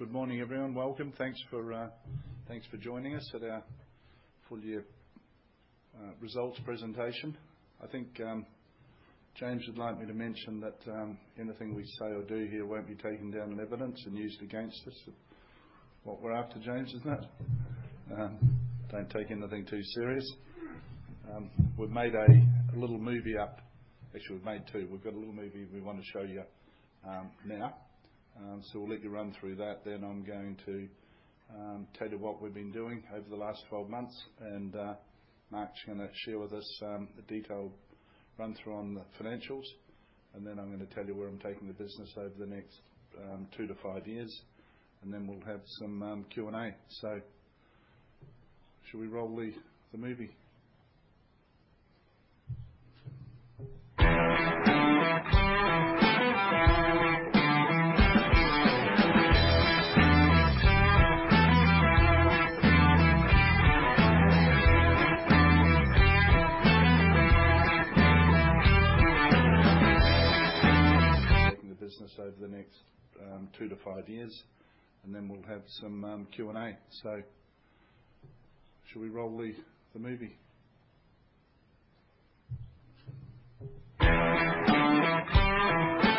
Good morning, everyone. Welcome. Thanks for joining us at our full-year results presentation. I think James would like me to mention that anything we say or do here won't be taken down in evidence and used against us. What we're after, James, isn't it? Don't take anything too serious. We've made a little movie up. Actually, we've made two. We've got a little movie we wanna show you now. We'll let you run through that. I'm going to tell you what we've been doing over the last 12 months, and Mark's gonna share with us a detailed run-through on the financials. I'm gonna tell you where I'm taking the business over the next two to five years, and then we'll have some Q&A. Shall we roll the movie? Welcome to your new home. Pretty amazing. All those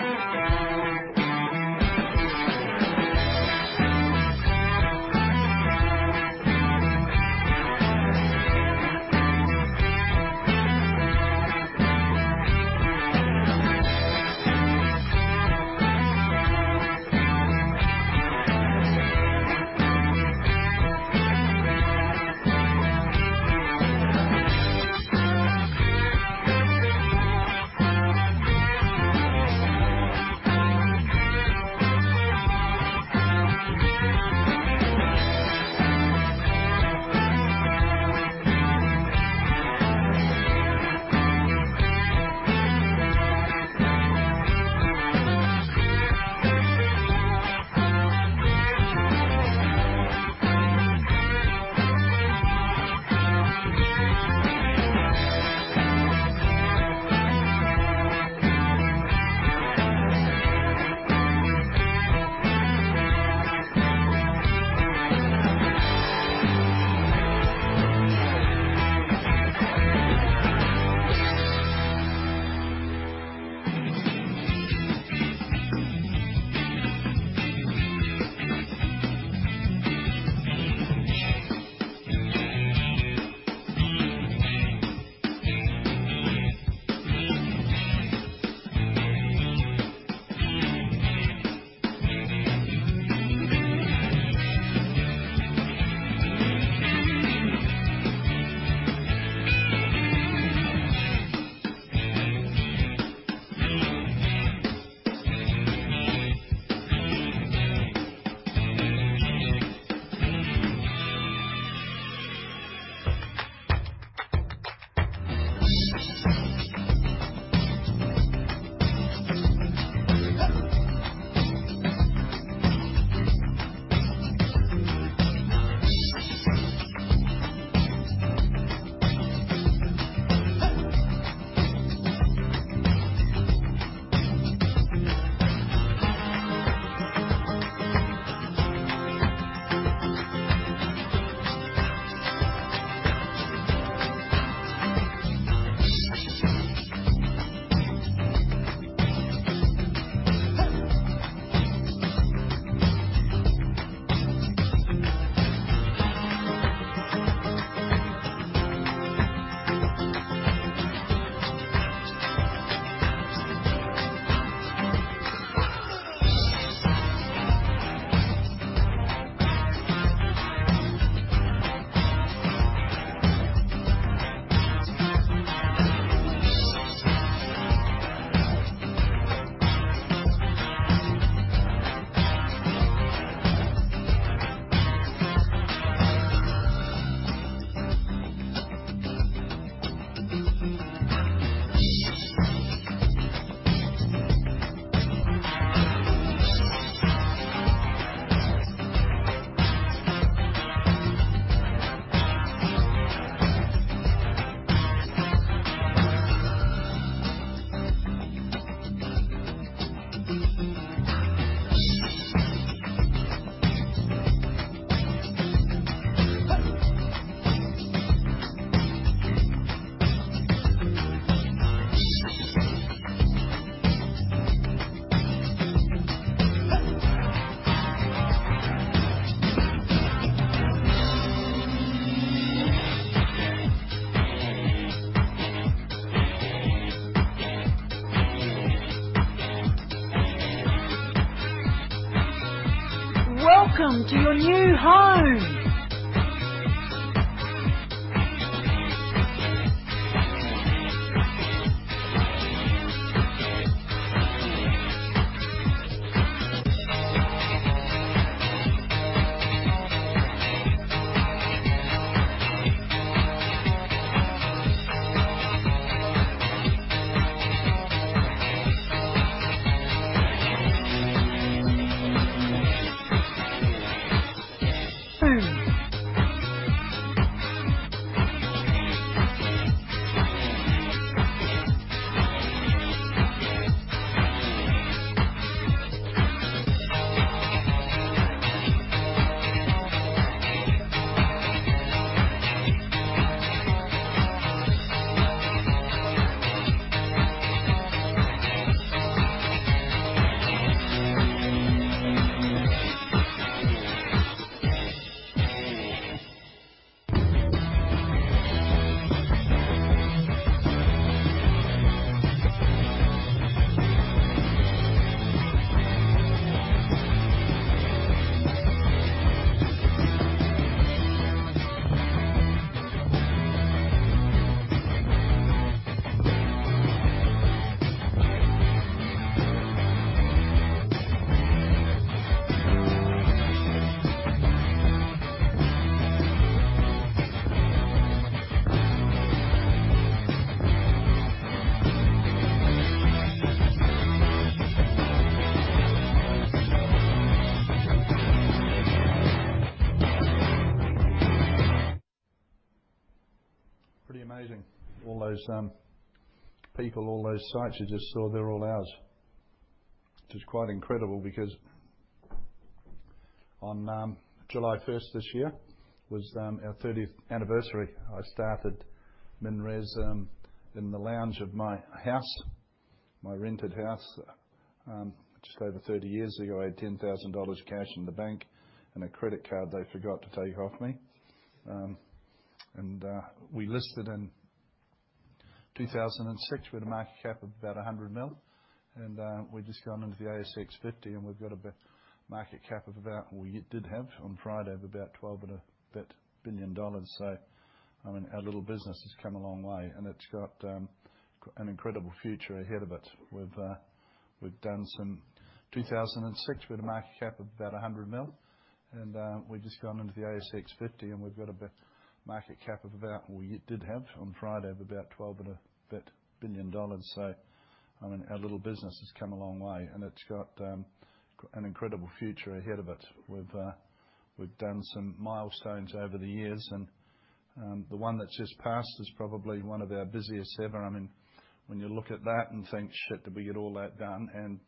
people, all those sites you just saw, they're all ours. Which is quite incredible because on July first this year was our 30th anniversary. I started MinRes in the lounge of my house, my rented house, just over 30 years ago. I had 10,000 dollars cash in the bank and a credit card they forgot to take off me. We listed in 2006 with a market cap of about 100 million. We'd just gone into the ASX 50, and we have a market cap of about, well, we did have on Friday of about 12 billion dollars. I mean, our little business has come a long way, and it's got an incredible future ahead of it. 2006, we had a market cap of about 100 million. We'd just gone into the ASX 50, and we've got market cap of about, well, we did have on Friday of about 12 and a bit billion. I mean, our little business has come a long way, and it's got an incredible future ahead of it. We've done some milestones over the years, and the one that's just passed is probably one of our busiest ever. I mean, when you look at that and think, "Shit, did we get all that done?"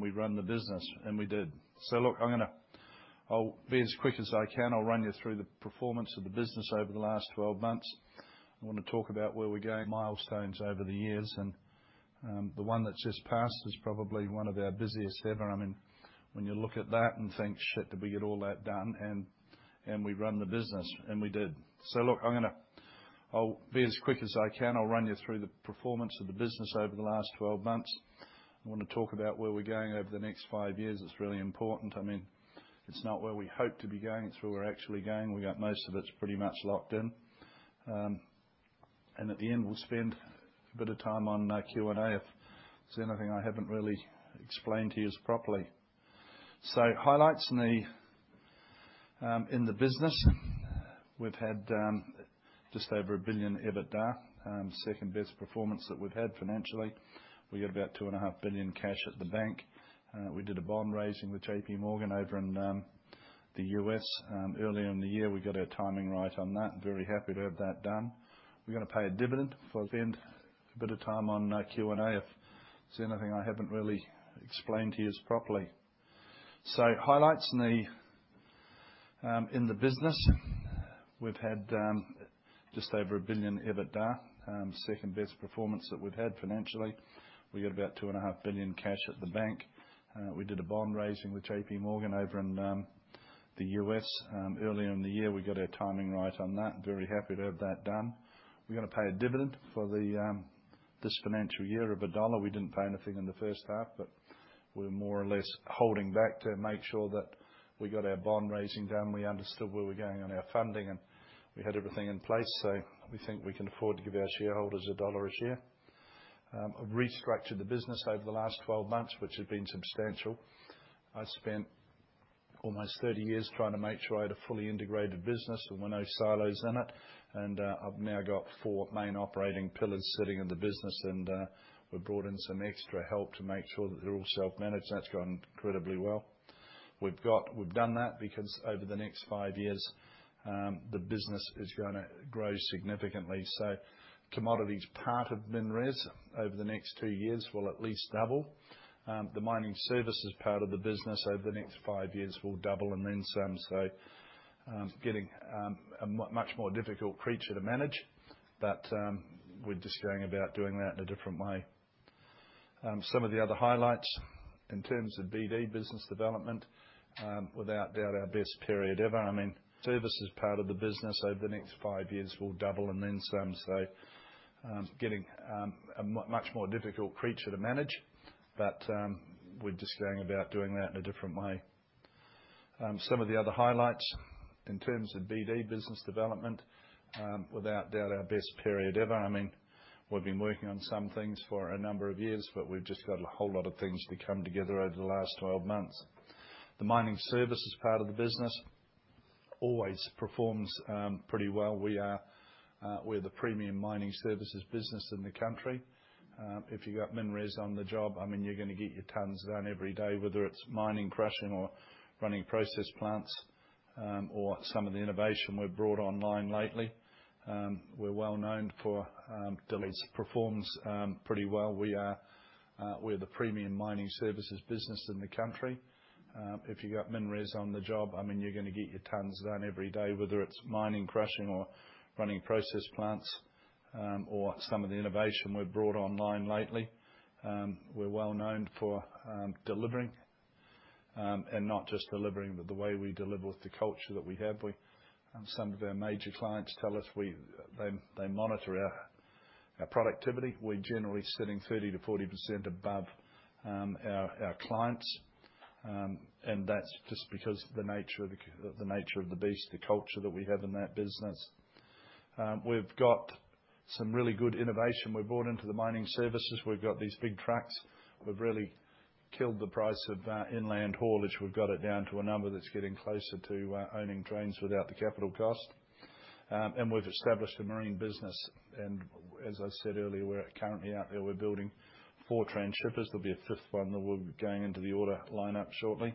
We run the business, and we did. Look, I'm gonna I'll be as quick as I can. I'll run you through the performance of the business over the last 12 months. I wanna talk about where we're going. Milestones over the years, and the one that's just passed is probably one of our busiest ever. I mean, when you look at that and think, "Shit, did we get all that done?" we run the business, and we did. I wanna talk about where we're going over the next five years. It's really important. I mean, it's not where we hope to be going. It's where we're actually going. We got most of it's pretty much locked in. At the end, we'll spend a bit of time on Q&A if there's anything I haven't really explained to youse properly. Highlights in the business. We've had just over 1 billion EBITDA, second-best performance that we've had financially. We got about 2.5 billion cash at the bank. We did a bond raising with JP Morgan over in the U.S. earlier in the year. We got our timing right on that. Very happy to have that done. We're gonna pay a dividend. We did a bond raising with JP Morgan over in the U.S. earlier in the year. We got our timing right on that. Very happy to have that done. We're gonna pay a dividend for this financial year of AUD 1. We didn't pay anything in the first half, but we're more or less holding back to make sure that we got our bond raising done, we understood where we were going on our funding, and we had everything in place. We think we can afford to give our shareholders AUD 1 a share. I've restructured the business over the last 12 months, which has been substantial. I spent almost 30 years trying to make sure I had a fully integrated business and were no silos in it. I've now got 4 main operating pillars sitting in the business. We've brought in some extra help to make sure that they're all self-managed. That's gone incredibly well. We've done that because over the next five years, the business is gonna grow significantly. Commodities part of MinRes over the next two years will at least double. The mining services part of the business over the next five years will double and then some. Getting a much more difficult creature to manage, but we're just going about doing that in a different way. Some of the other highlights in terms of BD, business development, without doubt our best period ever. Services part of the business over the next five years will double and then some. Getting a much more difficult creature to manage, but we're just going about doing that in a different way. Some of the other highlights in terms of BD, business development, without doubt our best period ever. I mean, we've been working on some things for a number of years, but we've just got a whole lot of things to come together over the last 12 months. The mining services part of the business always performs pretty well. We're the premium mining services business in the country. If you got MinRes on the job, I mean, you're gonna get your tons done every day, whether it's mining, crushing or running process plants, or some of the innovation we've brought online lately. We're well known for. It performs pretty well. We're the premium mining services business in the country. If you got MinRes on the job, I mean, you're gonna get your tonnes done every day, whether it's mining, crushing or running process plants. Some of the innovation we've brought online lately. We're well known for delivering, and not just delivering, but the way we deliver with the culture that we have. Some of our major clients tell us they monitor our productivity. We're generally sitting 30%-40% above our clients. That's just because the nature of the beast, the culture that we have in that business. We've got some really good innovation we've brought into the mining services. We've got these big trucks. We've really killed the price of inland haulage. We've got it down to a number that's getting closer to owning trains without the capital cost. We've established a marine business. As I said earlier, we're currently out there. We're building four transshippers. There'll be a fifth one that will be going into the order line-up shortly.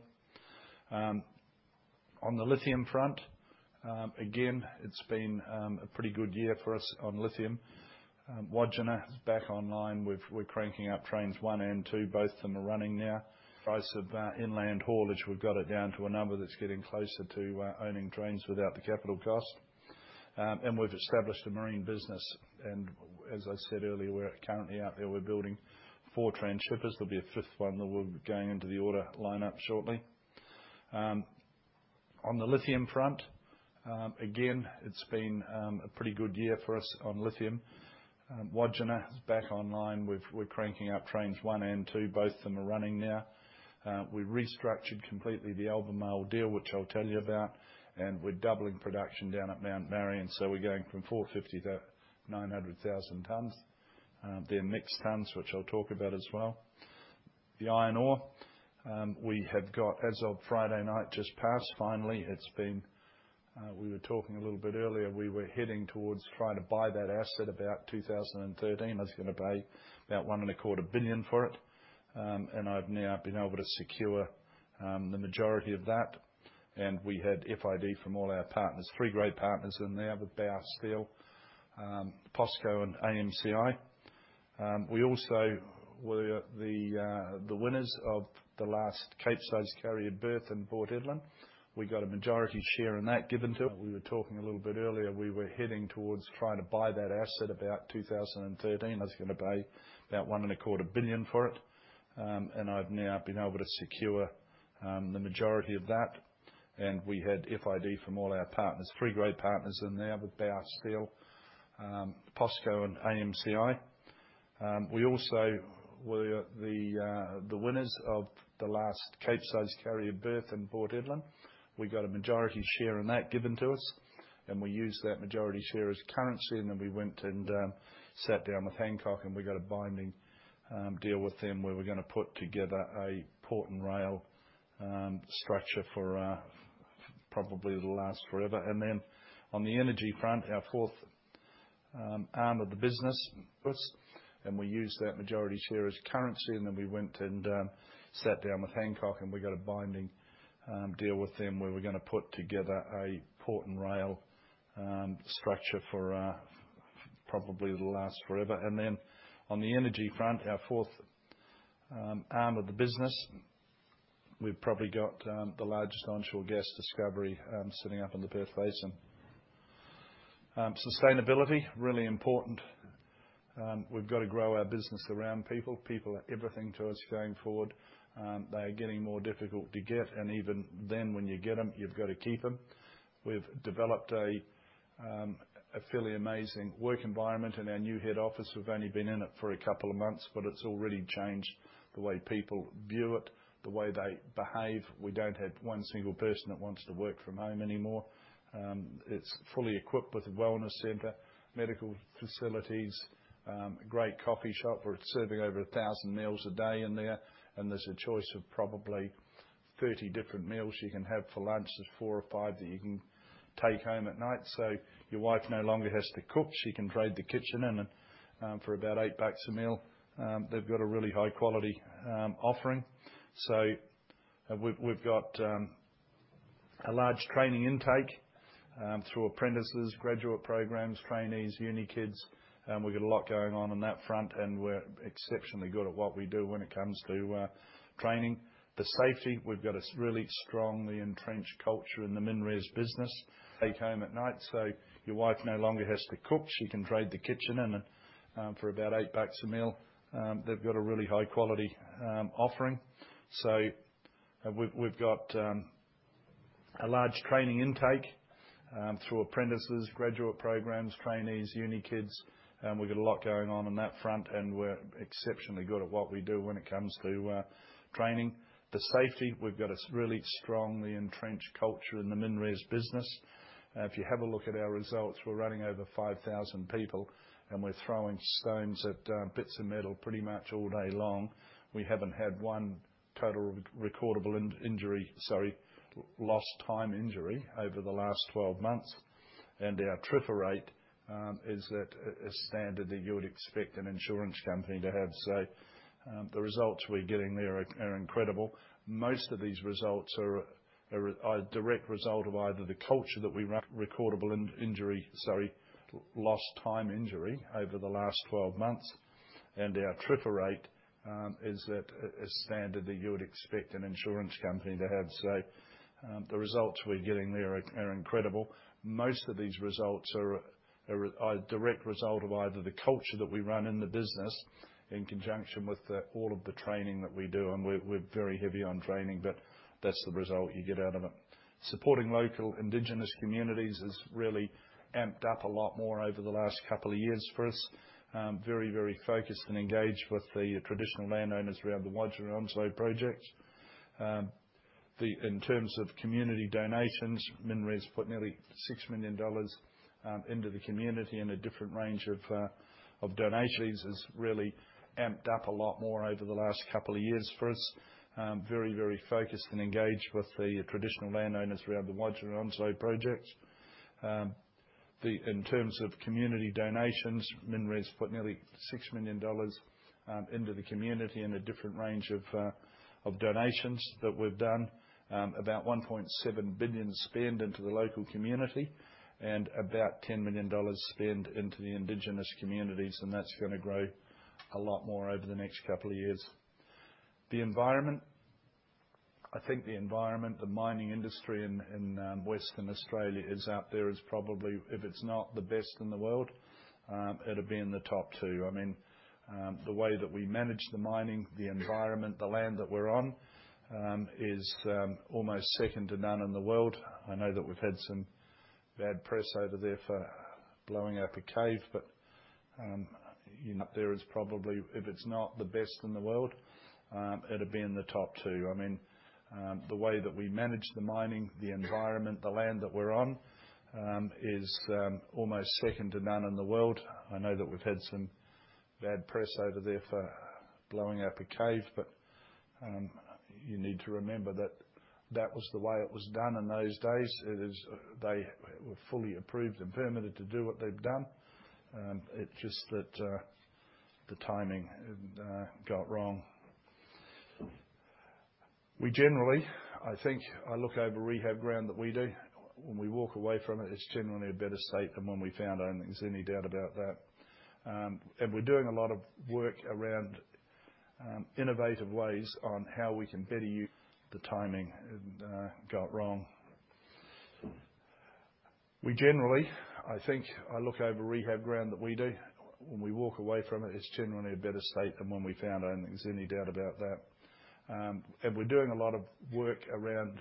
On the lithium front, again, it's been a pretty good year for us on lithium. Wodgina is back online. We're cranking up trains one and two. Both of them are running now. Price of inland haulage. We've got it down to a number that's getting closer to owning trains without the capital cost. We've established a marine business. As I said earlier, we're currently out there. We're building four transshippers. There'll be a fifth one that will be going into the order line-up shortly. On the lithium front, again, it's been a pretty good year for us on lithium. Wodgina is back online. We're cranking up trains 1 and 2. Both of them are running now. We restructured completely the Albemarle deal, which I'll tell you about, and we're doubling production down at Mount Marion. We're going from 450,000-900,000 tons. They're mixed tons, which I'll talk about as well. The iron ore, we have got as of Friday night, just passed finally. It's been. We were talking a little bit earlier. We were heading towards trying to buy that asset about 2013. I was gonna pay about 1.25 billion for it. I've now been able to secure the majority of that. We had FID from all our partners. Three great partners in there with Baosteel, POSCO and AMCI. We also were the winners of the last Capesize carrier berth in Port Hedland. We got a majority share in that. We were talking a little bit earlier. We were heading towards trying to buy that asset about 2013. I was gonna pay about 1.25 billion for it. I've now been able to secure the majority of that. We had FID from all our partners. Three great partners in there with Baosteel, POSCO and AMCI. We also were the winners of the last Capesize carrier berth in Port Hedland. We got a majority share in that given to us. We used that majority share as currency, and then we went and sat down with Hancock and we got a binding deal with them where we're gonna put together a port and rail structure for probably it'll last forever. On the energy front, our fourth arm of the business. We've probably got the largest onshore gas discovery sitting up on the Perth Basin. Sustainability, really important. We've got to grow our business around people. People are everything to us going forward. They are getting more difficult to get, and even then when you get them, you've got to keep them. We've developed a fairly amazing work environment in our new head office. We've only been in it for a couple of months, but it's already changed the way people view it, the way they behave. We don't have one single person that wants to work from home anymore. It's fully equipped with a wellness center, medical facilities, a great coffee shop. We're serving over 1,000 meals a day in there. There's a choice of probably 30 different meals you can have for lunch. There's four or five that you can take home at night. Your wife no longer has to cook. She can trade the kitchen in and for about 8 bucks a meal. They've got a really high quality offering. We've got a large training intake through apprentices, graduate programs, trainees, uni kids. We've got a lot going on that front, and we're exceptionally good at what we do when it comes to training. The safety, we've got a really strongly entrenched culture in the MinRes business. Take home at night, your wife no longer has to cook. She can trade the kitchen in and for about 8 bucks a meal. They've got a really high quality offering. We've got a large training intake through apprentices, graduate programs, trainees, uni kids. We've got a lot going on that front, and we're exceptionally good at what we do when it comes to training. The safety, we've got a really strongly entrenched culture in the MinRes business. If you have a look at our results, we're running over 5,000 people, and we're throwing stones at bits of metal pretty much all day long. We haven't had one lost time injury over the last 12 months. Our TRIFR rate is at a standard that you would expect an insurance company to have, say. The results we're getting there are incredible. Most of these results are a direct result of either the culture that we run. Most of these results are a direct result of either the culture that we run in the business in conjunction with all of the training that we do, and we're very heavy on training, but that's the result you get out of it. Supporting local Indigenous communities has really amped up a lot more over the last couple of years for us. Very, very focused and engaged with the traditional landowners around the Wodgina and Onslow projects. In terms of community donations, MinRes put nearly 6 million dollars into the community in a different range of donations. This has really amped up a lot more over the last couple of years for us. Very, very focused and engaged with the traditional landowners around the Wodgina and Onslow projects. In terms of community donations, MinRes put nearly 6 million dollars into the community in a different range of donations that we've done. About 1.7 billion spend into the local community, and about 10 million dollars spend into the indigenous communities, and that's gonna grow a lot more over the next couple of years. The environment. I think the environment, the mining industry in Western Australia is out there. It's probably, if it's not the best in the world, it'd be in the top two. I mean, the way that we manage the mining, the environment, the land that we're on, is almost second to none in the world. I know that we've had some bad press over there for blowing up a cave, but you know. There is probably, if it's not the best in the world, it'd be in the top two. I mean, the way that we manage the mining, the environment, the land that we're on, is almost second to none in the world. I know that we've had some bad press over there for blowing up a cave, but you need to remember that that was the way it was done in those days. They were fully approved and permitted to do what they've done. It's just that, the timing got wrong. We generally, I think I look over rehab ground that we do. When we walk away from it's generally a better state than when we found it. There's any doubt about that. The timing got wrong. We generally, I think we look over rehab ground that we do. When we walk away from it's generally a better state than when we found it. There's no doubt about that. We're doing a lot of work around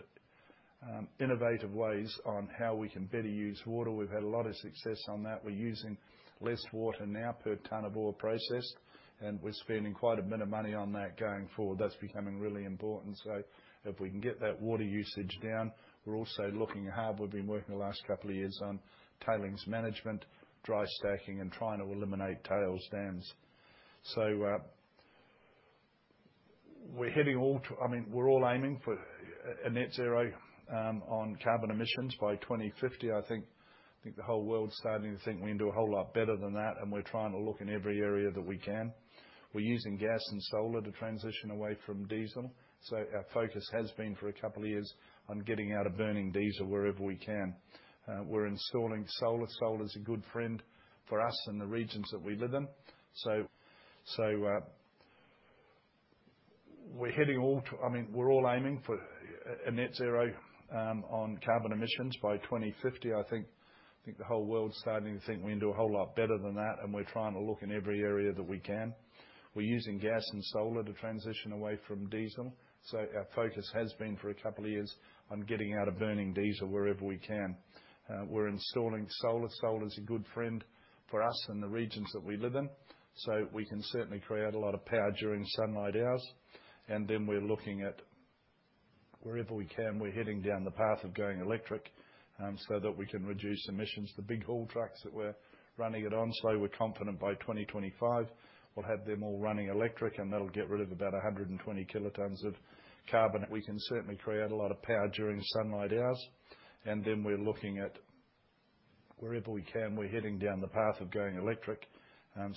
innovative ways on how we can better use water. We've had a lot of success on that. We're using less water now per ton of ore processed, and we're spending quite a bit of money on that going forward. That's becoming really important. If we can get that water usage down. We're also looking hard. We've been working the last couple of years on tailings management, dry stacking, and trying to eliminate tailings dams. I mean, we're all aiming for a net zero on carbon emissions by 2050. I think the whole world's starting to think we can do a whole lot better than that, and we're trying to look in every area that we can. We're using gas and solar to transition away from diesel. Our focus has been for a couple of years on getting out of burning diesel wherever we can. We're installing solar. Solar's a good friend for us in the regions that we live in. I think the whole world's starting to think we can do a whole lot better than that, and we're trying to look in every area that we can. We're using gas and solar to transition away from diesel. Our focus has been for a couple of years on getting out of burning diesel wherever we can. We're installing solar. Solar's a good friend for us in the regions that we live in. We can certainly create a lot of power during sunlight hours. We're looking at wherever we can, we're heading down the path of going electric, so that we can reduce emissions. The big haul trucks that we're running at Onslow, we're confident by 2025 we'll have them all running electric, and that'll get rid of about 120 kilotons of carbon. We can certainly create a lot of power during sunlight hours. Then we're looking at wherever we can, we're heading down the path of going electric,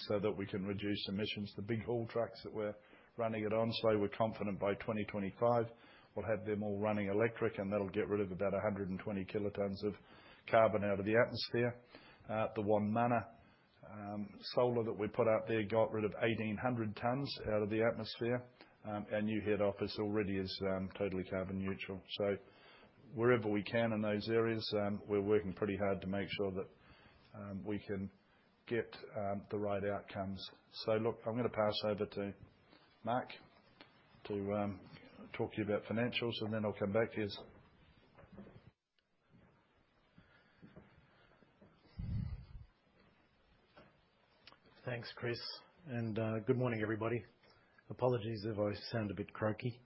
so that we can reduce emissions. The big haul trucks that we're running at Onslow, we're confident by 2025 we'll have them all running electric, and that'll get rid of about 120 kilotons of carbon out of the atmosphere. At the Wonmunna solar that we put out there got rid of 1,800 tons out of the atmosphere. Our new head office already is totally carbon neutral. Wherever we can in those areas, we're working pretty hard to make sure that we can get the right outcomes. Look, I'm gonna pass over to Mark to talk to you about financials, and then I'll come back to you. Thanks, Chris, and good morning, everybody. Apologies if I sound a bit croaky.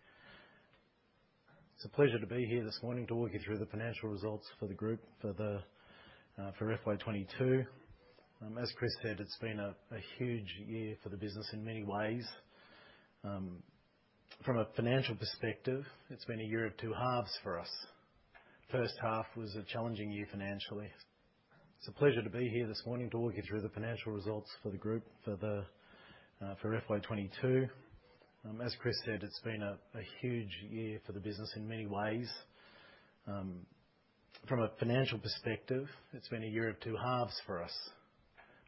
It's a pleasure to be here this morning to walk you through the financial results for the group for FY22. As Chris said, it's been a huge year for the business in many ways. From a financial perspective, it's been a year of two halves for us.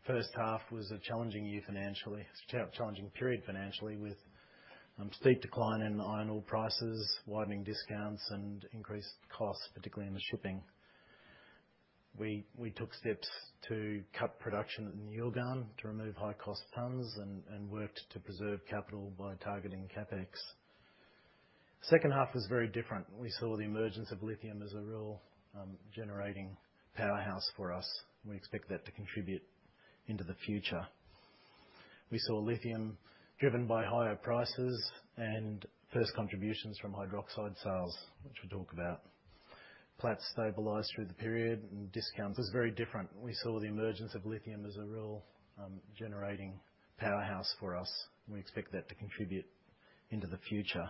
First half was a challenging year financially. It's a challenging period financially with steep decline in iron ore prices, widening discounts, and increased costs, particularly in the shipping. We took steps to cut production in the Yilgarn to remove high-cost tons and worked to preserve capital by targeting CapEx. Second half was very different. We saw the emergence of lithium as a real generating powerhouse for us, and we expect that to contribute into the future. We saw lithium driven by higher prices and first contributions from hydroxide sales, which we'll talk about. Platts stabilized through the period and discounts was very different. We saw the emergence of lithium as a real generating powerhouse for us, and we expect that to contribute into the future.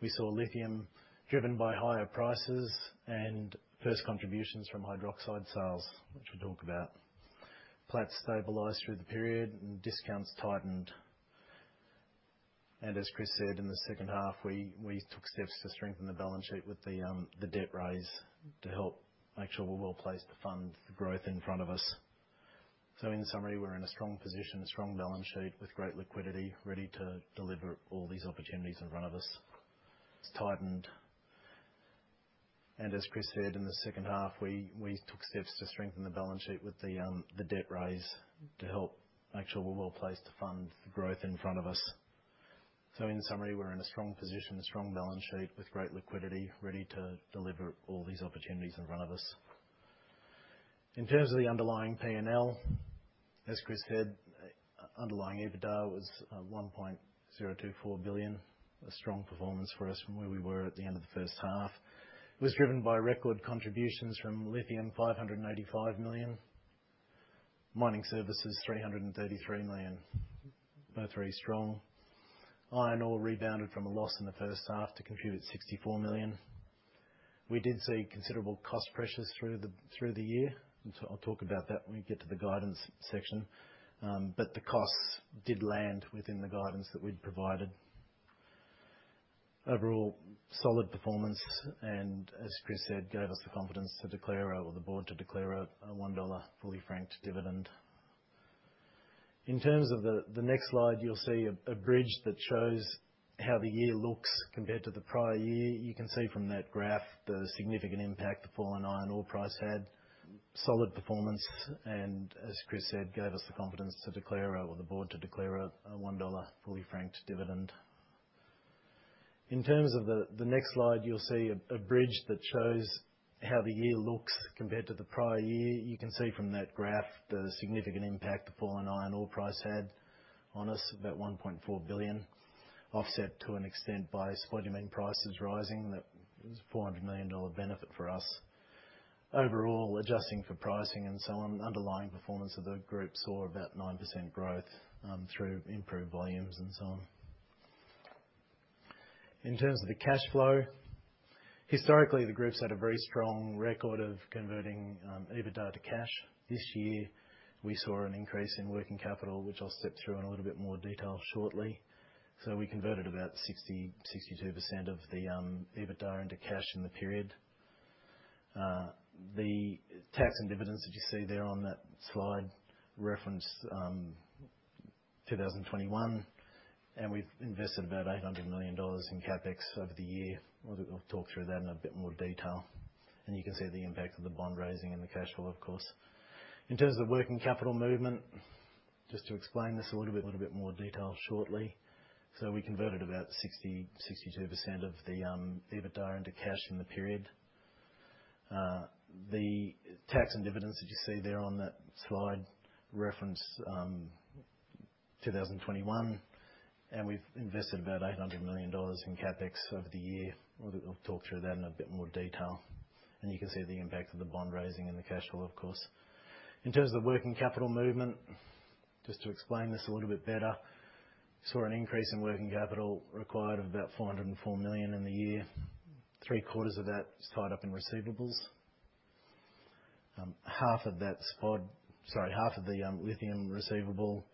We saw lithium driven by higher prices and first contributions from hydroxide sales, which we'll talk about. Platts stabilized through the period and discounts tightened. As Chris said, in the second half, we took steps to strengthen the balance sheet with the debt raise to help make sure we're well placed to fund the growth in front of us. In summary, we're in a strong position, a strong balance sheet with great liquidity, ready to deliver all these opportunities in front of us. In terms of the underlying P&L, as Chris said, underlying EBITDA was 1.024 billion. A strong performance for us from where we were at the end of the first half. It was driven by record contributions from lithium, 585 million, mining services, 333 million. Both very strong. Iron ore rebounded from a loss in the first half to contribute 64 million. We did see considerable cost pressures through the year, and so I'll talk about that when we get to the guidance section. The costs did land within the guidance that we'd provided. Overall, solid performance, and as Chris said, gave us the confidence to declare or the board to declare a 1 dollar fully franked dividend. In terms of the next slide, you'll see a bridge that shows how the year looks compared to the prior year. You can see from that graph the significant impact the fall in iron ore price had. Solid performance and, as Chris said, gave us the confidence for the board to declare a 1 dollar fully franked dividend. In terms of the next slide, you'll see a bridge that shows how the year looks compared to the prior year. You can see from that graph the significant impact the fall in iron ore price had on us, about 1.4 billion, offset to an extent by spodumene prices rising. That was a 400 million dollar benefit for us. Overall, adjusting for pricing and so on, underlying performance of the group saw about 9% growth through improved volumes and so on. In terms of the cash flow, historically, the group's had a very strong record of converting EBITDA to cash. This year, we saw an increase in working capital, which I'll step through in a little bit more detail shortly. We converted about 62% of the EBITDA into cash in the period. The tax and dividends that you see there on that slide reference 2021, and we've invested about 800 million dollars in CapEx over the year. We'll talk through that in a bit more detail. You can see the impact of the bond raising and the cash flow, of course. In terms of working capital movement, just to explain this a little bit more detail shortly. We converted about 62% of the EBITDA into cash in the period. The tax and dividends that you see there on that slide reference 2021, and we've invested about 800 million dollars in CapEx over the year. We'll talk through that in a bit more detail. You can see the impact of the bond raising and the cash flow, of course. In terms of working capital movement, just to explain this a little bit better, saw an increase in working capital required of about 404 million in the year. Three-quarters of that is tied up in receivables. Half of the lithium receivable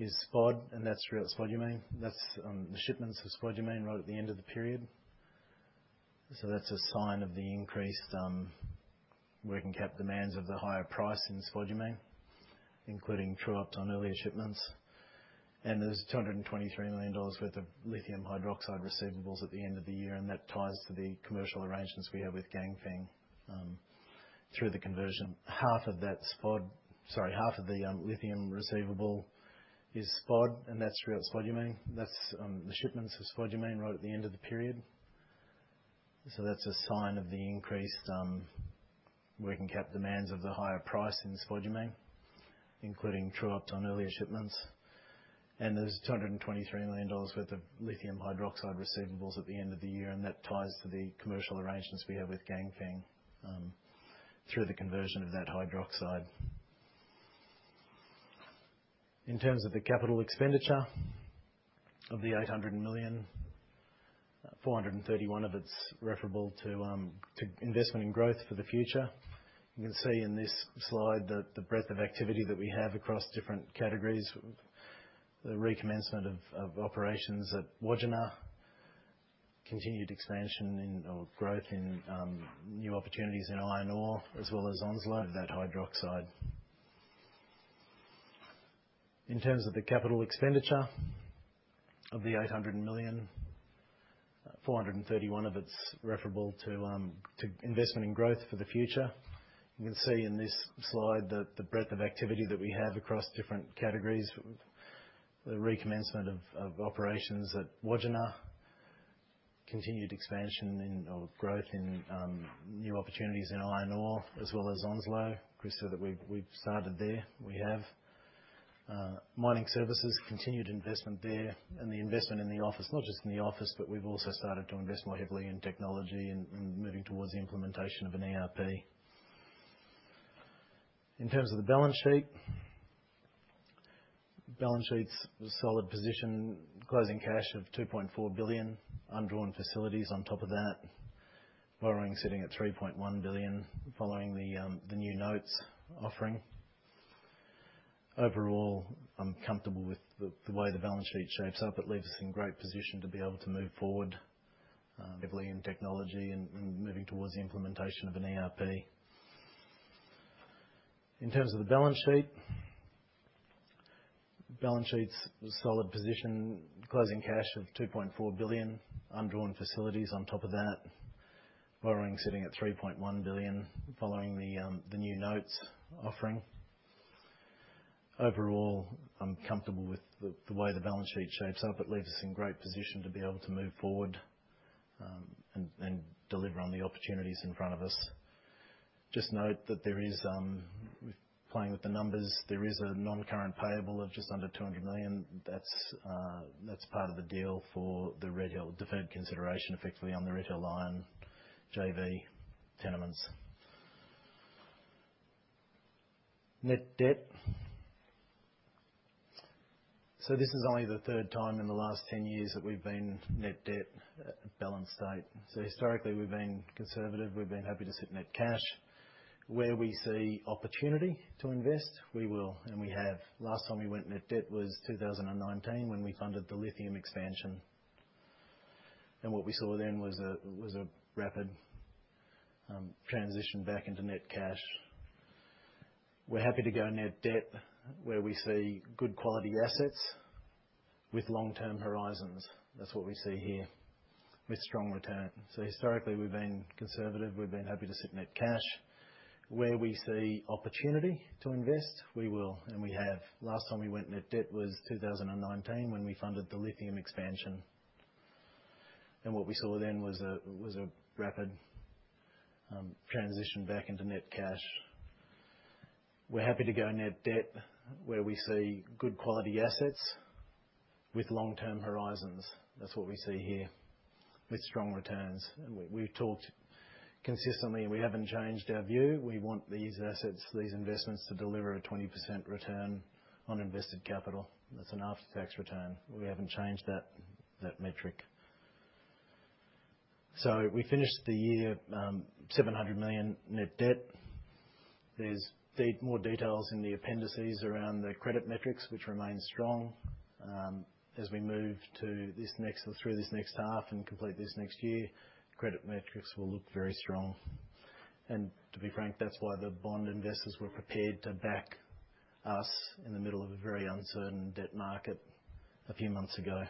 is spodumene, and that's real spodumene. That's the shipments of spodumene right at the end of the period. That's a sign of the increased working cap demands of the higher price in spodumene, including true-ups on earlier shipments. There's 223 million dollars worth of lithium hydroxide receivables at the end of the year, and that ties to the commercial arrangements we have with Ganfeng through the conversion. Half of the lithium receivable is spodumene, and that's real spodumene. That's the shipments of spodumene right at the end of the period. That's a sign of the increased working cap demands of the higher price in spodumene, including true-up on earlier shipments. There's 223 million dollars worth of lithium hydroxide receivables at the end of the year, and that ties to the commercial arrangements we have with Ganfeng through the conversion of that hydroxide. In terms of the capital expenditure of 800 million, 431 of it's referable to investment in growth for the future. You can see in this slide that the breadth of activity that we have across different categories. The recommencement of operations at Wodgina. Continued expansion in, or growth in, new opportunities in iron ore, as well as Onslow. That hydroxide. In terms of the capital expenditure of the 800 million, 431 of it is referable to investment in growth for the future. You can see in this slide that the breadth of activity that we have across different categories. The recommencement of operations at Wodgina. Continued expansion in, or growth in, new opportunities in iron ore, as well as Onslow. Chris said that we've started there. We have. Mining services, continued investment there. Investment in the office, not just in the office, but we've also started to invest more heavily in technology and moving towards the implementation of an ERP. In terms of the balance sheet, balance sheet's a solid position. Closing cash of 2.4 billion, undrawn facilities on top of that. Borrowing sitting at 3.1 billion following the new notes offering. Overall, I'm comfortable with the way the balance sheet shapes up. It leaves us in great position to be able to move forward. Overall, I'm comfortable with the way the balance sheet shapes up. It leaves us in great position to be able to move forward, and deliver on the opportunities in front of us. Just note that playing with the numbers, there is a non-current payable of just under 200 million. That's part of the deal for the Red Hill deferred consideration effectively on the Red Hill Iron JV tenements. Net debt. This is only the third time in the last 10 years that we've been net debt at balance state. Historically, we've been conservative. We've been happy to sit net cash. Where we see opportunity to invest, we will, and we have. Last time we went net debt was 2019 when we funded the lithium expansion. What we saw then was a rapid transition back into net cash. We're happy to go net debt where we see good quality assets with long-term horizons. That's what we see here with strong return. Historically, we've been conservative. We've been happy to sit net cash. Where we see opportunity to invest, we will, and we have. Last time we went net debt was 2019 when we funded the lithium expansion. What we saw then was a rapid transition back into net cash. We're happy to go net debt where we see good quality assets with long-term horizons. That's what we see here with strong returns. We've talked consistently, and we haven't changed our view. We want these assets, these investments, to deliver a 20% return on invested capital. That's an after-tax return. We haven't changed that metric. We finished the year, 700 million net debt. There's more details in the appendices around the credit metrics, which remain strong. As we move through this next half and complete this next year, credit metrics will look very strong. To be frank, that's why the bond investors were prepared to back us in the middle of a very uncertain debt market a few months ago.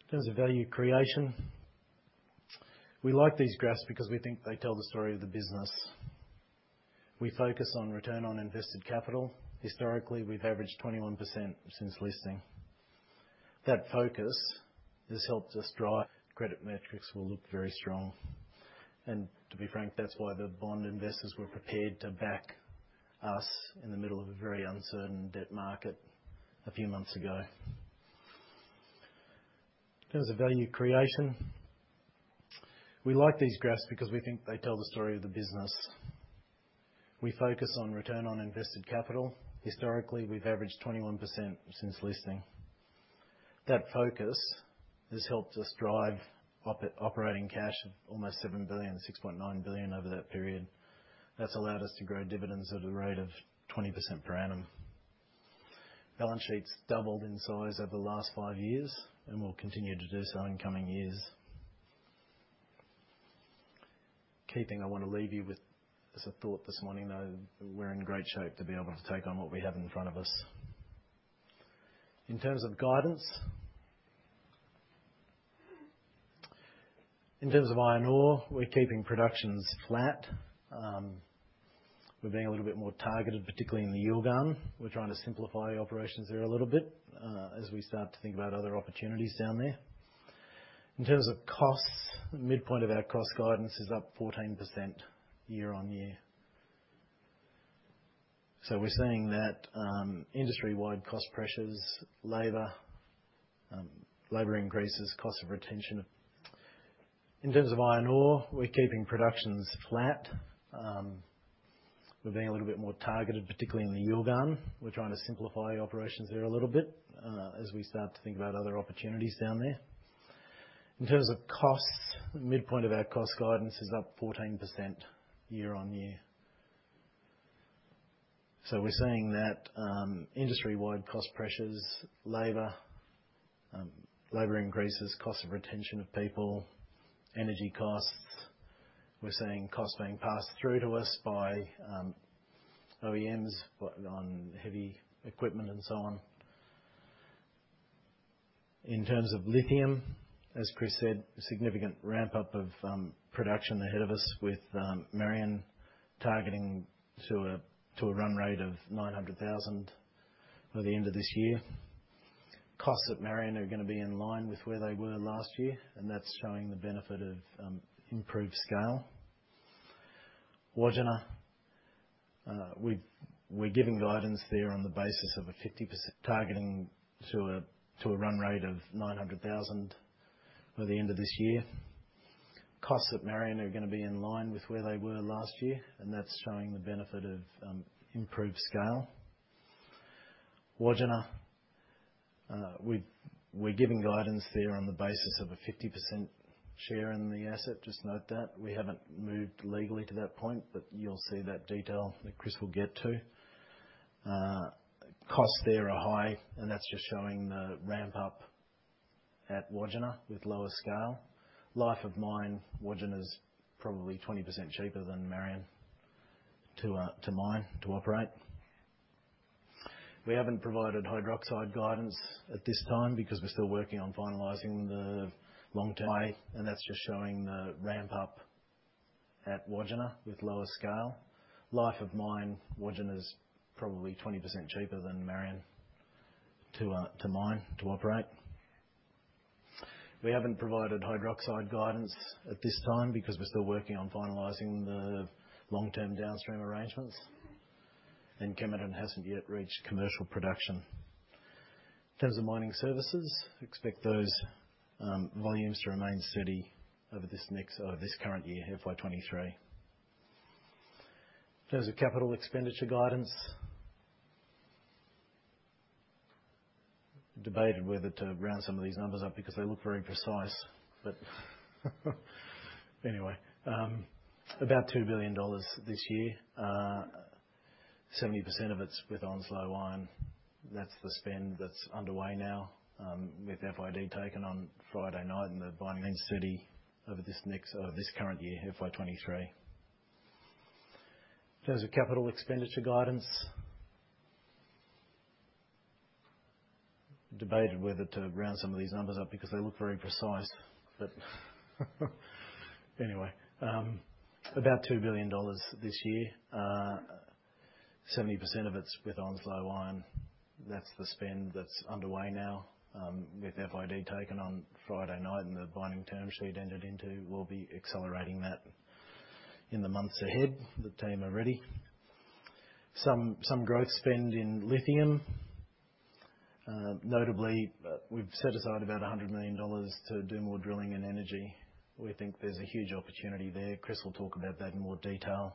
In terms of value creation, we like these graphs because we think they tell the story of the business. We focus on return on invested capital. Historically, we've averaged 21% since listing. That focus has helped us drive credit metrics. Credit metrics will look very strong. To be frank, that's why the bond investors were prepared to back us in the middle of a very uncertain debt market a few months ago. In terms of value creation, we like these graphs because we think they tell the story of the business. We focus on return on invested capital. Historically, we've averaged 21% since listing. That focus has helped us drive operating cash of almost 7 billion, 6.9 billion over that period. That's allowed us to grow dividends at a rate of 20% per annum. Balance sheet's doubled in size over the last five years and will continue to do so in coming years. Key thing I wanna leave you with as a thought this morning, though, we're in great shape to be able to take on what we have in front of us. In terms of guidance. In terms of iron ore, we're keeping production flat. We're being a little bit more targeted, particularly in the Yilgarn. We're trying to simplify operations there a little bit, as we start to think about other opportunities down there. In terms of costs, the midpoint of our cost guidance is up 14% year-on-year. We're seeing that, industry-wide cost pressures, labor increases, cost of retention of people, energy costs. We're seeing costs being passed through to us by OEMs on heavy equipment and so on. In terms of lithium, as Chris said, a significant ramp-up of production ahead of us with Marion targeting to a run rate of 900,000 by the end of this year. Costs at Marion are gonna be in line with where they were last year, and that's showing the benefit of improved scale. Wodgina, we're giving guidance there on the basis of a 50% share in the asset. Just note that. We haven't moved legally to that point, but you'll see that detail that Chris will get to. Costs there are high, and that's just showing the ramp up at Wodgina with lower scale. Life of mine, Wodgina is probably 20% cheaper than Marillana to mine, to operate. We haven't provided hydroxide guidance at this time because we're still working on finalizing the long-term downstream arrangements. Kemerton hasn't yet reached commercial production. In terms of mining services, expect those volumes to remain steady over this next, this current year, FY23. In terms of capital expenditure guidance. Debated whether to round some of these numbers up because they look very precise. Anyway, about 2 billion dollars this year. 70% of it's with Onslow Iron. That's the spend that's underway now, with FID taken on Friday night and the binding term sheet entered into. We'll be accelerating that in the months ahead. The team are ready. Some growth spend in lithium. Notably, we've set aside about 100 million dollars to do more drilling in energy. We think there's a huge opportunity there. Chris will talk about that in more detail.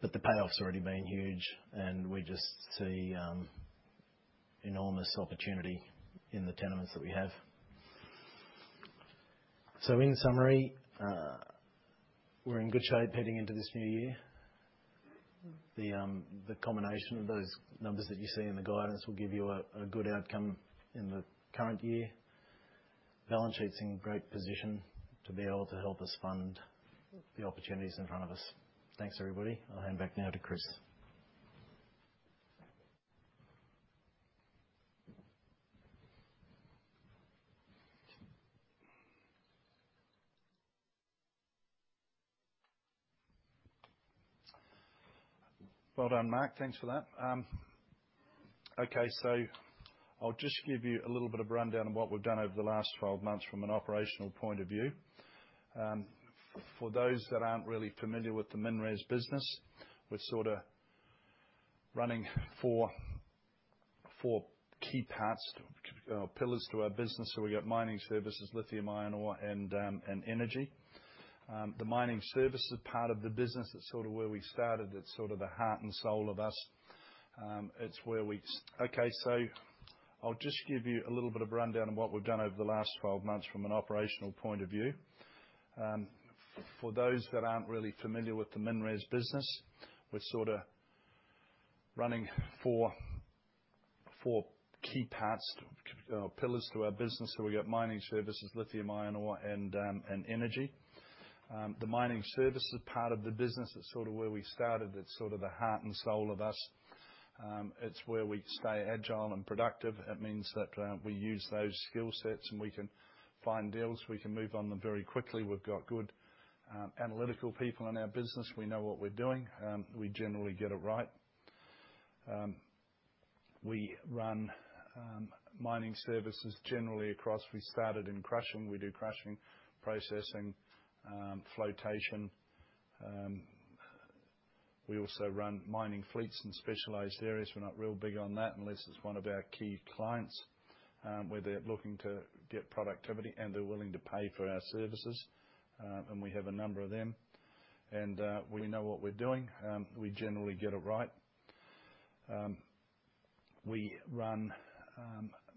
But the payoff's already been huge, and we just see enormous opportunity in the tenements that we have. In summary, we're in good shape heading into this new year. The combination of those numbers that you see in the guidance will give you a good outcome in the current year. Balance sheet's in great position to be able to help us fund the opportunities in front of us. Thanks, everybody. I'll hand back now to Chris. Well done, Mark. Thanks for that. Okay, so I'll just give you a little bit of rundown on what we've done over the last 12 months from an operational point of view. For those that aren't really familiar with the MinRes business, we're sort of running four key pillars to our business. We got mining services, lithium, iron ore, and energy. The mining services part of the business is sort of where we started. It's sort of the heart and soul of us. We got mining services, lithium, iron ore, and energy. The mining services part of the business is sort of where we started. It's sort of the heart and soul of us. It's where we stay agile and productive. It means that, we use those skill sets, and we can find deals. We can move on them very quickly. We've got good, analytical people in our business. We know what we're doing. We generally get it right. We run mining services generally across. We started in crushing. We do crushing, processing, flotation. We also run mining fleets in specialized areas. We're not real big on that unless it's one of our key clients, where they're looking to get productivity and they're willing to pay for our services. We have a number of them. We know what we're doing. We generally get it right. We run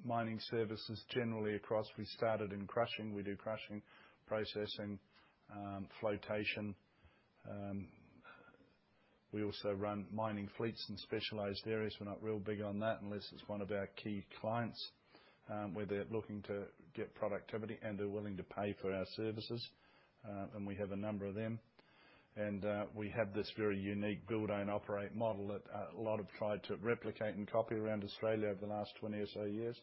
mining services generally across. We started in crushing. We do crushing, processing, flotation. We also run mining fleets in specialized areas. We're not real big on that unless it's one of our key clients, where they're looking to get productivity and they're willing to pay for our services. We have a number of them. We have this very unique build-own-operate model that a lot have tried to replicate and copy around Australia over the last 20 or so years,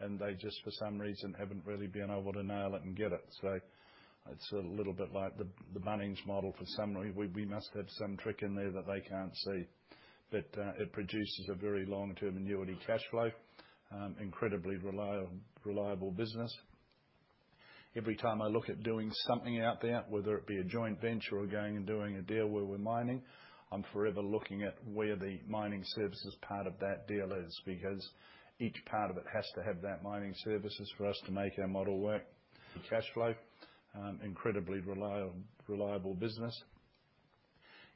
and they just, for some reason, haven't really been able to nail it and get it. It's a little bit like the Bunnings model. We must have some trick in there that they can't see. It produces a very long-term annuity cash flow, incredibly reliable business.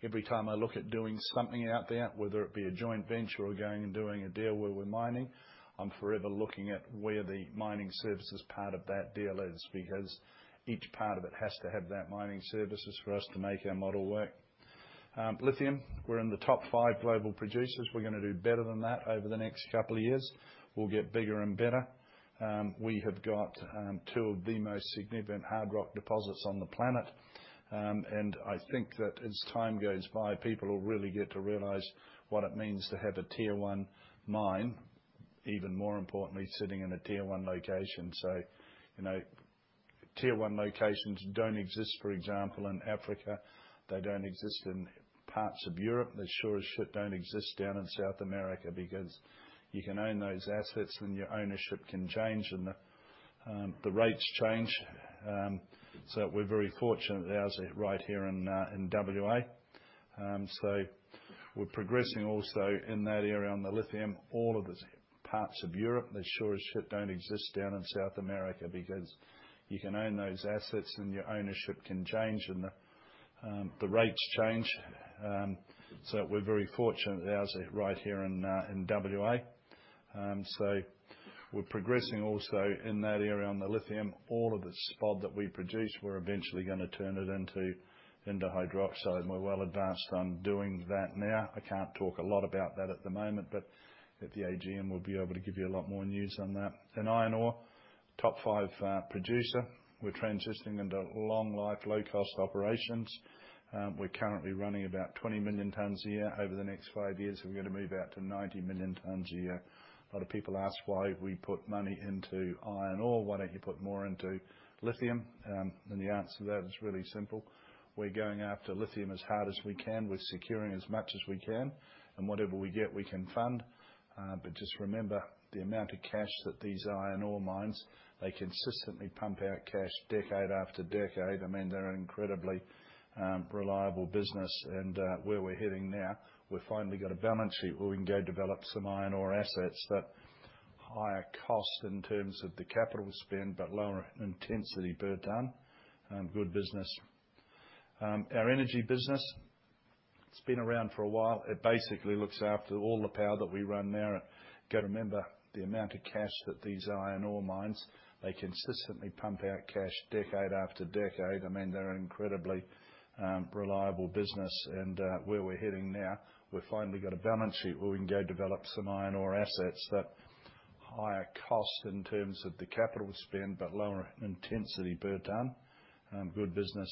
Every time I look at doing something out there, whether it be a joint venture or going and doing a deal where we're mining, I'm forever looking at where the mining services part of that deal is because each part of it has to have that mining services for us to make our model work. Lithium, we're in the top five global producers. We're gonna do better than that over the next couple of years. We'll get bigger and better. We have got two of the most significant hard rock deposits on the planet. I think that as time goes by, people will really get to realize what it means to have a tier one mine, even more importantly, sitting in a tier one location. You know, tier one locations don't exist, for example, in Africa. They don't exist in parts of Europe. They sure as shit don't exist down in South America because you can own those assets, and your ownership can change, and the rates change. We're very fortunate ours are right here in WA. We're progressing also in that area. On the lithium, all of the parts of Europe. They sure as shit don't exist down in South America because you can own those assets, and your ownership can change, and the rates change. We're very fortunate ours are right here in WA. We're progressing also in that area. On the lithium, all of the spodumene that we produce, we're eventually gonna turn it into hydroxide. We're well advanced on doing that now. I can't talk a lot about that at the moment, but at the AGM, we'll be able to give you a lot more news on that. Iron ore top five producer. We're transitioning into long life, low cost operations. We're currently running about 20 million tons a year. Over the next five years, we're gonna move out to 90 million tons a year. A lot of people ask why we put money into iron ore. Why don't you put more into lithium? The answer to that is really simple. We're going after lithium as hard as we can. We're securing as much as we can. Whatever we get, we can fund. But just remember, the amount of cash that these iron ore mines consistently pump out cash decade after decade. I mean, they're an incredibly reliable business. Where we're heading now, we've finally got a balance sheet where we can go develop some iron ore assets that higher cost in terms of the capital spend, but lower intensity burden, good business. Our energy business, it's been around for a while. It basically looks after all the power that we run now. You got to remember the amount of cash that these iron ore mines, they consistently pump out cash decade after decade. I mean, they're an incredibly reliable business. Where we're heading now, we've finally got a balance sheet where we can go develop some iron ore assets that higher cost in terms of the capital spend, but lower intensity burden, good business.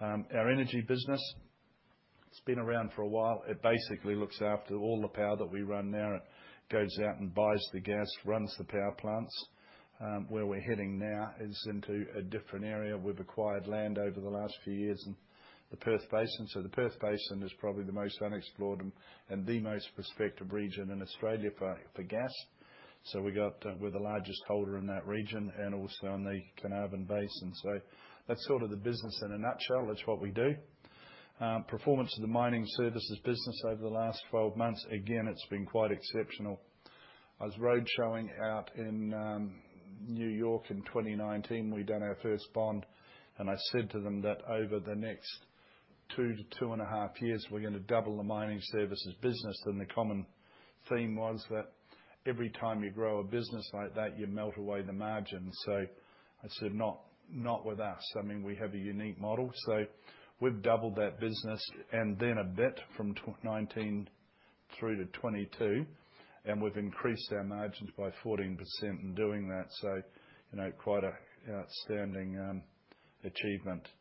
Our energy business, it's been around for a while. It basically looks after all the power that we run now. It goes out and buys the gas, runs the power plants. Where we're heading now is into a different area. We've acquired land over the last few years in the Perth Basin. The Perth Basin is probably the most unexplored and the most prospective region in Australia for gas. We got. -e're the largest holder in that region and also in the Carnarvon Basin. That's sort of the business in a nutshell. That's what we do. Performance of the mining services business over the last 12 months, again, it's been quite exceptional. I was road showing out in New York in 2019. We'd done our first bond, and I said to them that over the next two to two point five years, we're gonna double the mining services business. The common theme was that every time you grow a business like that, you melt away the margins. I said, "Not with us." I mean, we have a unique model. We've doubled that business and then a bit from 2019 through to 2022, and we've increased our margins by 14% in doing that. You know, quite an outstanding achievement. We've had record volumes over the last 12.5 years. We're gonna double the mining services business, and the common theme was that every time you grow a business like that, you melt away the margins. I said, "Not with us." I mean, we have a unique model. We've doubled that business and then a bit from 2019 through to 2022, and we've increased our margins by 14% in doing that.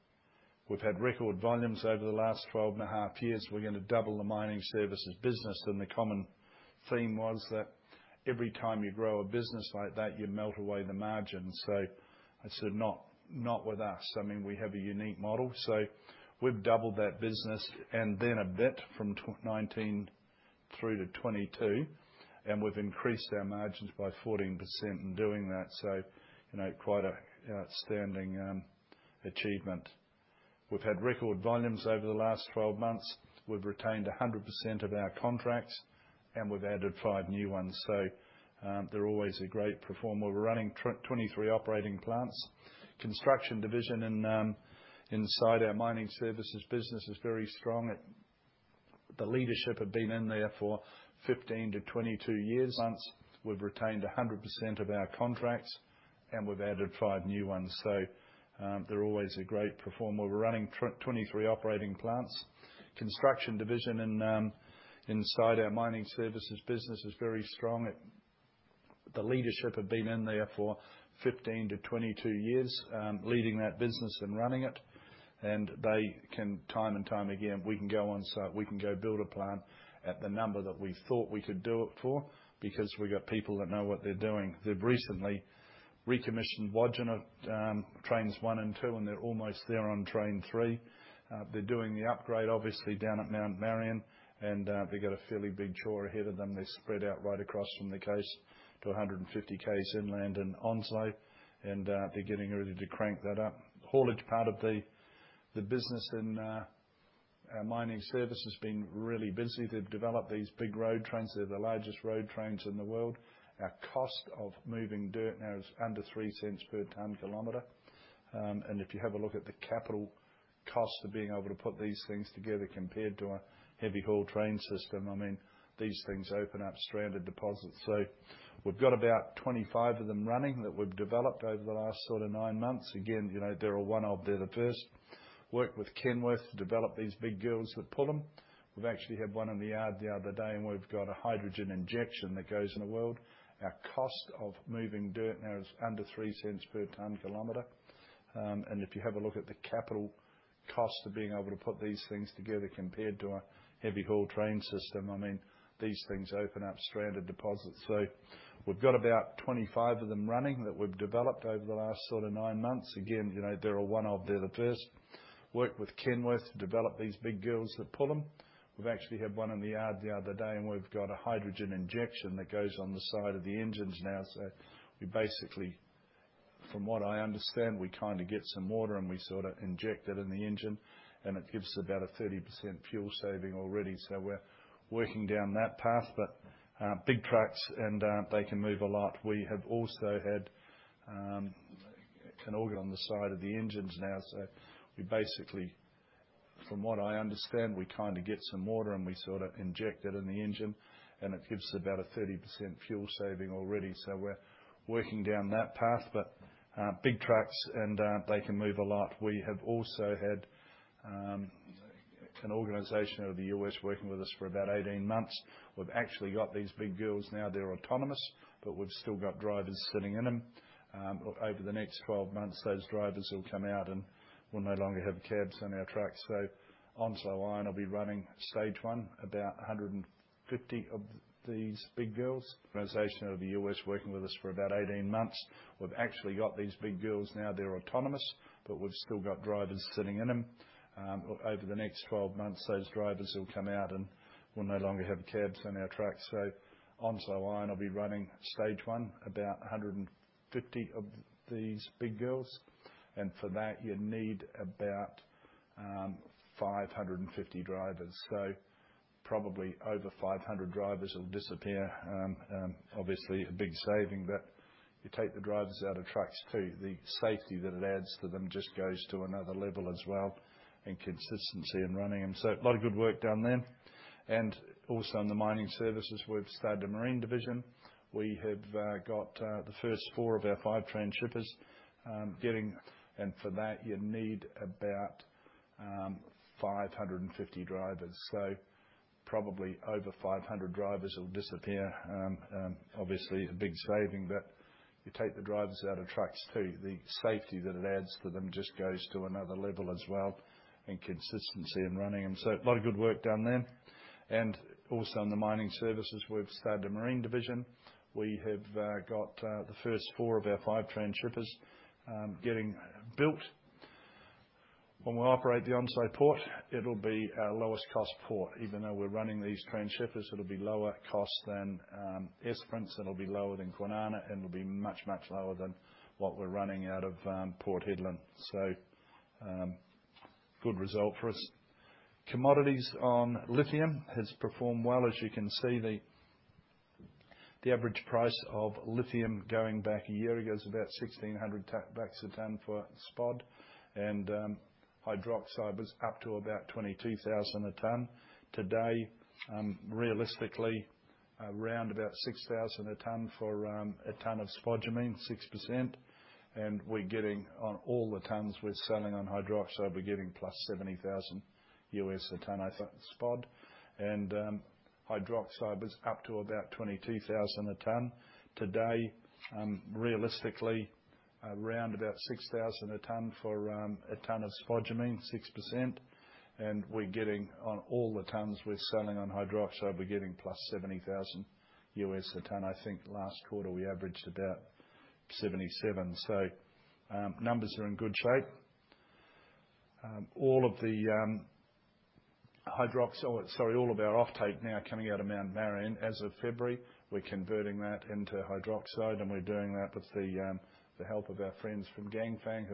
You know, quite an outstanding achievement. We've had record volumes over the last 12 months. We've retained 100% of our contracts, and we've added 5 new ones. They're always a great performer. We're running 23 operating plants. Construction division in inside our mining services business is very strong. The leadership have been in there for 15-22 years. Once we've retained 100% of our contracts, and we've added 5 new ones. They're always a great performer. We're running 23 operating plants. Construction division inside our mining services business is very strong. The leadership have been in there for 15-22 years, leading that business and running it. They can time and time again, we can go on site. We can go build a plant at the number that we thought we could do it for because we got people that know what they're doing. They've recently recommissioned Wodgina, trains 1 and 2, and they're almost there on train 3. They're doing the upgrade obviously down at Mount Marion, and they've got a fairly big chore ahead of them. They're spread out right across from the coast to 150 km inland and on site, and they're getting ready to crank that up. Haulage part of the business and our mining service has been really busy. They've developed these big road trains. They're the largest road trains in the world. Our cost of moving dirt now is under 0.03 per tonne-kilometer. And if you have a look at the capital cost of being able to put these things together compared to a heavy-haul train system. I mean, these things open up stranded deposits. We've got about 25 of them running that we've developed over the last sort of nine months. Again, you know, they're a one-off. They're the first. Worked with Kenworth to develop these big girls that pull them. We've actually had one in the yard the other day, and we've got a hydrogen injection that goes in the world. Our cost of moving dirt now is under 0.03 per ton kilometer. If you have a look at the capital cost of being able to put these things together compared to a heavy-haul train system. I mean, these things open up stranded deposits. We've got about 25 of them running that we've developed over the last sort of nine months. Again, you know, they're a one-off. They're the first. Worked with Kenworth to develop these big girls that pull them. We've actually had one in the yard the other day, and we've got a hydrogen injection that goes on the side of the engines now. We basically. From what I understand, we kinda get some water, and we sort of inject it in the engine, and it gives about a 30% fuel saving already. We're working down that path. Big trucks and they can move a lot. We have also had an organization out of the US working with us for about 18 months. We've actually got these big girls now. They're autonomous, but we've still got drivers sitting in them. Over the next 12 months, those drivers will come out, and we'll no longer have cabs on our trucks. Onslow Iron will be running stage one, about 150 of these big girls. Organization out of the U.S. working with us for about 18 months. We've actually got these big girls now. They're autonomous, but we've still got drivers sitting in them. Over the next 12 months, those drivers will come out, and we'll no longer have cabs on our trucks. Onslow Iron will be running stage one, about 150 of these big girls. For that, you need about 550 drivers. Probably over 500 drivers will disappear. Obviously a big saving, but you take the drivers out of trucks too. The safety that it adds to them just goes to another level as well and consistency in running them. A lot of good work done there. Also in the mining services, we've started a marine division. We have got the first four of our five transshippers getting built. When we operate the Onslow Port, it'll be our lowest cost port. Even though we're running these transshippers, it'll be lower cost than Esperance. It'll be lower than Kwinana, and it'll be much, much lower than what we're running out of Port Hedland. Good result for us. Commodities on lithium has performed well. As you can see, the average price of lithium going back a year ago is about $1,600 a ton for spodumene. Hydroxide was up to about $22,000 a ton. Today, realistically, around about 6,000 a ton for a ton of spodumene, 6%. We're getting on all the tons we're selling on hydroxide, we're getting plus $70,000 a ton of spodumene. Hydroxide was up to about 22,000 a ton. I think last quarter, we averaged about $77,000. Numbers are in good shape. All of our offtake now coming out of Mount Marion as of February, we're converting that into hydroxide, and we're doing that with the help of our friends from Ganfeng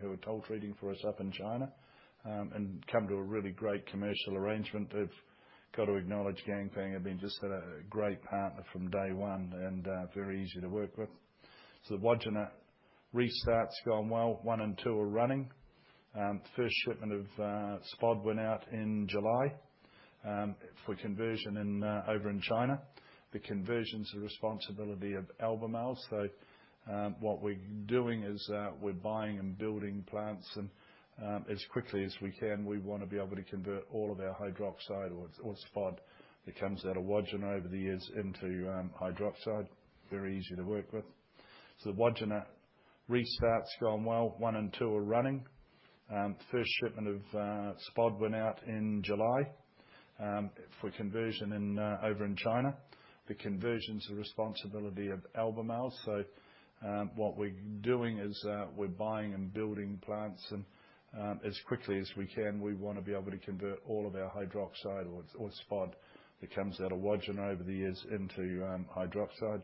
who are toll treating for us up in China, and come to a really great commercial arrangement. I've got to acknowledge Ganfeng have been just a great partner from day one and very easy to work with. Wodgina restart's gone well. One and two are running. First shipment of spodumene went out in July for conversion over in China. The conversion's the responsibility of Albemarle. What we're doing is, we're buying and building plants and as quickly as we can, we wanna be able to convert all of our hydroxide orspodumene that comes out of Wodgina over the years into hydroxide. Very easy to work with. What we're doing is, we're buying and building plants and, as quickly as we can, we wanna be able to convert all of our hydroxide or spodumene that comes out of Wodgina over the years into hydroxide.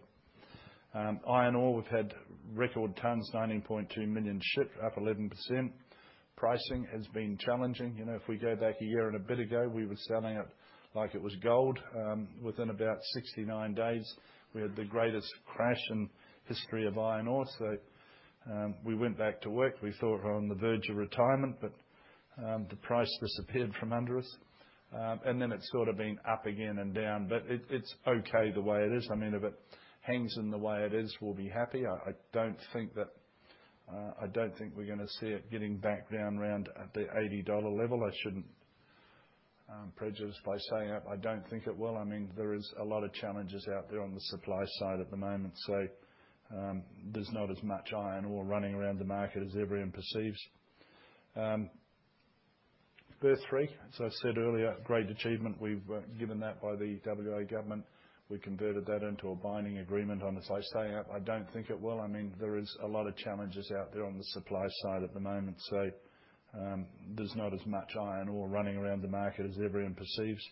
Iron ore, we've had record tons, 19.2 million shipped, up 11%. Pricing has been challenging. You know, if we go back a year and a bit ago, we were selling it like it was gold. Within about 69 days, we had the greatest crash in history of iron ore. We went back to work. We thought we're on the verge of retirement, but the price disappeared from under us. And then it's sort of been up again and down. It's okay the way it is. I mean, if it hangs in the way it is, we'll be happy. I don't think we're gonna see it getting back down around the $80 level. I shouldn't prejudice by saying that. I don't think it will. I mean, there is a lot of challenges out there on the supply side at the moment. So, there's not as much iron ore running around the market as everyone perceives.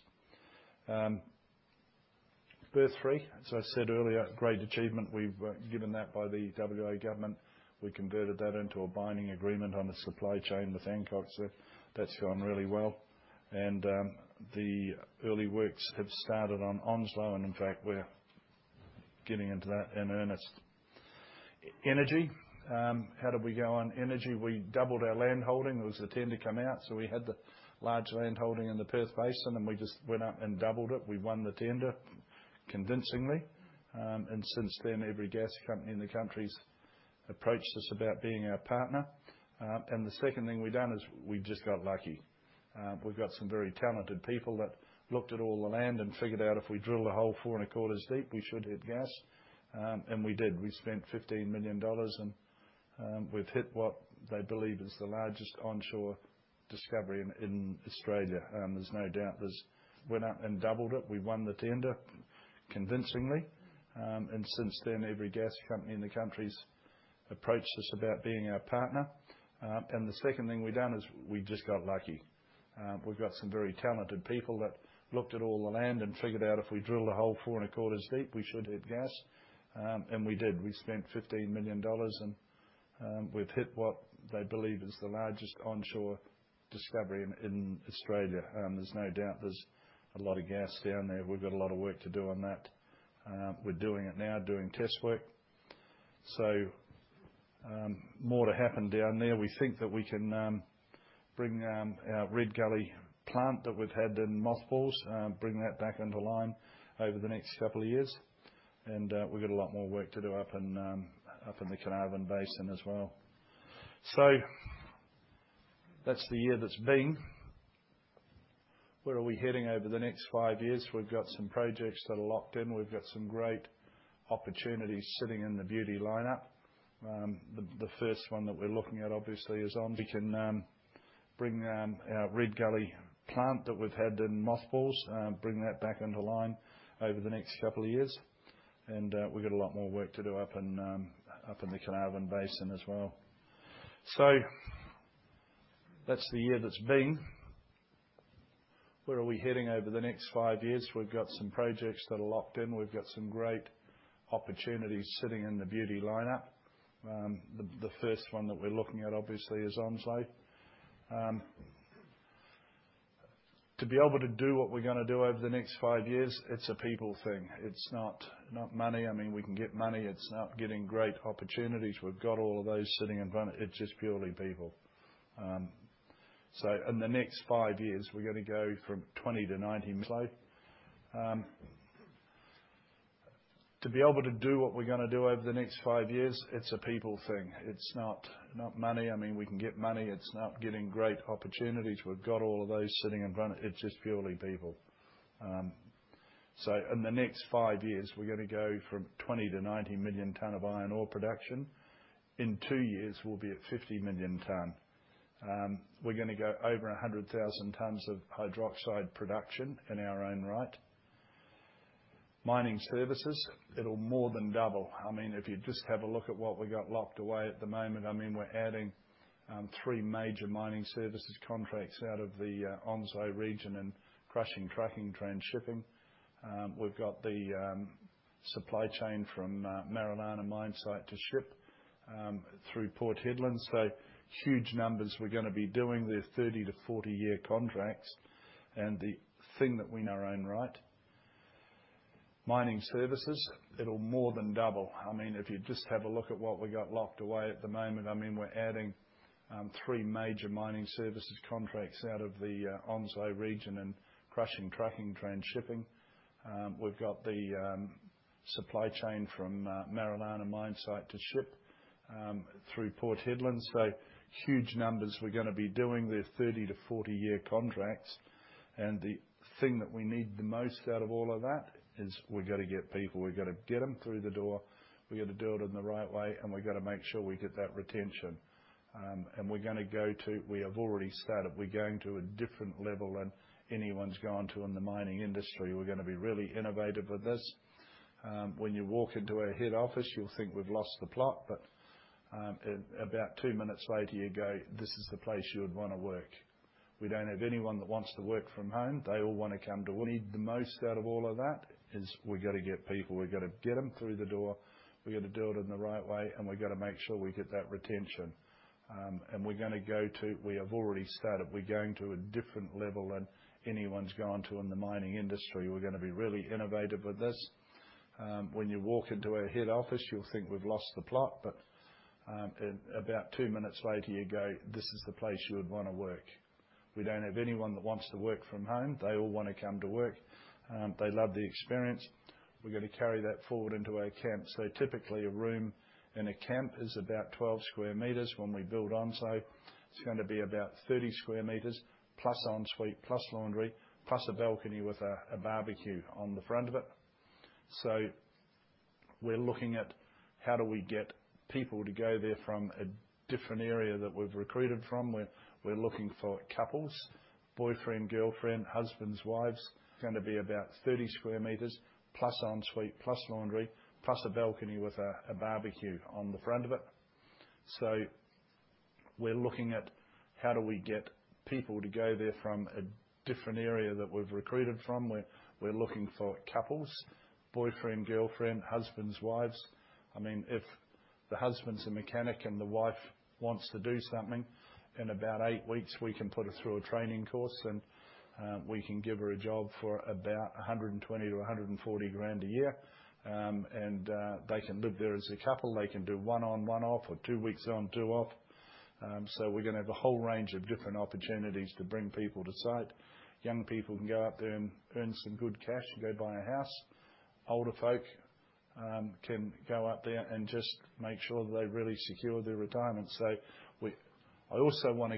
Berth 3, as I said earlier, great achievement. We've been given that by the WA Government. We converted that into a binding agreement on the supply chain with Hancock. That's gone really well. The early works have started on Onslow, and in fact, we're getting into that in earnest. Energy, how did we go on energy? We doubled our land holding. There was a tender come out, so we had the large land holding in the Perth Basin, and we just went up and doubled it. We won the tender convincingly. Since then, every gas company in the country's approached us about being our partner. The second thing we've done is we've just got lucky. We've got some very talented people that looked at all the land and figured out if we drill a hole four and a quarters deep, we should hit gas. We did. We spent 15 million dollars, and we've hit what they believe is the largest onshore discovery in Australia. The second thing we've done is we've just got lucky. We've got some very talented people that looked at all the land and figured out if we drill a hole 4.25 deep, we should hit gas. We did. We spent 15 million dollars and we've hit what they believe is the largest onshore discovery in Australia. There's no doubt there's a lot of gas down there. We've got a lot of work to do on that. We're doing it now, doing test work. More to happen down there. We think that we can bring our Red Gully plant that we've had in mothballs, bring that back online over the next couple of years. We've got a lot more work to do up in the Carnarvon Basin as well. That's the year that's been. Where are we heading over the next five years? We've got some projects that are locked in. We've got some great opportunities sitting in the battery lineup. The first one that we're looking at obviously is Onslow. We can bring our Red Gully plant that we've had in mothballs back into line over the next couple of years. We've got a lot more work to do up in the Carnarvon Basin as well. That's the year that's been. Where are we heading over the next five years? We've got some projects that are locked in. We've got some great opportunities sitting in the battery lineup. The first one that we're looking at obviously is Onslow. To be able to do what we're gonna do over the next five years, it's a people thing. It's not money. I mean, we can get money. It's not getting great opportunities. We've got all of those sitting in front. It's just purely people. In the next five years, we're gonna go from 20-90 million tonnes of iron ore production. In two years, we'll be at 50 million tonnes. We're gonna go over 100,000 tonnes of hydroxide production in our own right. Mining services, it'll more than double. I mean, if you just have a look at what we got locked away at the moment, I mean, we're adding three major mining services contracts out of the Onslow region and crushing, trucking, train, shipping. We've got the supply chain from Marillana mine site to ship through Port Hedland. So huge numbers we're gonna be doing. They're 30- to 40-year contracts. The thing that we know in our own right. Mining services, it'll more than double. I mean, if you just have a look at what we got locked away at the moment, I mean, we're adding three major mining services contracts out of the Onslow region and crushing, trucking, train, shipping. We've got the supply chain from Marillana mine site to ship through Port Hedland. Huge numbers we're gonna be doing. They're 30 to 40 year contracts. The thing that we need the most out of all of that is we've gotta get people. We've gotta get them through the door. We gotta do it in the right way, and we gotta make sure we get that retention. We have already started. We're going to a different level than anyone's gone to in the mining industry. We're gonna be really innovative with this. When you walk into our head office, you'll think we've lost the plot. But about 2 minutes later, you go, "This is the place you would wanna work." We don't have anyone that wants to work from home. They all wanna come to work. The most out of all of that is we've gotta get people. We've gotta get them through the door. We gotta do it in the right way, and we gotta make sure we get that retention. We have already started. We're going to a different level than anyone's gone to in the mining industry. We're gonna be really innovative with this. When you walk into our head office, you'll think we've lost the plot. About two minutes later, you go, "This is the place you would wanna work." We don't have anyone that wants to work from home. They all wanna come to work. They love the experience. We're gonna carry that forward into our camps. Typically, a room in a camp is about 12 square meters. When we build Onslow, it's gonna be about 30 square meters, plus en suite, plus laundry, plus a balcony with a barbecue on the front of it. We're looking at how do we get people to go there from a different area that we've recruited from. We're looking for couples, boyfriend, girlfriend, husbands, wives. Gonna be about 30 square meters, plus en suite, plus laundry, plus a balcony with a barbecue on the front of it. We're looking at how do we get people to go there from a different area that we've recruited from. We're looking for couples, boyfriend, girlfriend, husbands, wives. I mean, if the husband's a mechanic and the wife wants to do something, in about eight weeks, we can put her through a training course. We can give her a job for about 120-140 grand a year. They can live there as a couple. They can do one on, one off, or two weeks on, two off. We're gonna have a whole range of different opportunities to bring people to site. Young people can go out there and earn some good cash and go buy a house. Older folk can go out there and just make sure they really secure their retirement. I also wanna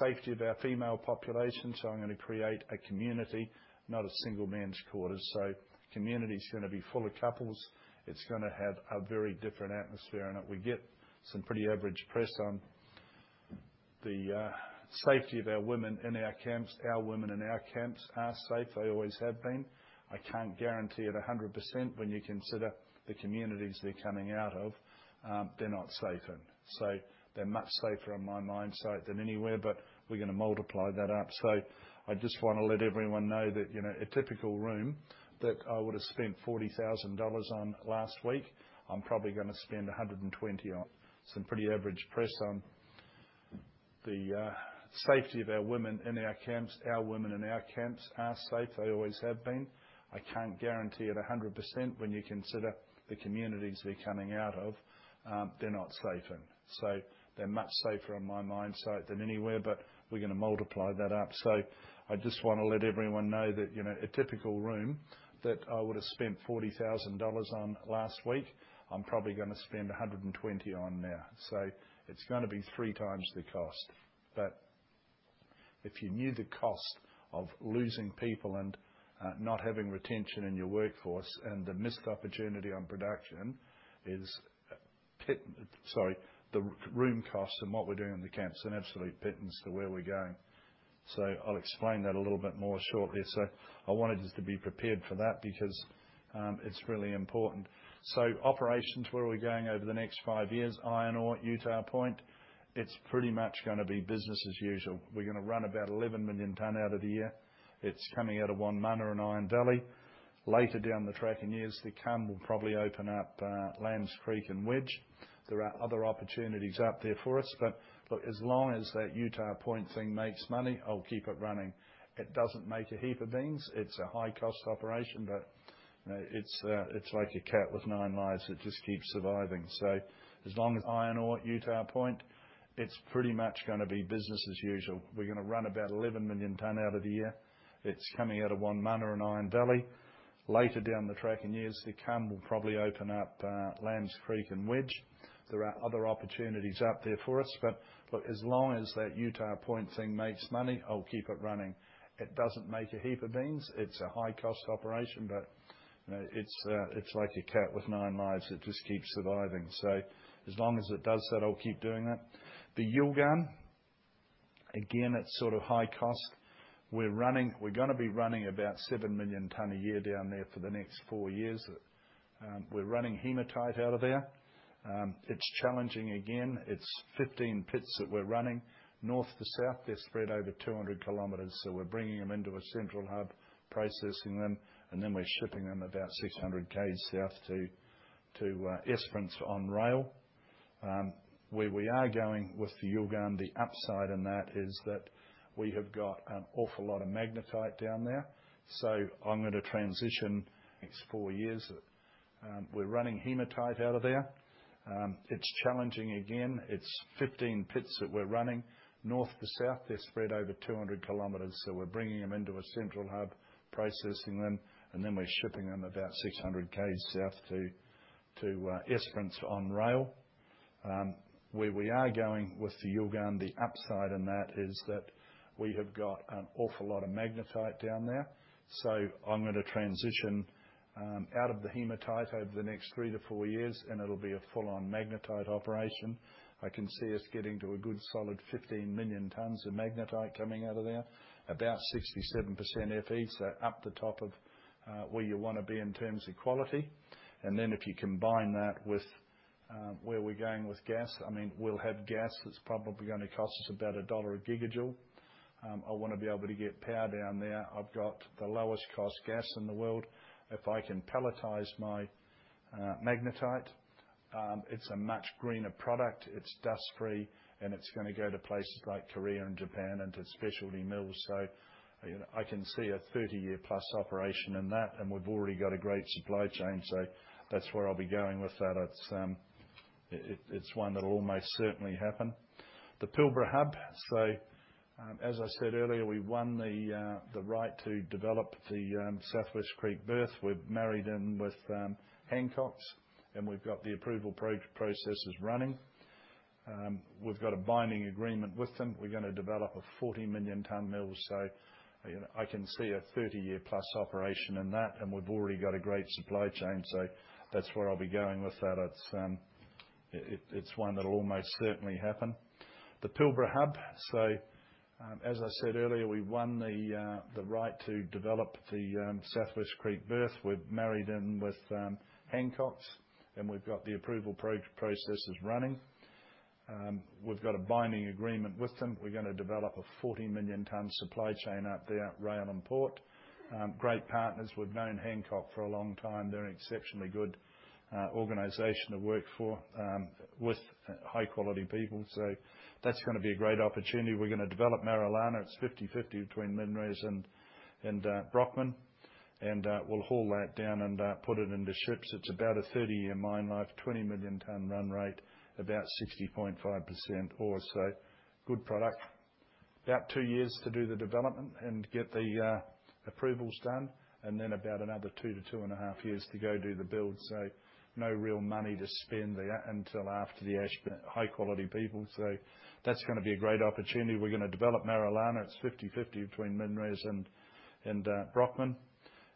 safety of our female population. I'm gonna create a community, not a single men's quarters. Community's gonna be full of couples. It's gonna have a very different atmosphere in it. We get some pretty average press on the safety of our women in our camps. Our women in our camps are safe. They always have been. I can't guarantee it 100% when you consider the communities they're coming out of, they're not safe in. They're much safer on my mine site than anywhere, but we're gonna multiply that up. I just wanna let everyone know that, you know, a typical room that I would've spent 40,000 dollars on last week, I'm probably gonna spend 120,000 on. Some pretty average press on the safety of our women in our camps. Our women in our camps are safe. They always have been. I can't guarantee it 100% when you consider the communities they're coming out of, they're not safe in. They're much safer on my mine site than anywhere, but we're gonna multiply that up. I just wanna let everyone know that, you know, a typical room that I would've spent 40,000 dollars on last week, I'm probably gonna spend 120,000 on now. It's gonna be 3x the cost. But if you knew the cost of losing people and, not having retention in your workforce, and the missed opportunity on production, the room costs and what we're doing in the camps, is an absolute pittance to where we're going. I'll explain that a little bit more shortly. I wanted us to be prepared for that because, it's really important. Operations, where are we going over the next five years? Iron ore at Utah Point, it's pretty much gonna be business as usual. We're gonna run about 11 million ton out of there. It's coming out of Wonmunna and Iron Valley. Later down the track, in years to come, we'll probably open up Lambs Creek and Wedge. There are other opportunities out there for us, but, look, It's challenging again. It's 15 pits that we're running. North to south, they're spread over 200 kilometers, so we're bringing them into a central hub, processing them, and then we're shipping them about 600 K south to Esperance on rail. Where we are going with the Yilgarn, the upside in that is that we have got an awful lot of magnetite down there, so I'm gonna transition these four years. We're running hematite out of there. It's challenging again. It's 15 pits that we're running. Where we are going with the Yilgarn, the upside in that is that we have got an awful lot of magnetite down there, so I'm gonna transition out of the hematite over the next three to four years, and it'll be a full-on magnetite operation. I can see us getting to a good, solid 15 million tons of magnetite coming out of there. About 67% Fe, so up the top of where you wanna be in terms of quality. If you combine that with where we're going with gas. I mean, we'll have gas that's probably only cost us about AUD 1 a gigajoule. I wanna be able to get power down there. I've got the lowest cost gas in the world. If I can pelletize my magnetite, it's a much greener product. It's dust-free, and it's gonna go to places like Korea and Japan and to specialty mills. You know, I can see a 30-year plus operation in that, and we've already got a great supply chain, so that's where I'll be going with that. It's one that'll almost certainly happen. The Pilbara Hub. As I said earlier, we won the right to develop the South West Creek berth. We've merged in with Hancock's, and we've got the approval processes running. We've got a binding agreement with them. We're gonna develop a 40 million ton mill. You know, I can see a 30-year plus operation in that, and we've already got a great supply chain, so that's where I'll be going with that. It's one that'll almost certainly happen. The Pilbara Hub. As I said earlier, we've won the right to develop the South West Creek berth. We've married in with Hancock Prospecting, and we've got the approval processes running. We've got a binding agreement with them. We're gonna develop a 40 million ton supply chain out there, rail and port. Great partners. We've known Hancock Prospecting for a long time. They're an exceptionally good organization to work with high quality people. That's gonna be a great opportunity. We're gonna develop Marillana. It's 50/50 between MinRes and Brockman. We'll haul that down and put it into ships. It's about a 30-year mine life, 20 million ton run rate, about 60.5% ore. Good product. About two years to do the development and get the approvals done, and then about another two to two point five years to go do the build. No real money to spend there until after the Ashburton. High quality people. That's gonna be a great opportunity. We're gonna develop Marillana. It's 50/50 between MinRes and Brockman.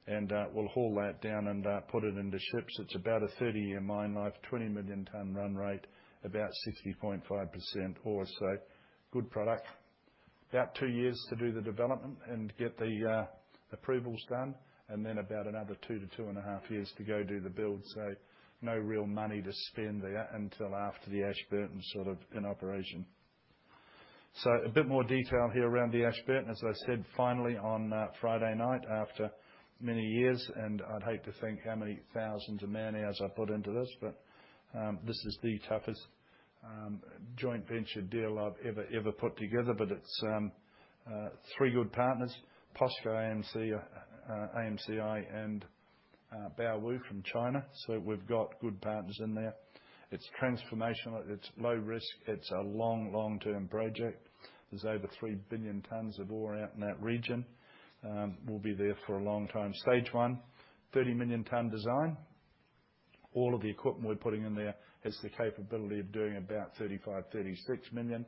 We'll haul that down and put it into ships. It's about a 30-year mine life, 20 million ton run rate, about 60.5% ore. Good product. About two years to do the development and get the approvals done, and then about another two to two point five years to go do the build. No real money to spend there until after the Ashburton's sort of in operation. A bit more detail here around the Ashburton. As I said, finally, on Friday night, after many years, and I'd hate to think how many thousands of man-hours I put into this, but this is the toughest joint venture deal I've ever put together. It's three good partners, POSCO, AMCI, and Baowu from China. We've got good partners in there. It's transformational. It's low risk. It's a long, long-term project. There's over 3 billion tons of ore out in that region. We'll be there for a long time. Stage one, 30 million ton design. All of the equipment we're putting in there has the capability of doing about 35, 36 million.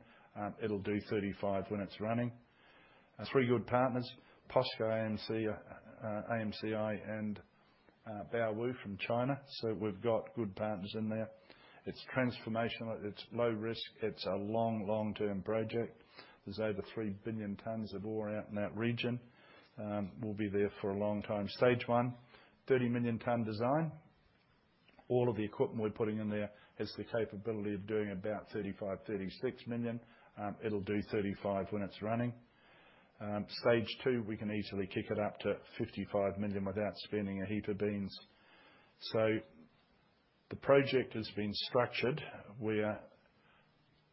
It'll do 35 when it's running. Three good partners, POSCO, AMCI, and Baowu from China. We've got good partners in there. It's transformational, it's low risk, it's a long, long-term project. There's over 3 billion tons of ore out in that region. We'll be there for a long time. Stage one, 30 million ton design. All of the equipment we're putting in there has the capability of doing about 35, 36 million. It'll do 35 when it's running. Stage two, we can easily kick it up to 55 million without spending a heap of beans. The project has been structured where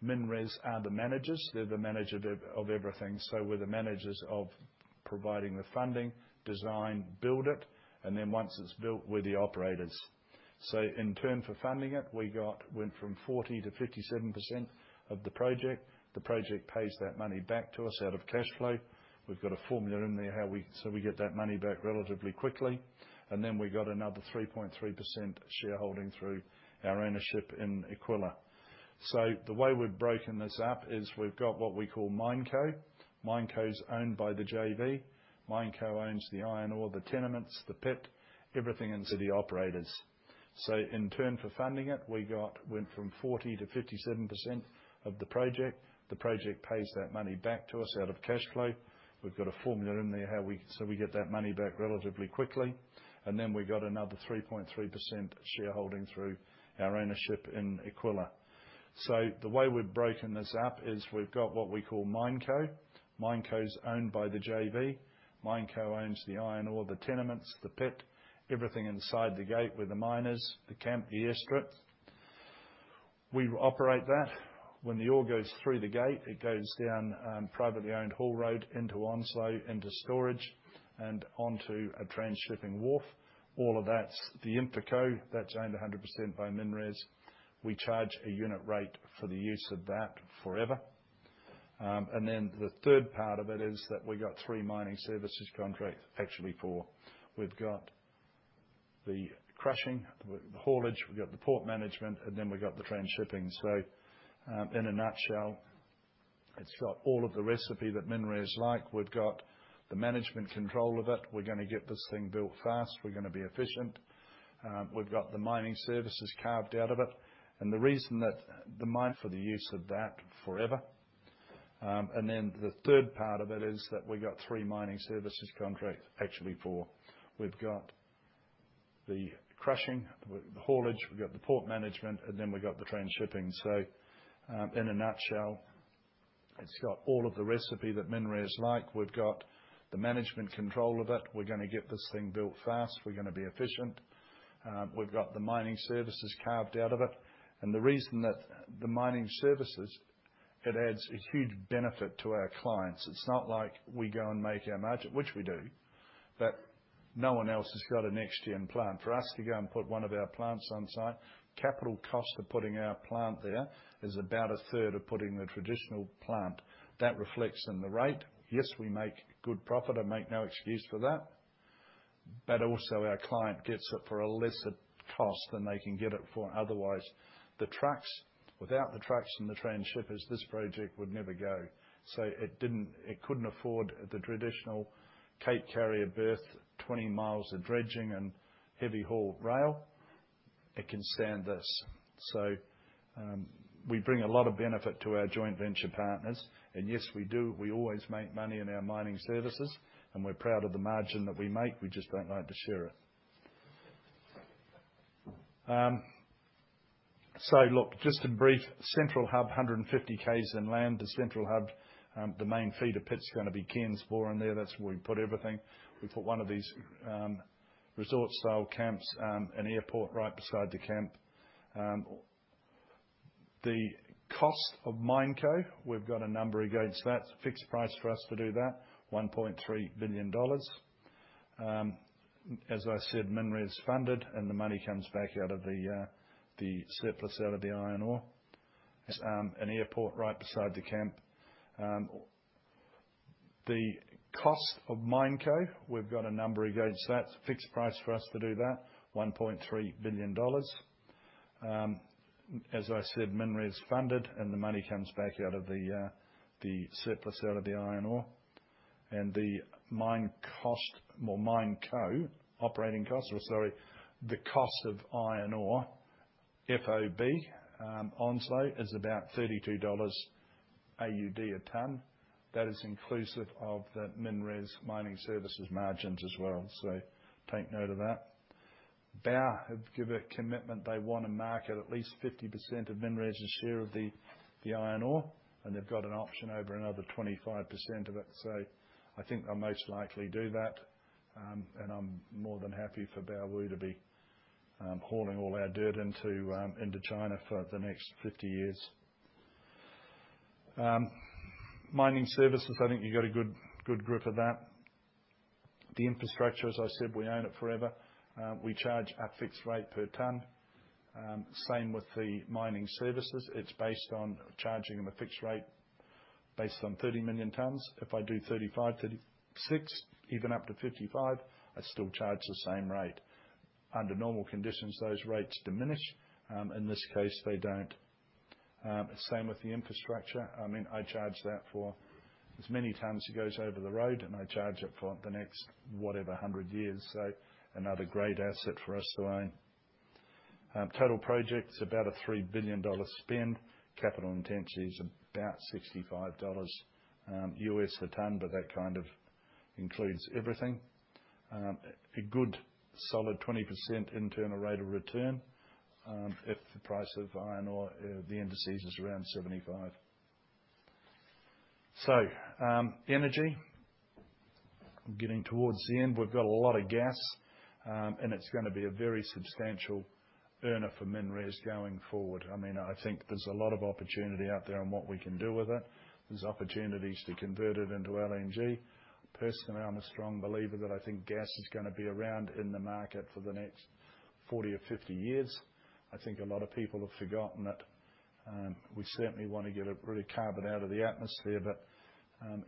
MinRes are the managers. They're the manager of everything. We're the managers of providing the funding, design, build it, and then once it's built, we're the operators. In turn for funding it, we went from 40% to 57% of the project. The project pays that money back to us out of cash flow. We've got a formula in there how we We get that money back relatively quickly. Then we've got another 3.3% shareholding through our ownership in Aquila. The way we've broken this up is we've got what we call MineCo. MineCo's owned by the JV. MineCo owns the iron ore, the tenements, the pit, everything inside the operation. In return for funding it, we went from 40%-57% of the project. The project pays that money back to us out of cash flow. We've got a formula in there how we get that money back relatively quickly. Then we've got another 3.3% shareholding through our ownership in Aquila. The way we've broken this up is we've got what we call MineCo. MineCo's owned by the JV. MineCo owns the iron ore, the tenements, the pit, everything inside the gate with the miners, the camp, the airstrip. We operate that. When the ore goes through the gate, it goes down a privately owned haul road into Onslow, into storage, and onto a transhipping wharf. All of that's the InfraCo. That's owned 100% by MinRes. We charge a unit rate for the use of that forever. The third part of it is that we got three mining services contract, actually four. We've got the crushing, the haulage, we've got the port management, and then we've got the transhipping. In a nutshell, it's got all of the recipe that MinRes like. We've got the management control of it. We're gonna get this thing built fast. We're gonna be efficient. We've got the mining services carved out of it. The reason that the mine for the use of that forever. The third part of it is that we got three mining services contract, actually four. We've got the crushing, the haulage, we've got the port management, and then we've got the transhipping. In a nutshell, it's got all of the recipe that MinRes like. We've got the management control of it. We're gonna get this thing built fast. We're gonna be efficient. We've got the mining services carved out of it. The reason that the mining services, it adds a huge benefit to our clients. It's not like we go and make our margin, which we do, but no one else has got a NextGen plant. For us to go and put one of our plants on site, capital cost of putting our plant there is about a third of putting the traditional plant. That reflects in the rate. Yes, we make good profit. I make no excuse for that. Our client gets it for a lesser cost than they can get it for otherwise. The trucks, without the trucks and the transshippers, this project would never go. It couldn't afford the traditional Capesize carrier berth, 20 miles of dredging and heavy-haul rail. It can stand this. We bring a lot of benefit to our joint venture partners. Yes, we do. We always make money in our mining services, and we're proud of the margin that we make. We just don't like to share it. Look, just in brief, Central Hub, 150 km inland. The Central Hub, the main feeder pit's gonna be Ken's Bore in there. That's where we put everything. We put one of these resort-style camps, an airport right beside the camp. The cost of MineCo, we've got a number against that. Fixed price for us to do that, 1.3 billion dollars. As I said, MinRes funded, and the money comes back out of the surplus out of the iron ore. The cost of iron ore, FOB, Onslow, is about 32 AUD a ton. That is inclusive of the MinRes mining services margins as well. Take note of that. Baowu have give a commitment they wanna market at least 50% of MinRes share of the iron ore, and they've got an option over another 25% of it. I think they'll most likely do that. I'm more than happy for Baowu to be hauling all our dirt into China for the next 50 years. Mining services, I think you got a good grip of that. The infrastructure, as I said, we own it forever. We charge at fixed rate per ton. Same with the mining services. It's based on charging them a fixed rate. Based on 30 million tons. If I do 35, 36, even up to 55, I still charge the same rate. Under normal conditions, those rates diminish. In this case, they don't. Same with the infrastructure. I mean, I charge that for as many times it goes over the road, and I charge it for the next whatever, hundred years. Another great asset for us to own. Total project's about a 3 billion dollar spend. Capital intensity is about $65 US a ton, but that kind of includes everything. A good solid 20% internal rate of return, if the price of iron ore, the indices is around $75. Energy. I'm getting towards the end. We've got a lot of gas, and it's gonna be a very substantial earner for MinRes going forward. I mean, I think there's a lot of opportunity out there on what we can do with it. There's opportunities to convert it into LNG. Personally, I'm a strong believer that I think gas is gonna be around in the market for the next 40 or 50 years. I think a lot of people have forgotten that, we certainly wanna get carbon out of the atmosphere, but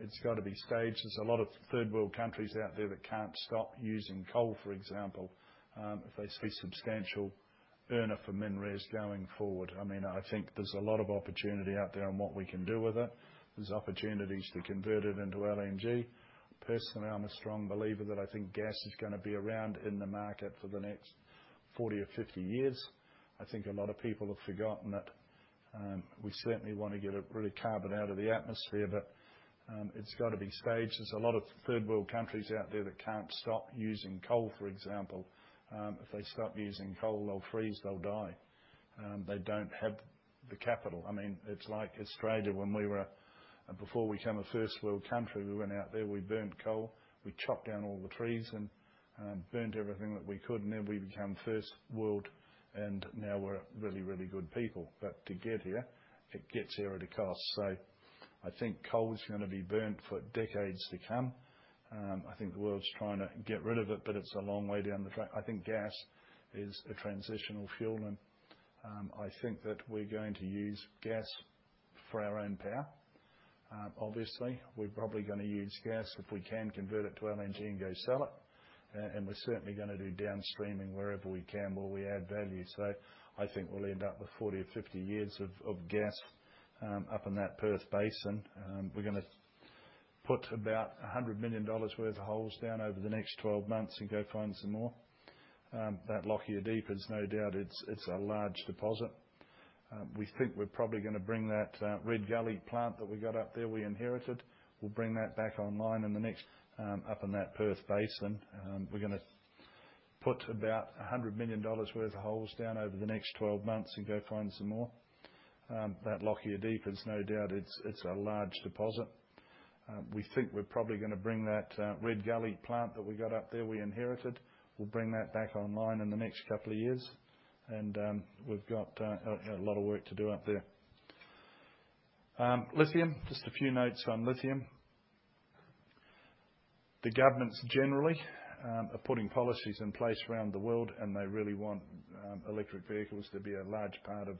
it's gotta be staged. There's a lot of third-world countries out there that can't stop using coal, for example. Personally, I'm a strong believer that I think gas is gonna be around in the market for the next 40 or 50 years. I think a lot of people have forgotten that, we certainly wanna get a pretty carbon out of the atmosphere, but, it's gotta be staged. There's a lot of third-world countries out there that can't stop using coal, for example. If they stop using coal, they'll freeze, they'll die. They don't have the capital. I mean, it's like Australia, when we were before we became a first-world country. We went out there, we burnt coal, we chopped down all the trees and, burnt everything that we could, and then we become first world, and now we're really, really good people. To get here, it gets here at a cost. I think coal is gonna be burnt for decades to come. I think the world's trying to get rid of it, but it's a long way down the track. I think gas is a transitional fuel, and I think that we're going to use gas for our own power. Obviously, we're probably gonna use gas if we can convert it to LNG and go sell it. And we're certainly gonna do downstreaming wherever we can while we add value. I think we'll end up with 40 or 50 years of gas up in that Perth Basin. We're gonna put about AUD 100 million worth of holes down over the next 12 months and go find some more. That Lockyer Deep is no doubt it's a large deposit. We think we're probably gonna bring that Red Gully plant that we got up there, we inherited. We'll bring that back online in the next. Up in that Perth Basin. We're gonna put about AUD 100 million worth of holes down over the next 12 months and go find some more. That Lockyer Deep is no doubt it's a large deposit. We think we're probably gonna bring that Red Gully plant that we got up there, we inherited. We'll bring that back online in the next couple of years. We've got a lot of work to do out there. Lithium. Just a few notes on lithium. The governments generally are putting policies in place around the world, and they really want electric vehicles to be a large part of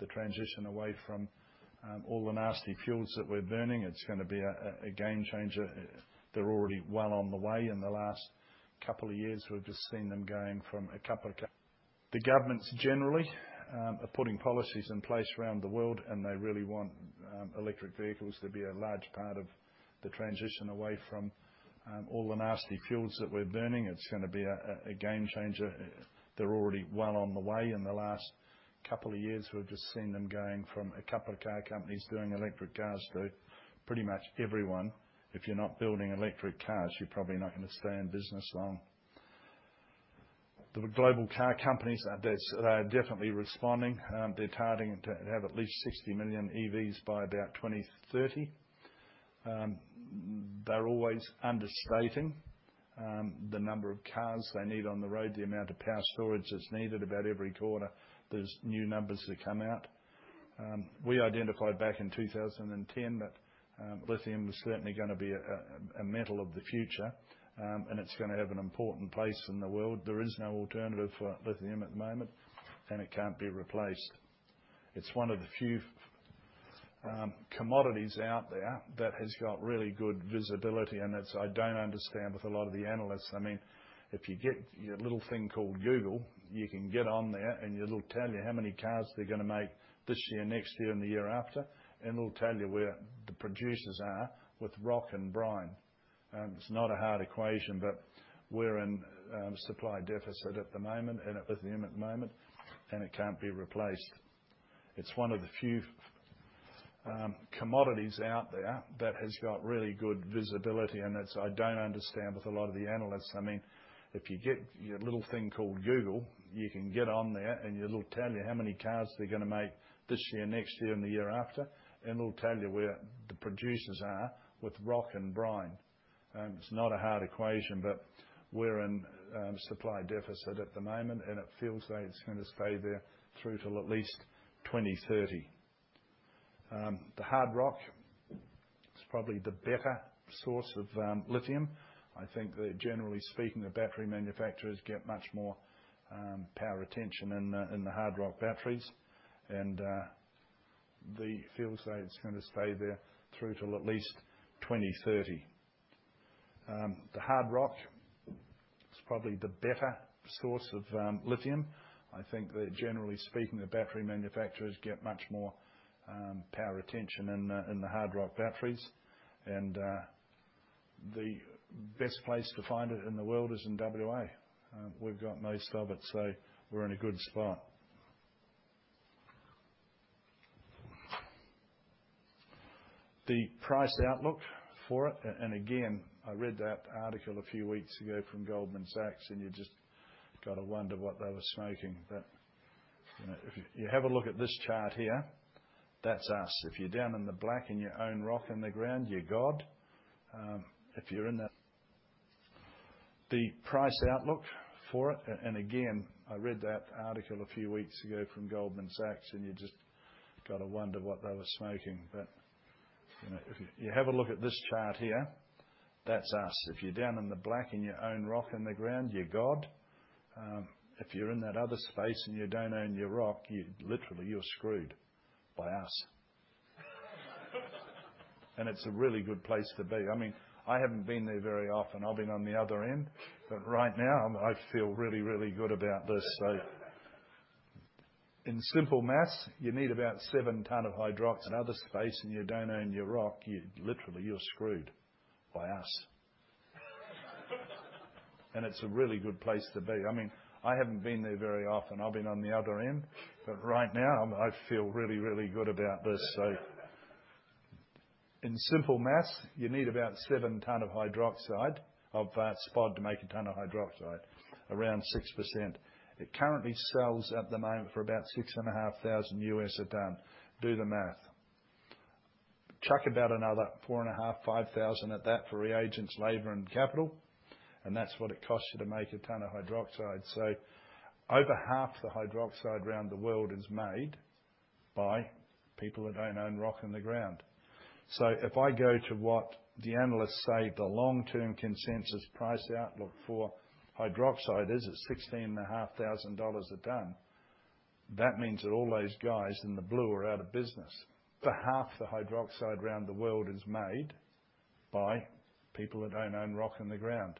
the transition away from all the nasty fuels that we're burning. It's gonna be a game changer. They're already well on the way. In the last couple of years, we've just seen them going from a couple of car companies doing electric cars to pretty much everyone. The governments generally are putting policies in place around the world, and they really want electric vehicles to be a large part of the transition away from all the nasty fuels that we're burning. It's gonna be a game changer. If you're not building electric cars, you're probably not gonna stay in business long. The global car companies are definitely responding. They're targeting to have at least 60 million EVs by about 2030. They're always understating the number of cars they need on the road, the amount of power storage that's needed. About every quarter, there's new numbers that come out. We identified back in 2010 that lithium was certainly gonna be a metal of the future. It's gonna have an important place in the world. There is no alternative for lithium at the moment, and it can't be replaced. It's one of the few commodities out there that has got really good visibility, and it's. I don't understand with a lot of the analysts. I mean, if you get your little thing called Google, you can get on there, and it'll tell you how many cars they're gonna make this year, next year, and the year after. It'll tell you where the producers are with rock and brine. It's not a hard equation, but we're in supply deficit at the moment, in lithium at the moment, and it can't be replaced. It's one of the few commodities out there that has got really good visibility, and it's. I don't understand with a lot of the analysts. I mean, if you get your little thing called Google, you can get on there, and it'll tell you how many cars they're gonna make this year, next year, and the year after. It'll tell you where the producers are with rock and brine. It's not a hard equation, but we're in supply deficit at the moment, and it feels like it's gonna stay there through till at least 2030. The hard rock. It's probably the better source of lithium. I think that generally speaking, the battery manufacturers get much more power retention in the hard rock batteries and the supply's gonna stay tight through till at least 2030. The hard rock is probably the better source of lithium. I think that generally speaking, the battery manufacturers get much more power retention in the hard rock batteries. The best place to find it in the world is in WA. We've got most of it, so we're in a good spot. The price outlook for it, and again, I read that article a few weeks ago from Goldman Sachs, and you just gotta wonder what they were smoking. You know, if you have a look at this chart here, that's us. If you own the rock in the ground, you're in the black, you're gold. If you're in that. The price outlook for it, and again, I read that article a few weeks ago from Goldman Sachs, and you just gotta wonder what they were smoking. You know, if you have a look at this chart here, that's us. If you're down in the black in your own rock in the ground, you're gold. If you're in that other space and you don't own your rock, you're literally screwed by us. It's a really good place to be. I mean, I haven't been there very often. I've been on the other end, but right now I feel really, really good about this. In simple math, you need about 7 ton of hydroxide. In that other space and you don't own your rock, you're literally screwed by us. It's a really good place to be. I mean, I haven't been there very often. I've been on the other end, but right now I feel really, really good about this. In simple math, you need about 7 tons of spodumene to make a ton of hydroxide, around 6%. It currently sells at the moment for about $6,500 a ton. Do the math. Chuck about another $4,500-$5,000 at that for reagents, labor, and capital, and that's what it costs you to make a ton of hydroxide. Over half the hydroxide around the world is made by people that don't own rock in the ground. If I go to what the analysts say the long-term consensus price outlook for hydroxide is at $16.5 thousand a ton, that means that all those guys in the blue are out of business. Half the hydroxide around the world is made by people that don't own rock in the ground.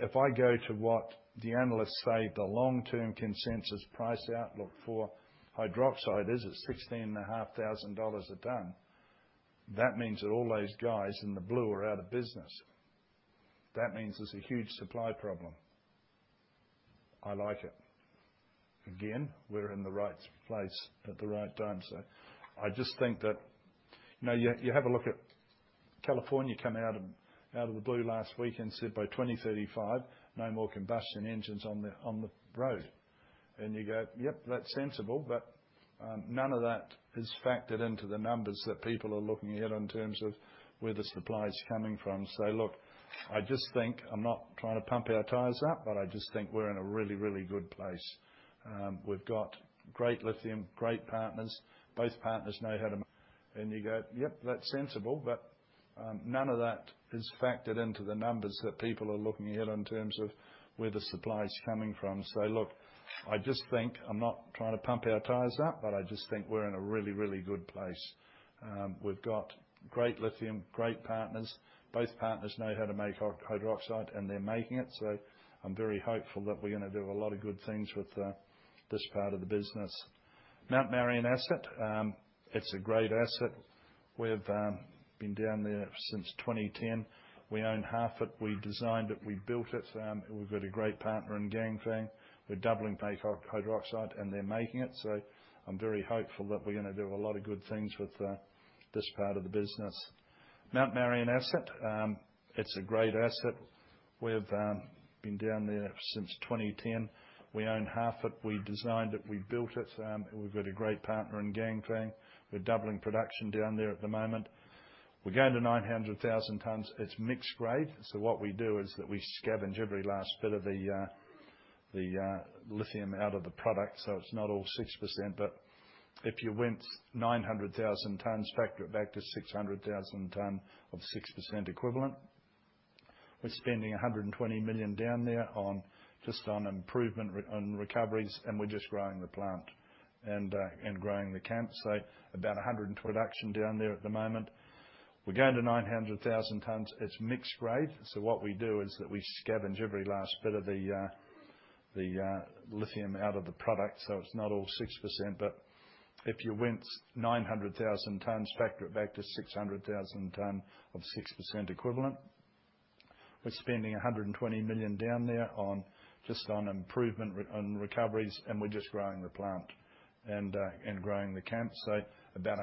If I go to what the analysts say the long-term consensus price outlook for hydroxide is at $16.5 thousand a ton, that means that all those guys in the blue are out of business. That means there's a huge supply problem. I like it. Again, we're in the right place at the right time. I just think that, you know, you have a look at California come out of the blue last week and said, by 2035, no more combustion engines on the road. You go, "Yep, that's sensible." None of that is factored into the numbers that people are looking at in terms of where the supply is coming from. Look, I just think I'm not trying to pump our tires up, but I just think we're in a really, really good place. We've got great lithium, great partners. Look, I just think I'm not trying to pump our tires up, but I just think we're in a really, really good place. We've got great lithium, great partners. Both partners know how to make hydroxide, and they're making it. I'm very hopeful that we're gonna do a lot of good things with, this part of the business. Mount Marion asset, it's a great asset. We've been down there since 2010. We own half it. We designed it. We built it. We've got a great partner in Ganfeng. We're doubling pace of hydroxide and they're making it. I'm very hopeful that we're gonna do a lot of good things with, this part of the business. Mount Marion asset, it's a great asset. We've been down there since 2010. We own half it. We designed it. We built it. We've got a great partner in Ganfeng. We're doubling production down there at the moment. We're going to 900,000 tons. It's mixed grade. What we do is that we scavenge every last bit of the lithium out of the product. It's not all 6%, but if you went 900,000 tons, factor it back to 600,000 tons of 6% equivalent. We're spending 120 million down there on just on improvement and recoveries, and we're just growing the plant and growing the camp. About 100 in production down there at the moment. We're going to 900,000 tons. It's mixed grade. What we do is that we scavenge every last bit of the lithium out of the product. It's not all 6%, but if you went 900,000 tons, factor it back to 600,000 ton of 6% equivalent. We're spending 120 million down there on just on improvement and recoveries, and we're just growing the plant and growing the camp. About 120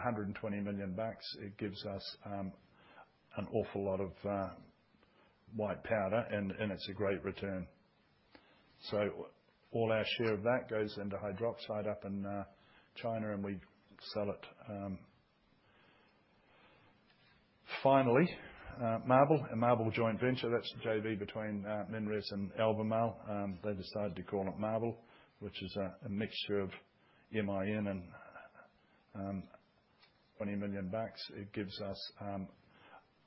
million bucks. It gives us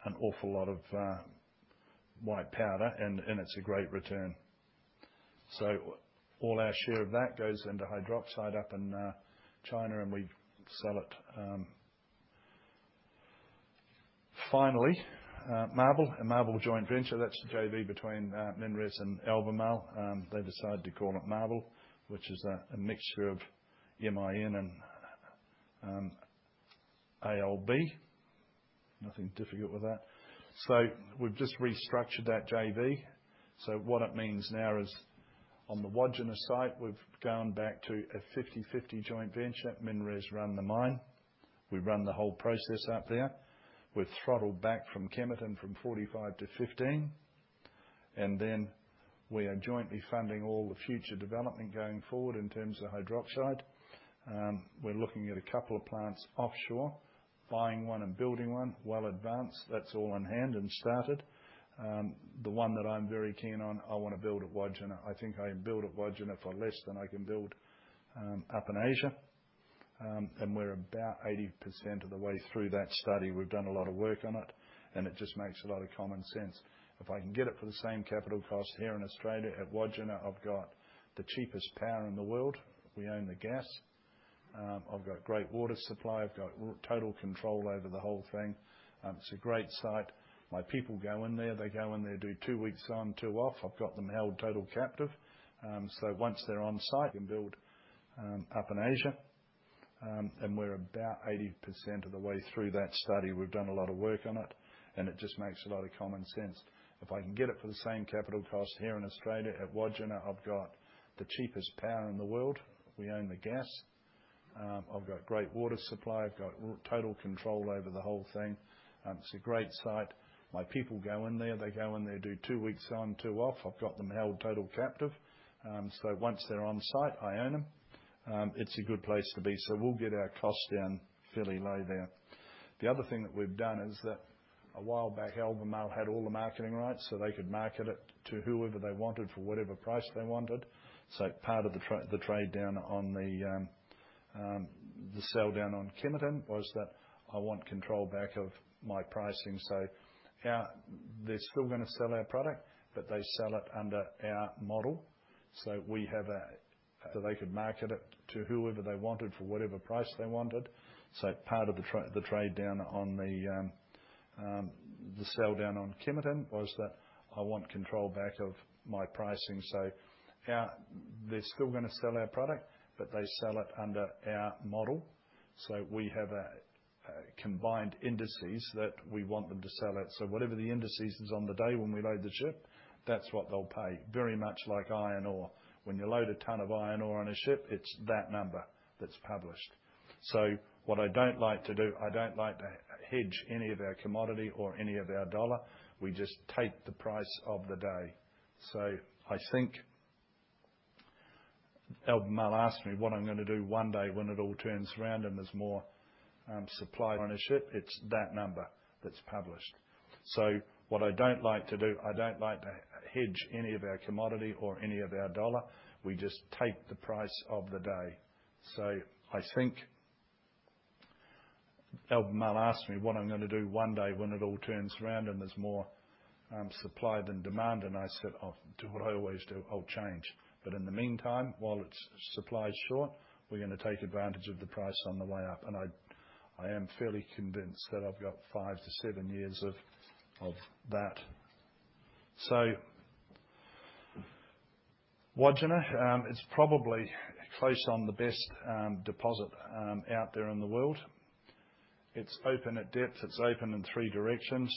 an awful lot of white powder and it's a great return. All our share of that goes into hydroxide up in China, and we sell it. Finally, MARBL. A MARBL joint venture, that's the JV between MinRes and Albemarle. They decided to call it MARBL, which is a mixture of M-I-N and Al, twenty million bucks. It gives us an awful lot of white powder and it's a great return. All our share of that goes into hydroxide up in China, and we sell it. Finally, MARBL. A MARBL joint venture. That's the JV between MinRes and Albemarle. They decided to call it MARBL, which is a mixture of M-I-N and A-L-B. Nothing difficult with that. We've just restructured that JV. What it means now is on the Wodgina site, we've gone back to a 50-50 joint venture. MinRes run the mine. We run the whole process up there. We've throttled back from Kemerton from 45% to 15%, and then we are jointly funding all the future development going forward in terms of hydroxide. We're looking at a couple of plants offshore, buying one and building one well advanced. That's all on hand and started. The one that I'm very keen on, I wanna build at Wodgina. I think I can build at Wodgina for less than I can build up in Asia. We're about 80% of the way through that study. We've done a lot of work on it, and it just makes a lot of common sense. If I can get it for the same capital cost here in Australia at Wodgina, I've got the cheapest power in the world. We own the gas. I've got great water supply. I've got total control over the whole thing. It's a great site. My people go in there. They go in there, do two weeks on, two off. I've got them held total captive. Once they're on site. We've done a lot of work on it, and it just makes a lot of common sense. If I can get it for the same capital cost here in Australia at Wodgina, I've got the cheapest power in the world. We own the gas. I've got great water supply. I've got total control over the whole thing. It's a great site. My people go in there. They go in there, do two weeks on, two off. I've got them held total captive. Once they're on site, I own them. It's a good place to be, so we'll get our costs down fairly low there. The other thing that we've done is that a while back, Albemarle had all the marketing rights, so they could market it to whoever they wanted for whatever price they wanted. Part of the trade-off on the sell-down on Kemerton was that I want control back of my pricing. Yeah, they're still gonna sell our product, but they sell it under our model. They could market it to whoever they wanted for whatever price they wanted. We have a combined indices that we want them to sell it. Whatever the indices is on the day when we load the ship, that's what they'll pay. Very much like iron ore. When you load a ton of iron ore on a ship, it's that number that's published. What I don't like to do, I don't like to hedge any of our commodity or any of our dollar. We just take the price of the day. I think Albemarle asked me what I'm gonna do one day when it all turns around and there's more supply than demand. I said, "I'll do what I always do. I'll change." In the meantime, while it's short supply, we're gonna take advantage of the price on the way up. I am fairly convinced that I've got five to seven years of that. Wodgina is probably one of the best deposit out there in the world. It's open at depth. It's open in three directions.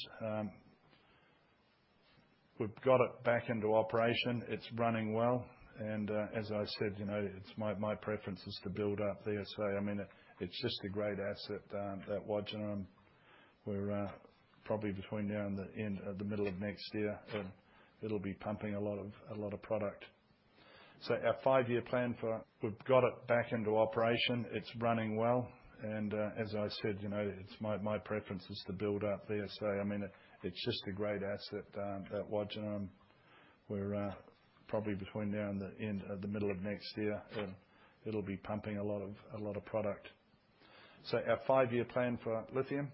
We've got it back into operation. It's running well. As I said, you know, it's my preference is to build up there. I mean, it's just a great asset at Wodgina. We're probably between now and the middle of next year, it'll be pumping a lot of product. Our five-year plan for lithium.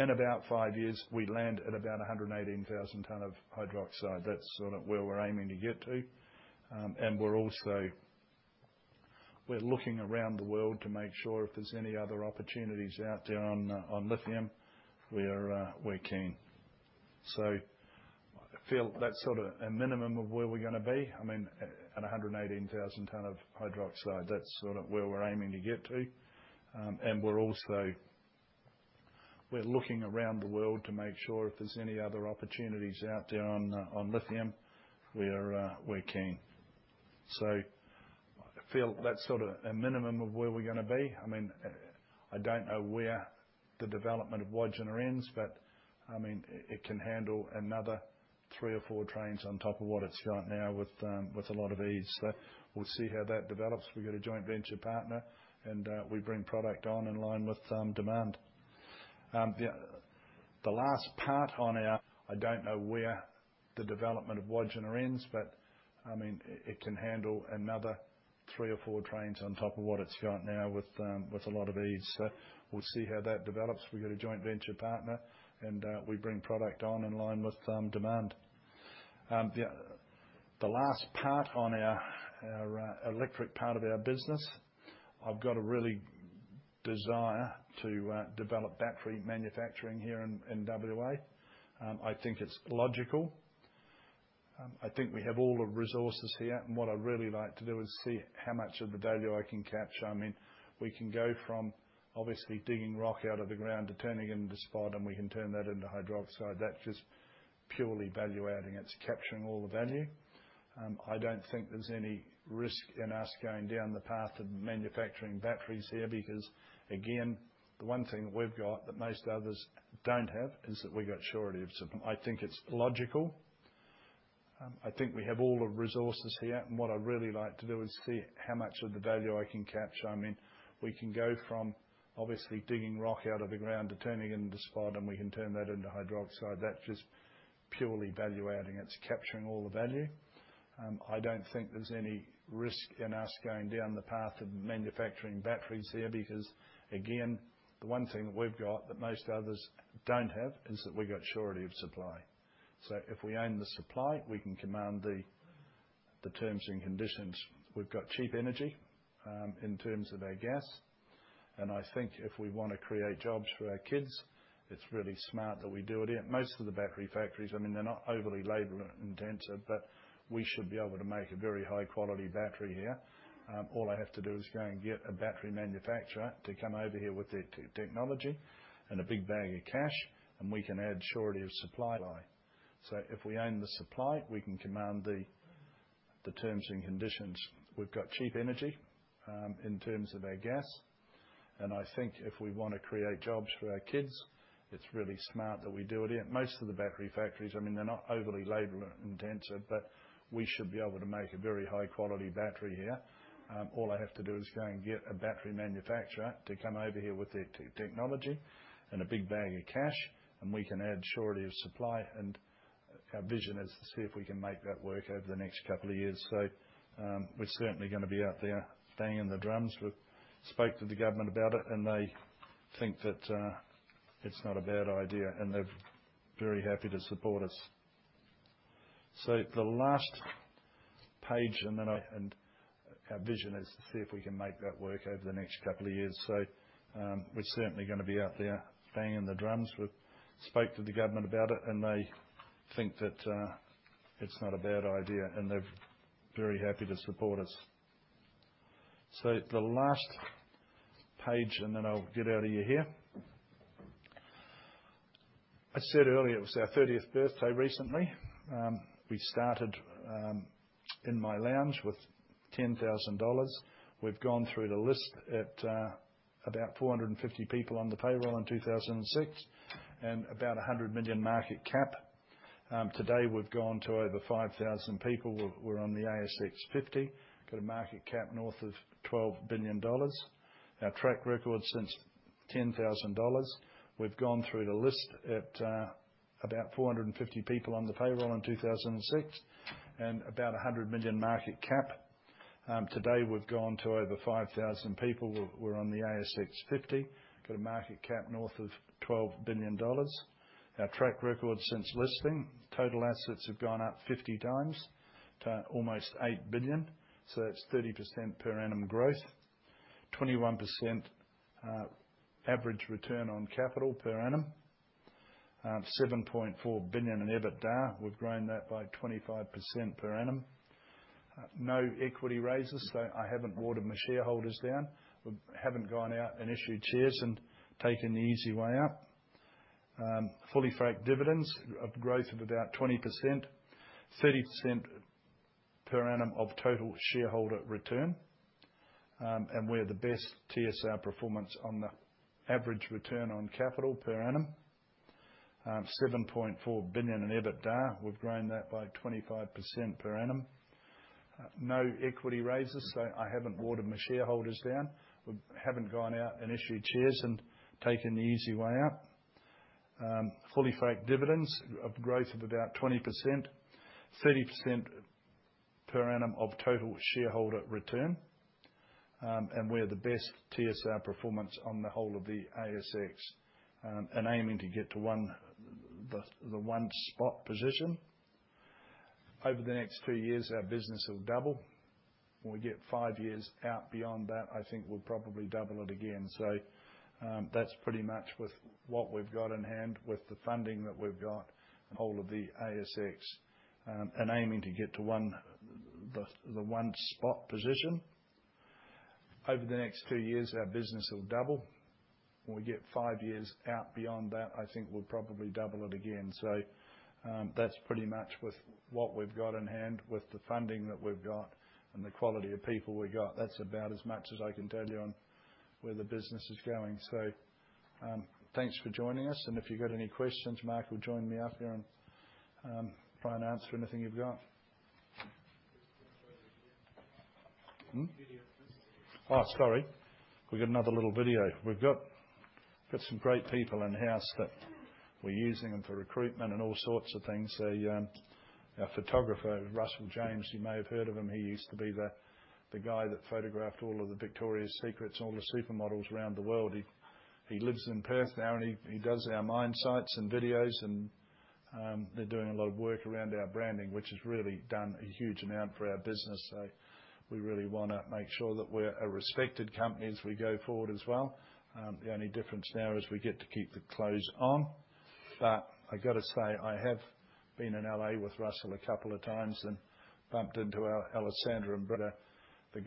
In about five years, we land at about 118,000 tonne of hydroxide. That's sort of where we're aiming to get to. We're also looking around the world to make sure if there's any other opportunities out there on lithium, we're keen. I feel that's sort of a minimum of where we're gonna be. I mean, at 118,000 tonnes of hydroxide, that's sort of where we're aiming to get to. I don't know where the development of Wodgina ends, but I mean, it can handle another three or four trains on top of what it's got now with a lot of ease. We'll see how that develops. We get a joint venture partner and we bring product online in line with demand. The last part on our. I don't know where the development of Wodgina ends, but I mean it can handle another 3 or 4 trains on top of what it's got now with a lot of ease. We'll see how that develops. We've got a joint venture partner, and we bring product online in line with demand. The last part on our electric part of our business, I've got a real desire to develop battery manufacturing here in WA. I think it's logical. I think we have all the resources here, and what I'd really like to do is see how much of the value I can capture. I mean, we can go from obviously digging rock out of the ground to turning it into spodumene. We can turn that into hydroxide. That's just purely value-adding. It's capturing all the value. I don't think there's any risk in us going down the path of manufacturing batteries here because, again, the one thing that we've got that most others don't have is that we got surety of supply. So if we own the supply, we can command the terms and conditions. We've got cheap energy, in terms of our gas, and I think if we wanna create jobs for our kids, it's really smart that we do it here. Most of the battery factories, I mean, they're not overly labor-intensive, but we should be able to make a very high-quality battery here. All I have to do is go and get a battery manufacturer to come over here with their technology and a big bag of cash, and we can add surety of supply. If we own the supply, we can command the terms and conditions. We've got cheap energy in terms of our gas, and I think if we wanna create jobs for our kids, it's really smart that we do it here. Most of the battery factories, I mean, they're not overly labor-intensive, but we should be able to make a very high-quality battery here. All I have to do is go and get a battery manufacturer to come over here with their technology and a big bag of cash, and we can add surety of supply. Our vision is to see if we can make that work over the next couple of years. We're certainly gonna be out there banging the drums. We've spoke to the government about it, and they think that, it's not a bad idea, and they're very happy to support us. The last page, and then our vision is to see if we can make that work over the next couple of years. We're certainly gonna be out there banging the drums. We've spoke to the government about it, and they think that, it's not a bad idea, and they're very happy to support us. The last page, and then I'll get out of your hair. I said earlier, it was our thirtieth birthday recently. We started in my lounge with AUD 10,000. We've grown to about 450 people on the payroll in 2006 and about 100 million market cap. Today, we've grown to over 5,000 people. We're on the ASX 50. Got a market cap north of 12 billion dollars. Our track record since listing, total assets have gone up 50x to almost 8 billion, so that's 30% per annum growth. 21% average return on capital per annum. 7.4 billion in EBITDA. We've grown that by 25% per annum. No equity raises, so I haven't watered my shareholders down. We haven't gone out and issued shares and taken the easy way out. That's pretty much with what we've got in hand, with the funding that we've got and the quality of people we've got. That's about as much as I can tell you on where the business is going. Thanks for joining us, and if you've got any questions, Mark will join me up here and try and answer anything you've got. Video presentation. Oh, sorry. We've got another little video. We've got some great people in-house that we're using them for recruitment and all sorts of things. A photographer, Russell James, you may have heard of him. He used to be the guy that photographed all of the Victoria's Secret and all the supermodels around the world. He lives in Perth now, and he does our mine sites and videos. They're doing a lot of work around our branding, which has really done a huge amount for our business. We really wanna make sure that we're a respected company as we go forward as well. The only difference now is we get to keep the clothes on. I gotta say, I have been in L.A. with Russell James a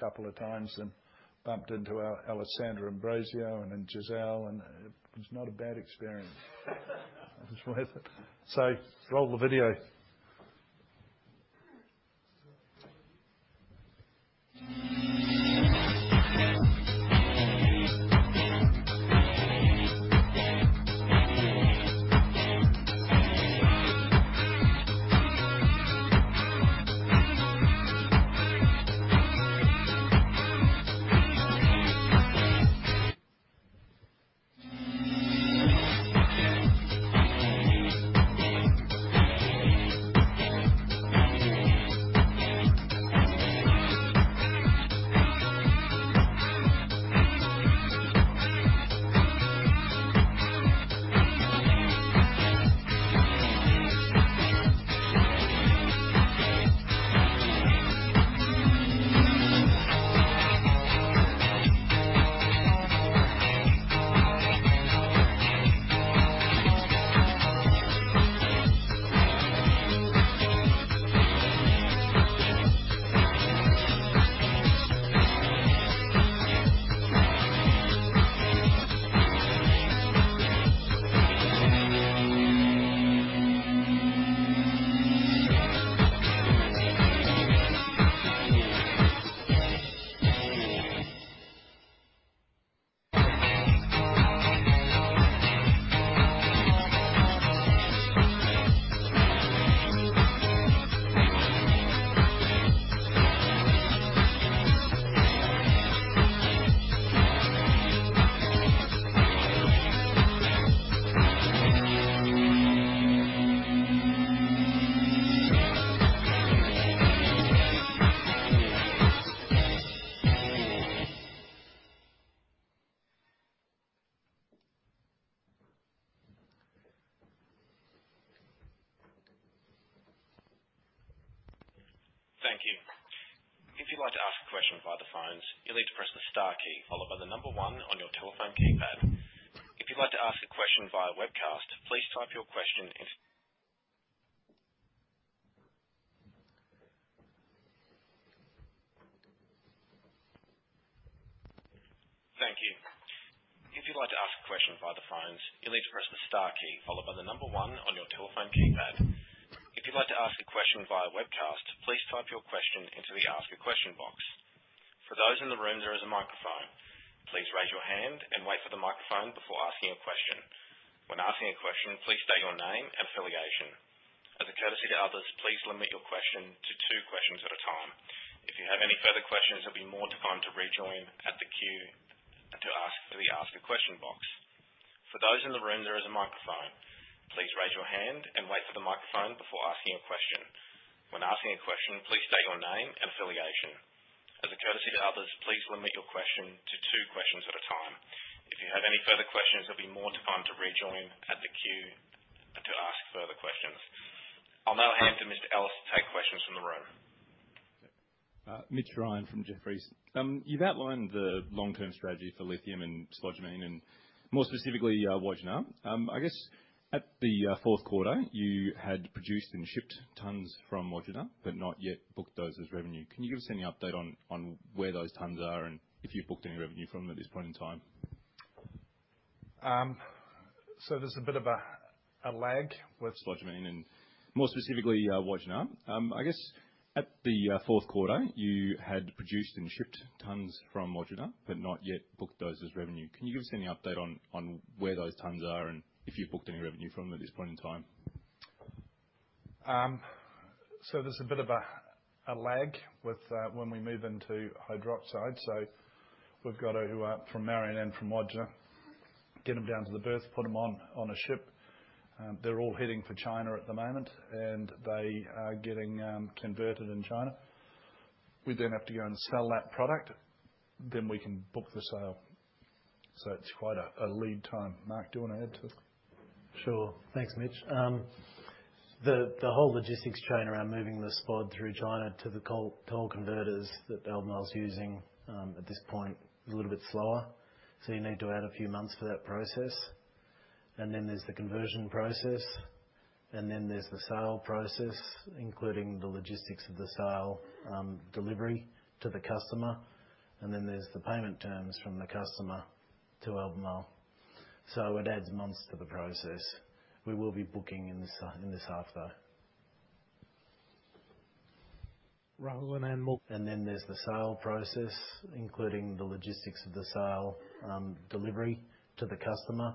couple of times and bumped into Alessandra Ambrosio and then Gisele Bündchen, and it was not a bad experience. It was worth it. Roll the video. Thank you. If you'd like to ask a question via the phones, you'll need to press the star key followed by the number one on your telephone keypad. If you'd like to ask a question via webcast, please type your question in. Thank you. If you'd like to ask a question via the phones, you'll need to press the star key followed by the number one on your telephone keypad. If you'd like to ask a question via webcast, please type your question into the ask a question box. For those in the room, there is a microphone. Please raise your hand and wait for the microphone before asking a question. When asking a question, please state your name and affiliation. at the fourth quarter, you had produced and shipped tons from Wodgina, but not yet booked those as revenue. Can you give us any update on where those tons are and if you've booked any revenue from them at this point in time? There's a bit of a lag. Spodumene, and more specifically, Wodgina. I guess at the fourth quarter, you had produced and shipped tons from Wodgina but not yet booked those as revenue. Can you give us any update on where those tons are and if you've booked any revenue from them at this point in time? There's a bit of a lag with when we move into hydroxide. We've got our ore from Mt Marion and from Wodgina, get them down to the berth, put them on a ship. They're all heading for China at the moment, and they are getting converted in China. We then have to go and sell that product, then we can book the sale. It's quite a lead time. Mark, do you wanna add to it? Sure. Thanks, Mitch. The whole logistics chain around moving the spodumene through China to the toll converters that Albemarle is using at this point is a little bit slower. You need to add a few months for that process. Then there's the conversion process, and then there's the sale process, including the logistics of the sale, delivery to the customer. There's the payment terms from the customer to Albemarle. It adds months to the process. We will be booking in this half, though. Rahul Anand. There's the sale process, including the logistics of the sale, delivery to the customer.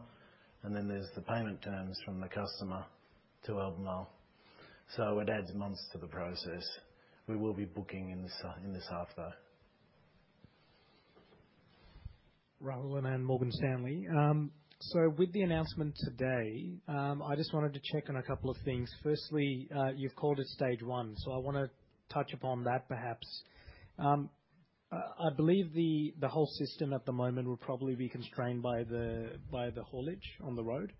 There's the payment terms from the customer to Albemarle. It adds months to the process. We will be booking in this half, though. Rahul Anand, Morgan Stanley. With the announcement today, I just wanted to check on a couple of things. Firstly, you've called it stage one, so I wanna touch upon that, perhaps. I believe the whole system at the moment will probably be constrained by the haulage on the road.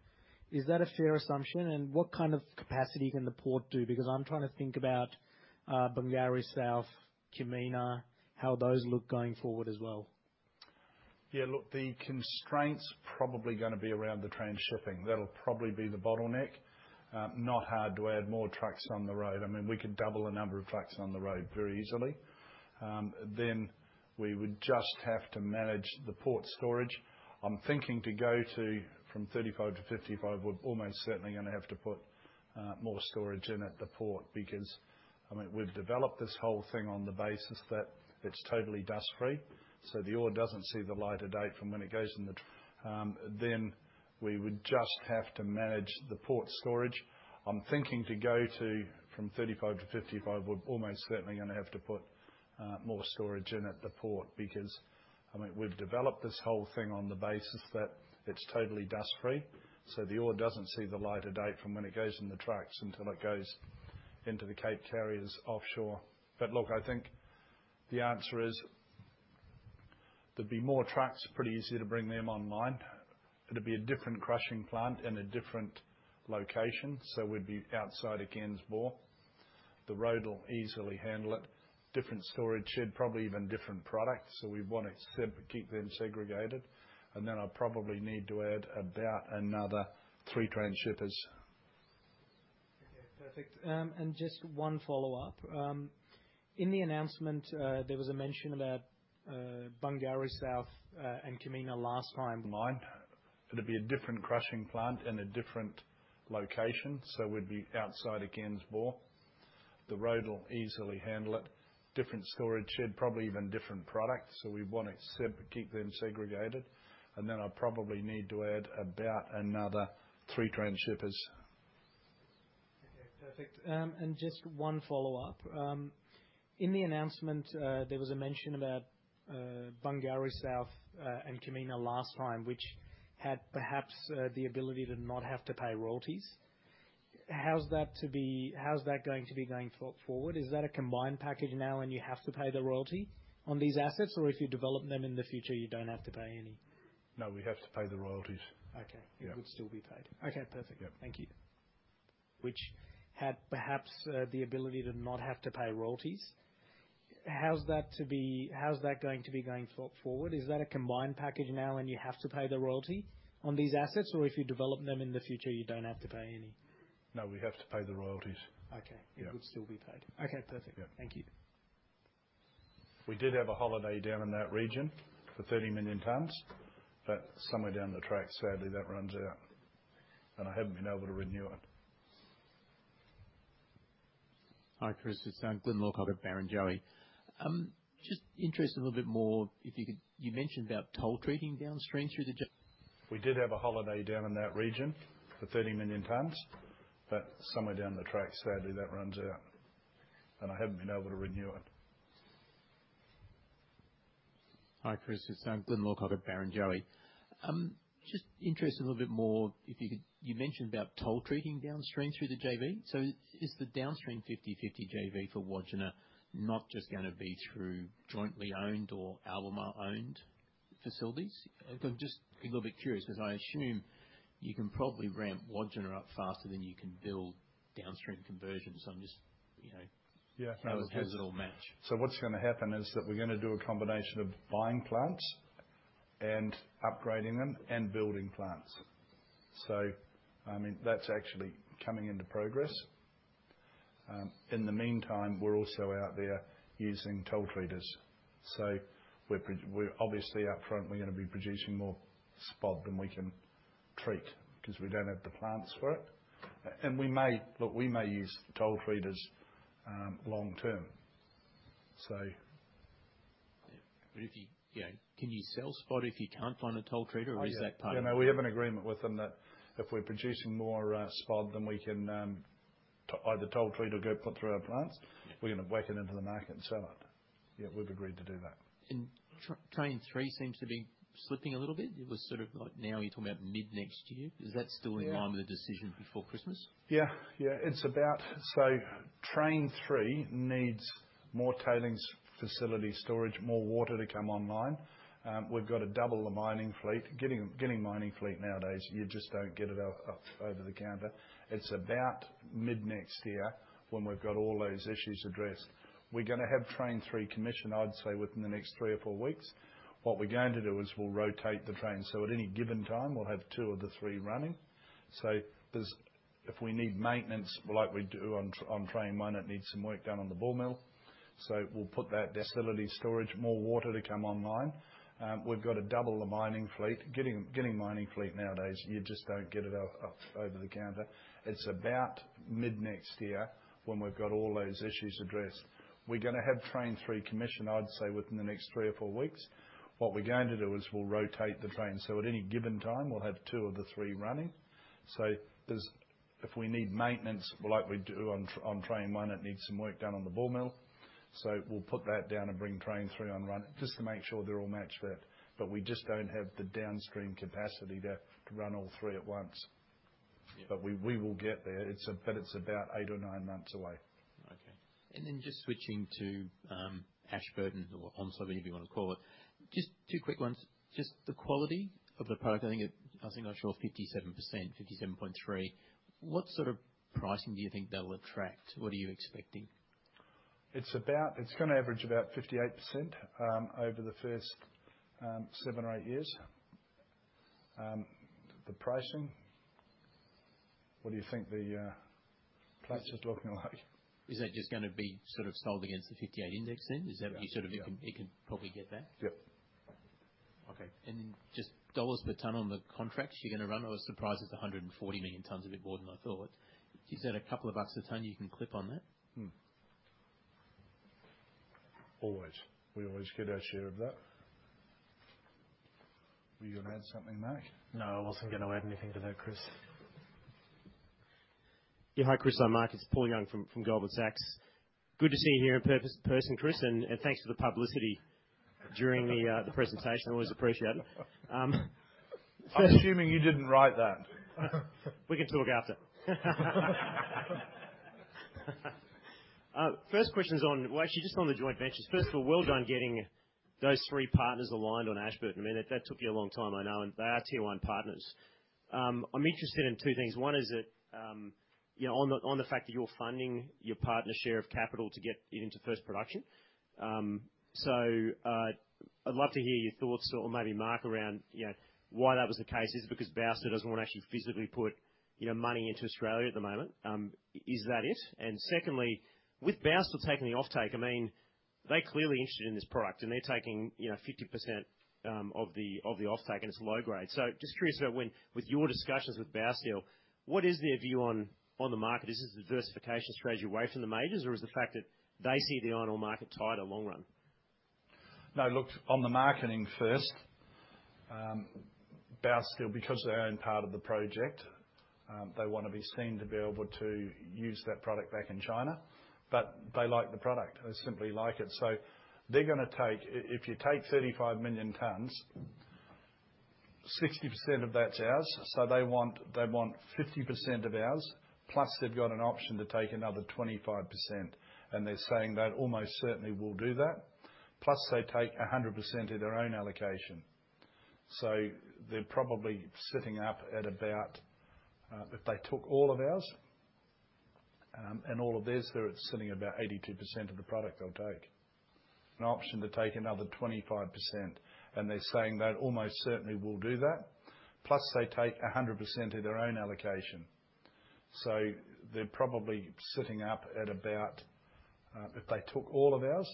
Is that a fair assumption? What kind of capacity can the port do? Because I'm trying to think about Bungaroo South, Kumina, how those look going forward as well. Yeah. Look, the constraint's probably gonna be around the train shipping. That'll probably be the bottleneck. Not hard to add more trucks on the road. I mean, we could double the number of trucks on the road very easily. Then we would just have to manage the port storage. I'm thinking to go from 35 to 55, we're almost certainly gonna have to put more storage in at the port because, I mean, we've developed this whole thing on the basis that it's totally dust free, so the ore doesn't see the light of day from when it goes in the tr- Then we would just have to manage the port storage. I'm thinking to go from 35 to 55, we're almost certainly gonna have to put more storage in at the port because, I mean, we've developed this whole thing on the basis that it's totally dust free, so the ore doesn't see the light of day from when it goes in the trucks until it goes into the Capesize carriers offshore. Look, I think the answer is there'd be more trucks. Pretty easy to bring them online. It'd be a different crushing plant and a different location, so we'd be outside of Ken's Bore. The road will easily handle it. Different storage shed, probably even different products. We wanna keep them segregated. Then I probably need to add about another three transhippers. Okay. Perfect. Just one follow-up. In the announcement, there was a mention about Bungaroo South and Kumina last time. Mine. It'd be a different crushing plant and a different location, so we'd be outside of Ken's Bore. The road will easily handle it. Different storage shed, probably even different products. We wanna keep them segregated. Then I probably need to add about another three transhippers. Okay. Perfect. And just one follow-up. In the announcement, there was a mention about Bungaroo South and Kumina last time, which had perhaps the ability to not have to pay royalties. How's that going to be going forward? Is that a combined package now and you have to pay the royalty on these assets, or if you develop them in the future, you don't have to pay any? No, we have to pay the royalties. Okay. Yeah. It would still be paid. Okay. Perfect. Yeah. Thank you. Which had perhaps the ability to not have to pay royalties. How's that going to be going forward? Is that a combined package now and you have to pay the royalty on these assets, or if you develop them in the future, you don't have to pay any? No, we have to pay the royalties. Okay. Yeah. It would still be paid. Okay. Perfect. Yeah. Thank you. We did have a holiday down in that region for 30 million tons, but somewhere down the track, sadly, that runs out, and I haven't been able to renew it. Hi, Chris. It's Glyn Lawcock at Barrenjoey. Just interested a little bit more if you could. You mentioned about toll treating downstream through the JV. We did have a holiday down in that region for 30 million tons, but somewhere down the track, sadly, that runs out, and I haven't been able to renew it. Hi, Chris. It's Glyn Lawcock at Barrenjoey. Just interested a little bit more if you could. You mentioned about toll treating downstream through the JV. Is the downstream 50/50 JV for Wodgina not just gonna be through jointly owned or Albemarle-owned facilities? I'm just a little bit curious because I assume you can probably ramp Wodgina up faster than you can build downstream conversions. I'm just, you know. Yeah. How does it all match? What's gonna happen is that we're gonna do a combination of buying plants and upgrading them and building plants. I mean, that's actually coming into progress. In the meantime, we're also out there using toll treaters. We're obviously up front, we're gonna be producing more spodumene than we can treat because we don't have the plants for it. Look, we may use toll treaters long term. Yeah. If you know, can you sell spodumene if you can't find a toll treater or is that part of it? Oh, yeah. Yeah. No. We have an agreement with them that if we're producing more spodumene than we can either toll treat or go put through our plants, we're gonna whack it into the market and sell it. Yeah, we've agreed to do that. Train Three seems to be slipping a little bit. It was sort of like now you're talking about mid-next year. Is that still Yeah. In line with the decision before Christmas? Yeah. Yeah. It's about Train Three needs more tailings facility storage, more water to come online. We've got to double the mining fleet. Getting mining fleet nowadays, you just don't get it out over the counter. It's about mid-next year when we've got all those issues addressed. We're gonna have Train Three commissioned, I'd say, within the next three or four weeks. What we're going to do is we'll rotate the trains. At any given time, we'll have two of the three running. There's. If we need maintenance like we do on train one, it needs some work done on the ball mill. We'll put that. Facility storage, more water to come online. We've got to double the mining fleet. Getting mining fleet nowadays, you just don't get it out over-the-counter. It's about mid-next year when we've got all those issues addressed. We're gonna have train three commissioned, I'd say, within the next three or four weeks. What we're going to do is we'll rotate the trains. So at any given time, we'll have two of the three running. So there's, if we need maintenance like we do on train one, it needs some work done on the ball mill. So we'll put that down and bring train three on run just to make sure they're all match fit. But we just don't have the downstream capacity to run all three at once. Yeah. We will get there. It's about eight or nine months away. Okay. Just switching to Ashburton or Onslow, whatever you wanna call it. Just two quick ones. Just the quality of the product. I think onshore 57%, 57.3. What sort of pricing do you think that'll attract? What are you expecting? It's gonna average about 58% over the first seven or eight years. The pricing, what do you think the Platts are talking like? Is that just gonna be sort of sold against the 58 index then? Yeah. You sort of- Yeah. You can probably get that. Yeah. Okay. Just AUD per ton on the contracts you're gonna run. I was surprised it's 140 million tons. A bit more than I thought. Is that a couple of AUD per ton you can clip on that? Always. We always get our share of that. Were you gonna add something, Mark? No, I wasn't gonna add anything to that, Chris. Yeah. Hi, Chris. Hi, Mark. It's Paul Young from Goldman Sachs. Good to see you here in person, Chris, and thanks for the publicity during the presentation. Always appreciate it. I'm assuming you didn't write that. We can talk after. First question's on. Well, actually just on the joint ventures. First of all, well done getting those three partners aligned on Ashburton. I mean, that took you a long time, I know, and they are tier one partners. I'm interested in two things. One is that, you know, on the fact that you're funding your partner's share of capital to get it into first production. I'd love to hear your thoughts or maybe Mark around, you know, why that was the case. Is it because Baosteel doesn't wanna actually physically put, you know, money into Australia at the moment? Is that it? Secondly, with Baosteel taking the offtake, I mean, they're clearly interested in this product, and they're taking, you know, 50% of the offtake, and it's low grade. Just curious about when, with your discussions with Baosteel, what is their view on the market? Is this a diversification strategy away from the majors, or is the fact that they see the iron ore market tight in the long run? No, look, on the marketing first. Baosteel, because they own part of the project, they wanna be seen to be able to use that product back in China. They like the product. They simply like it. They're gonna take. If you take 35 million tons, 60% of that's ours. They want 50% of ours. Plus, they've got an option to take another 25%, and they're saying they almost certainly will do that. Plus, they take 100% of their own allocation. They're probably sitting up at about, if they took all of ours, and all of theirs, they're sitting about 82% of the product they'll take. An option to take another 25%, and they're saying they almost certainly will do that. Plus, they take 100% of their own allocation. They're probably sitting up at about, if they took all of ours,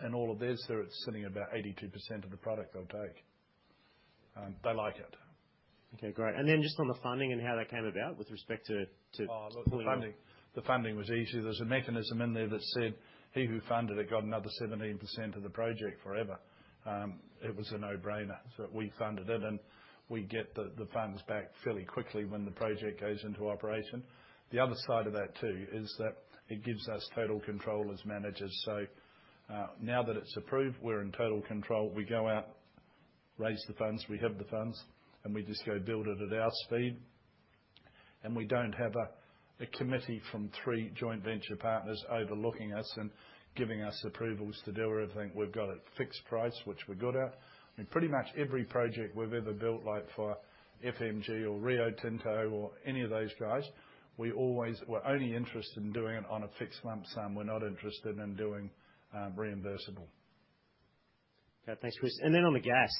and all of theirs, they're sitting about 82% of the product they'll take. They like it. Okay, great. Just on the funding and how that came about with respect to, Oh, look, the funding was easy. There's a mechanism in there that said he who funded it got another 17% of the project forever. It was a no-brainer. We funded it, and we get the funds back fairly quickly when the project goes into operation. The other side of that too is that it gives us total control as managers. Now that it's approved, we're in total control. We go out, raise the funds, we have the funds, and we just go build it at our speed. We don't have a committee from three joint venture partners overlooking us and giving us approvals to do everything. We've got a fixed price, which we're good at. I mean, pretty much every project we've ever built, like for FMG or Rio Tinto or any of those guys, we always were only interested in doing it on a fixed lump sum. We're not interested in doing reimbursable. Okay. Thanks, Chris. On the gas,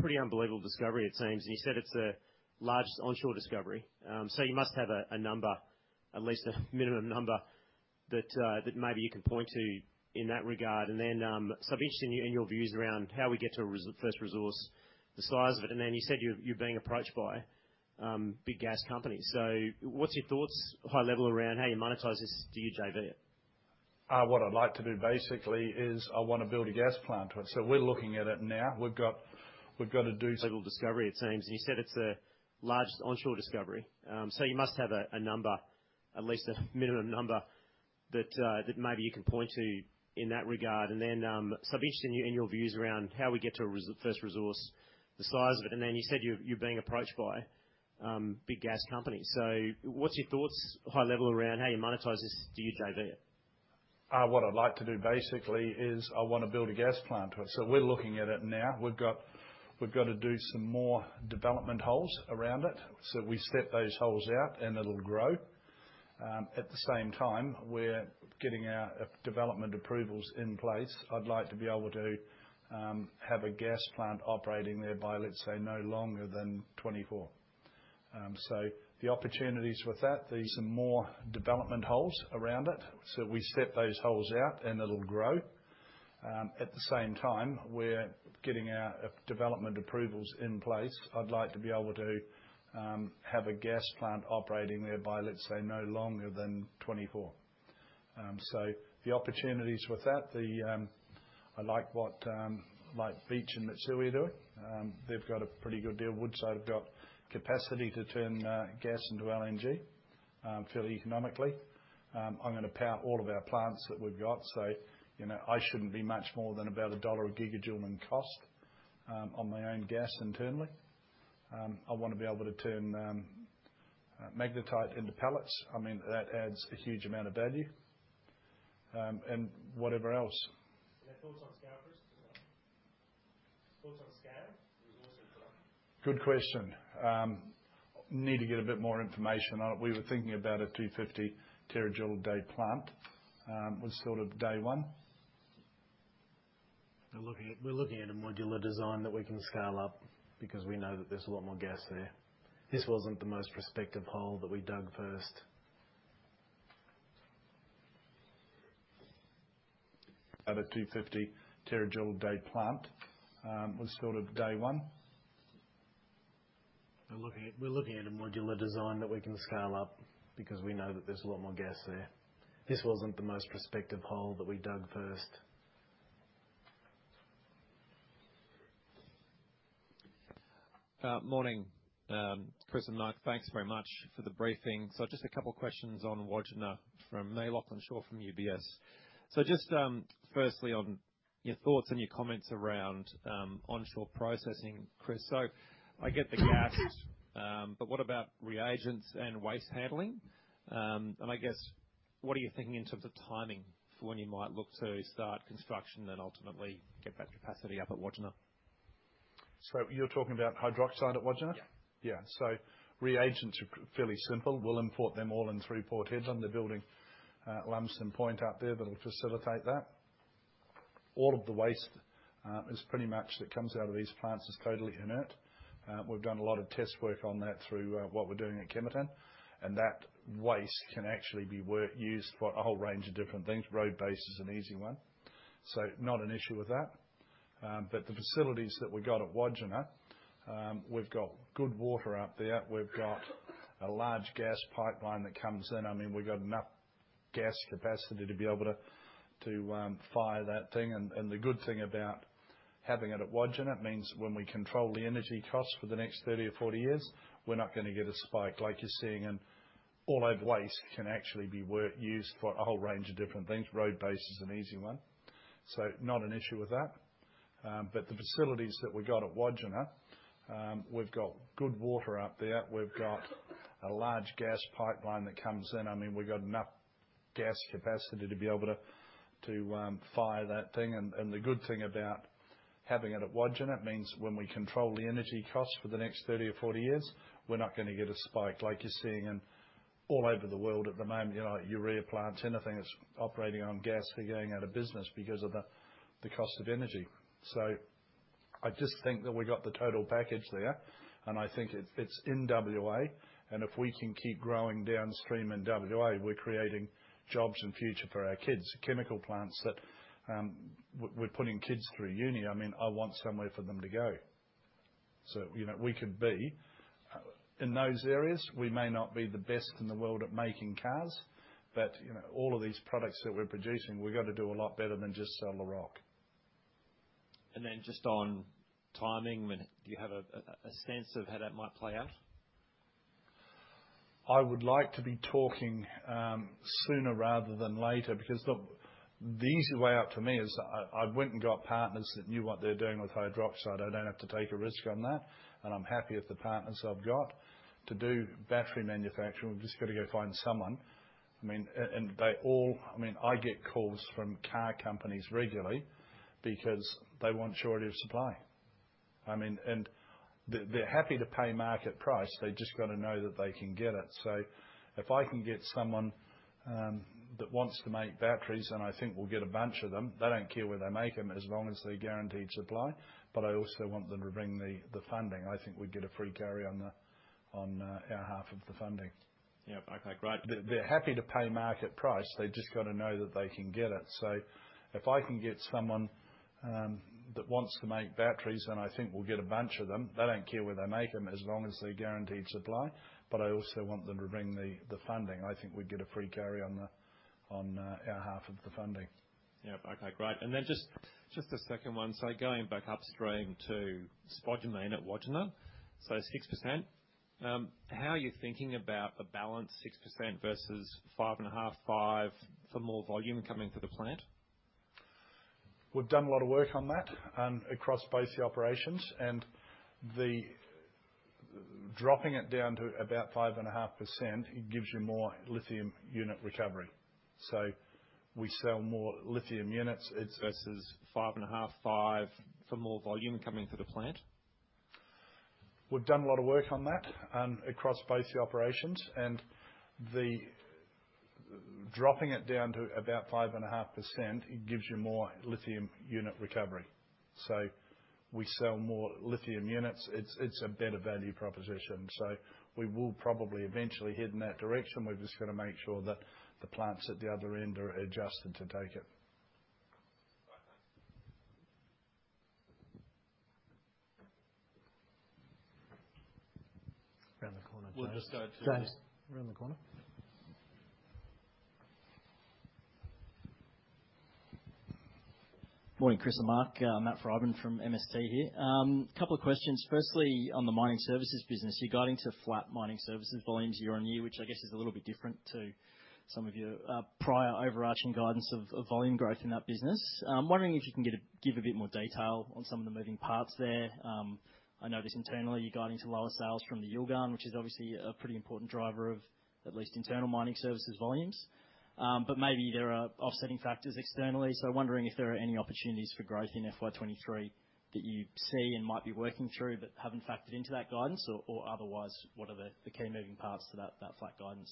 pretty unbelievable discovery, it seems. You said it's the largest onshore discovery. You must have a number, at least a minimum number that maybe you can point to in that regard. I'm interested in your views around how we get to a first resource the size of it. You said you're being approached by big gas companies. What's your thoughts, high level, around how you monetize this to your JV? What I'd like to do basically is I wanna build a gas plant to it. We're looking at it now. We've got to do. Total discovery, it seems. You said it's the largest onshore discovery. You must have a number, at least a minimum number that maybe you can point to in that regard. I'm interested in your views around how we get to first resource the size of it. You said you're being approached by big gas companies. What's your thoughts, high level, around how you monetize this to your JV? What I'd like to do basically is I wanna build a gas plant to it. We're looking at it now. We've got to do some more development holes around it. We set those holes out, and it'll grow. At the same time, we're getting our development approvals in place. I'd like to be able to have a gas plant operating there by, let's say, no longer than 2024. The opportunities with that, I like what like Beach and Mitsui doing. They've got a pretty good deal. Woodside have got capacity to turn gas into LNG fairly economically. I'm gonna power all of our plants that we've got, so you know, I shouldn't be much more than about AUD 1 a gigajoule in cost on my own gas internally. I wanna be able to turn magnetite into pellets. I mean, that adds a huge amount of value. Whatever else. Any thoughts on scalpers as well? Thoughts on scale, resources? Good question. Need to get a bit more information on it. We were thinking about a 250 terajoule day plant, was sort of day one. We're looking at a modular design that we can scale up because we know that there's a lot more gas there. This wasn't the most prospective hole that we dug first. At a 250 terajoule day plant was sort of day one. We're looking at a modular design that we can scale up because we know that there's a lot more gas there. This wasn't the most prospective hole that we dug first. Morning, Chris and Mark. Thanks very much for the briefing. Just a couple questions on Wodgina from me, Lachlan Shaw from UBS. Just firstly on your thoughts and your comments around onshore processing, Chris. I get the gas, but what about reagents and waste handling? I guess, what are you thinking in terms of timing for when you might look to start construction and ultimately get that capacity up at Wodgina? You're talking about hydroxide at Wodgina? Yeah. Reagents are fairly simple. We'll import them all in through Port Hedland. They're building Lumsden Point out there that'll facilitate that. All of the waste is pretty much that comes out of these plants is totally inert. We've done a lot of test work on that through what we're doing at Kemerton. That waste can actually be used for a whole range of different things. Road base is an easy one. Not an issue with that. But the facilities that we got at Wodgina, we've got good water up there. We've got a large gas pipeline that comes in. I mean, we've got enough gas capacity to be able to fire that thing. The good thing about having it at Wodgina means when we control the energy costs for the next 30-40 years, we're not gonna get a spike like you're seeing all over the world at the moment. Waste can actually be used for a whole range of different things. Road base is an easy one. Not an issue with that. The facilities that we got at Wodgina, we've got good water up there. We've got a large gas pipeline that comes in. I mean, we've got enough gas capacity to be able to fire that thing. You know, urea plants, anything that's operating on gas, they're going out of business because of the cost of energy. I just think that we got the total package there, and I think it's in WA. If we can keep growing downstream in WA, we're creating jobs and future for our kids. Chemical plants that we're putting kids through uni. I mean, I want somewhere for them to go. You know, we can be in those areas. We may not be the best in the world at making cars, but, you know, all of these products that we're producing, we've got to do a lot better than just sell the rock. Just on timing, do you have a sense of how that might play out? I would like to be talking sooner rather than later because look, the easy way out for me is I went and got partners that knew what they're doing with hydroxide. I don't have to take a risk on that, and I'm happy with the partners I've got. To do battery manufacturing, we've just got to go find someone. I mean, I get calls from car companies regularly because they want surety of supply. I mean, they're happy to pay market price. They've just got to know that they can get it. If I can get someone that wants to make batteries, then I think we'll get a bunch of them. They don't care where they make them as long as they're guaranteed supply. I also want them to bring the funding. I think we'd get a free carry on our half of the funding. Yeah. Okay, great. They're happy to pay market price. They've just got to know that they can get it. If I can get someone that wants to make batteries, then I think we'll get a bunch of them. They don't care where they make them as long as they're guaranteed supply. I also want them to bring the funding. I think we'd get a free carry on our half of the funding. Yeah. Okay, great. Just the second one. Going back upstream to spodumene at Wodgina. 6%, how are you thinking about a balance 6% versus 5.5 for more volume coming through the plant? We've done a lot of work on that, across both the operations. Dropping it down to about 5.5%, it gives you more lithium unit recovery. We sell more lithium units. It's versus 5.5 for more volume coming through the plant. We've done a lot of work on that across basic operations. Dropping it down to about 5.5%, it gives you more lithium unit recovery. So we sell more lithium units. It's a better value proposition. So we will probably eventually head in that direction. We've just gotta make sure that the plants at the other end are adjusted to take it. Right. Thanks. Around the corner. We'll just go to- James, around the corner. Morning, Chris and Mark. Matthew Frydman from MST here. A couple of questions. Firstly, on the mining services business, you're guiding to flat mining services volumes year-on-year, which I guess is a little bit different to some of your prior overarching guidance of volume growth in that business. I'm wondering if you can give a bit more detail on some of the moving parts there. I know this internally, you're guiding to lower sales from the Yilgarn, which is obviously a pretty important driver of at least internal mining services volumes. But maybe there are offsetting factors externally. Wondering if there are any opportunities for growth in FY23 that you see and might be working through but haven't factored into that guidance? Or otherwise, what are the key moving parts to that flat guidance?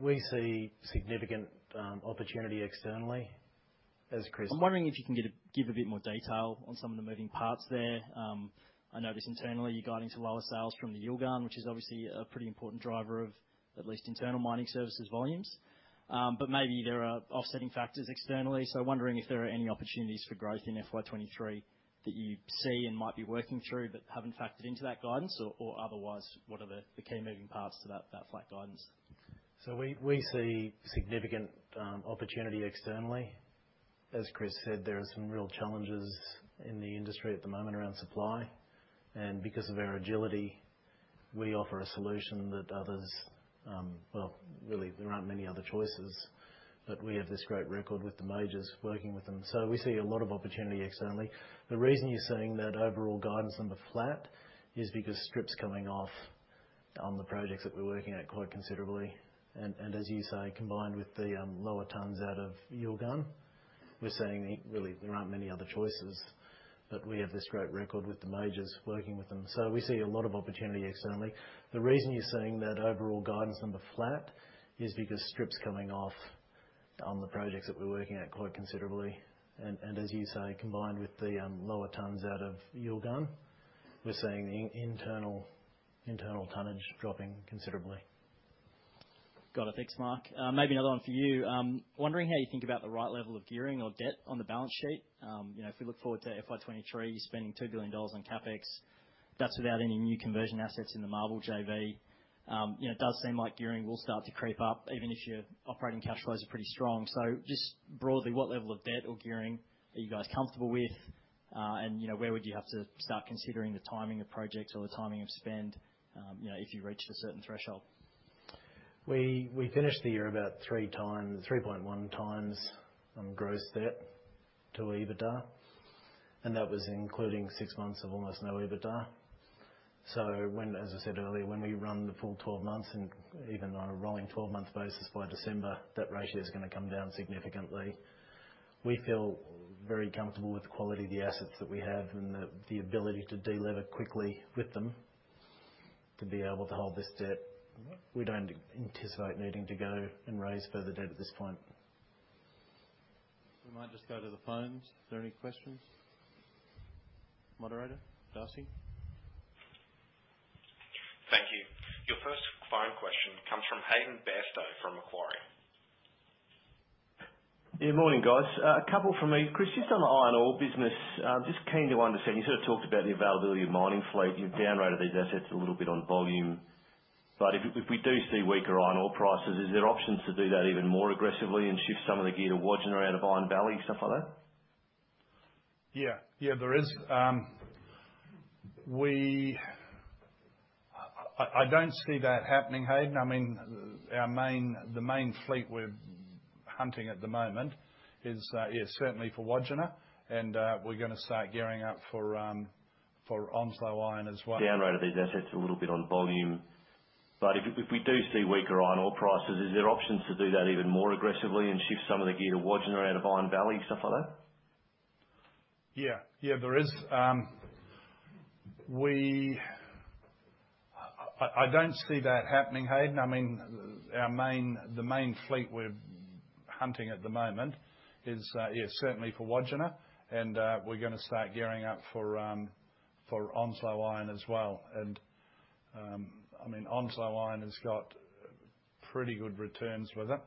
We see significant opportunity externally. As Chris- I'm wondering if you can give a bit more detail on some of the moving parts there. I know this internally, you're guiding to lower sales from the Yilgarn, which is obviously a pretty important driver of at least internal mining services volumes. Maybe there are offsetting factors externally. Wondering if there are any opportunities for growth in FY23 that you see and might be working through but haven't factored into that guidance? Or otherwise, what are the key moving parts to that flat guidance? We see significant opportunity externally. As Chris said, there are some real challenges in the industry at the moment around supply. Because of our agility, we offer a solution that others. Well, really, there aren't many other choices. We have this great record with the majors working with them. We see a lot of opportunity externally. The reason you're seeing that overall guidance on the flat is because strip's coming off on the projects that we're working at quite considerably. As you say, combined with the lower tons out of Yilgarn, we're seeing the. Really, there aren't many other choices. We have this great record with the majors working with them. We see a lot of opportunity externally. The reason you're seeing that overall guidance on the flat is because strip's coming off on the projects that we're working at quite considerably. As you say, combined with the lower tons out of Yilgarn, we're seeing the internal tonnage dropping considerably. Got it. Thanks, Mark. Maybe another one for you. Wondering how you think about the right level of gearing or debt on the balance sheet. You know, if we look forward to FY23, you're spending 2 billion dollars on CapEx. That's without any new conversion assets in the MARBL JV. You know, it does seem like gearing will start to creep up even if your operating cash flows are pretty strong. Just broadly, what level of debt or gearing are you guys comfortable with? You know, where would you have to start considering the timing of projects or the timing of spend, you know, if you reached a certain threshold? We finished the year about 3.1x on gross debt to EBITDA, and that was including six months of almost no EBITDA. When, as I said earlier, when we run the full 12 months and even on a rolling 12-month basis by December, that ratio is gonna come down significantly. We feel very comfortable with the quality of the assets that we have and the ability to delever quickly with them to be able to hold this debt. We don't anticipate needing to go and raise further debt at this point. We might just go to the phones. Are there any questions? Moderator, Darcy? Thank you. Your first phone question comes from Hayden Bairstow from Macquarie. Yeah, morning, guys. A couple from me. Chris, just on the iron ore business, I'm just keen to understand, you sort of talked about the availability of mining fleet. You've down-rated these assets a little bit on volume. If we do see weaker iron ore prices, is there options to do that even more aggressively and shift some of the gear to Wodgina out of Iron Valley, stuff like that? Yeah. Yeah, there is. I don't see that happening, Hayden. I mean, our main fleet we're hunting at the moment is certainly for Wodgina, and we're gonna start gearing up for Onslow Iron as well. Downgraded these assets a little bit on volume. If we do see weaker iron ore prices, is there options to do that even more aggressively and shift some of the gear to Wodgina out of Iron Valley, stuff like that? Yeah. Yeah, there is. I don't see that happening, Hayden. I mean, the main fleet we're hunting at the moment is yeah, certainly for Wodgina, and we're gonna start gearing up for Onslow Iron as well. I mean, Onslow Iron has got pretty good returns with it.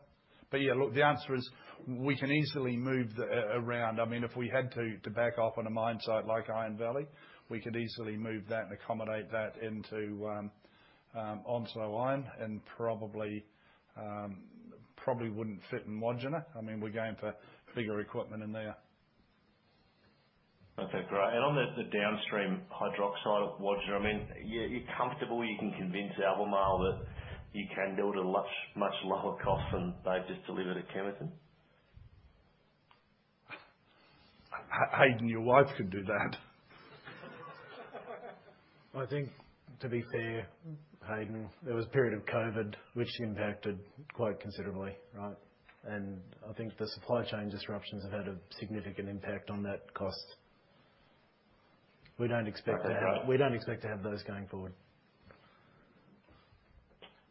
Yeah, look, the answer is we can easily move around. I mean, if we had to back off on a mine site like Iron Valley, we could easily move that and accommodate that into Onslow Iron and probably wouldn't fit in Wodgina. I mean, we're going for bigger equipment in there. Okay, great. On the downstream hydroxide of Wodgina, I mean, you're comfortable you can convince Albemarle that you can build a much lower cost than they've just delivered at Kemerton? Hayden, your wife could do that. I think. To be fair, Hayden, there was a period of COVID which impacted quite considerably, right? I think the supply chain disruptions have had a significant impact on that cost. We don't expect to have those going forward.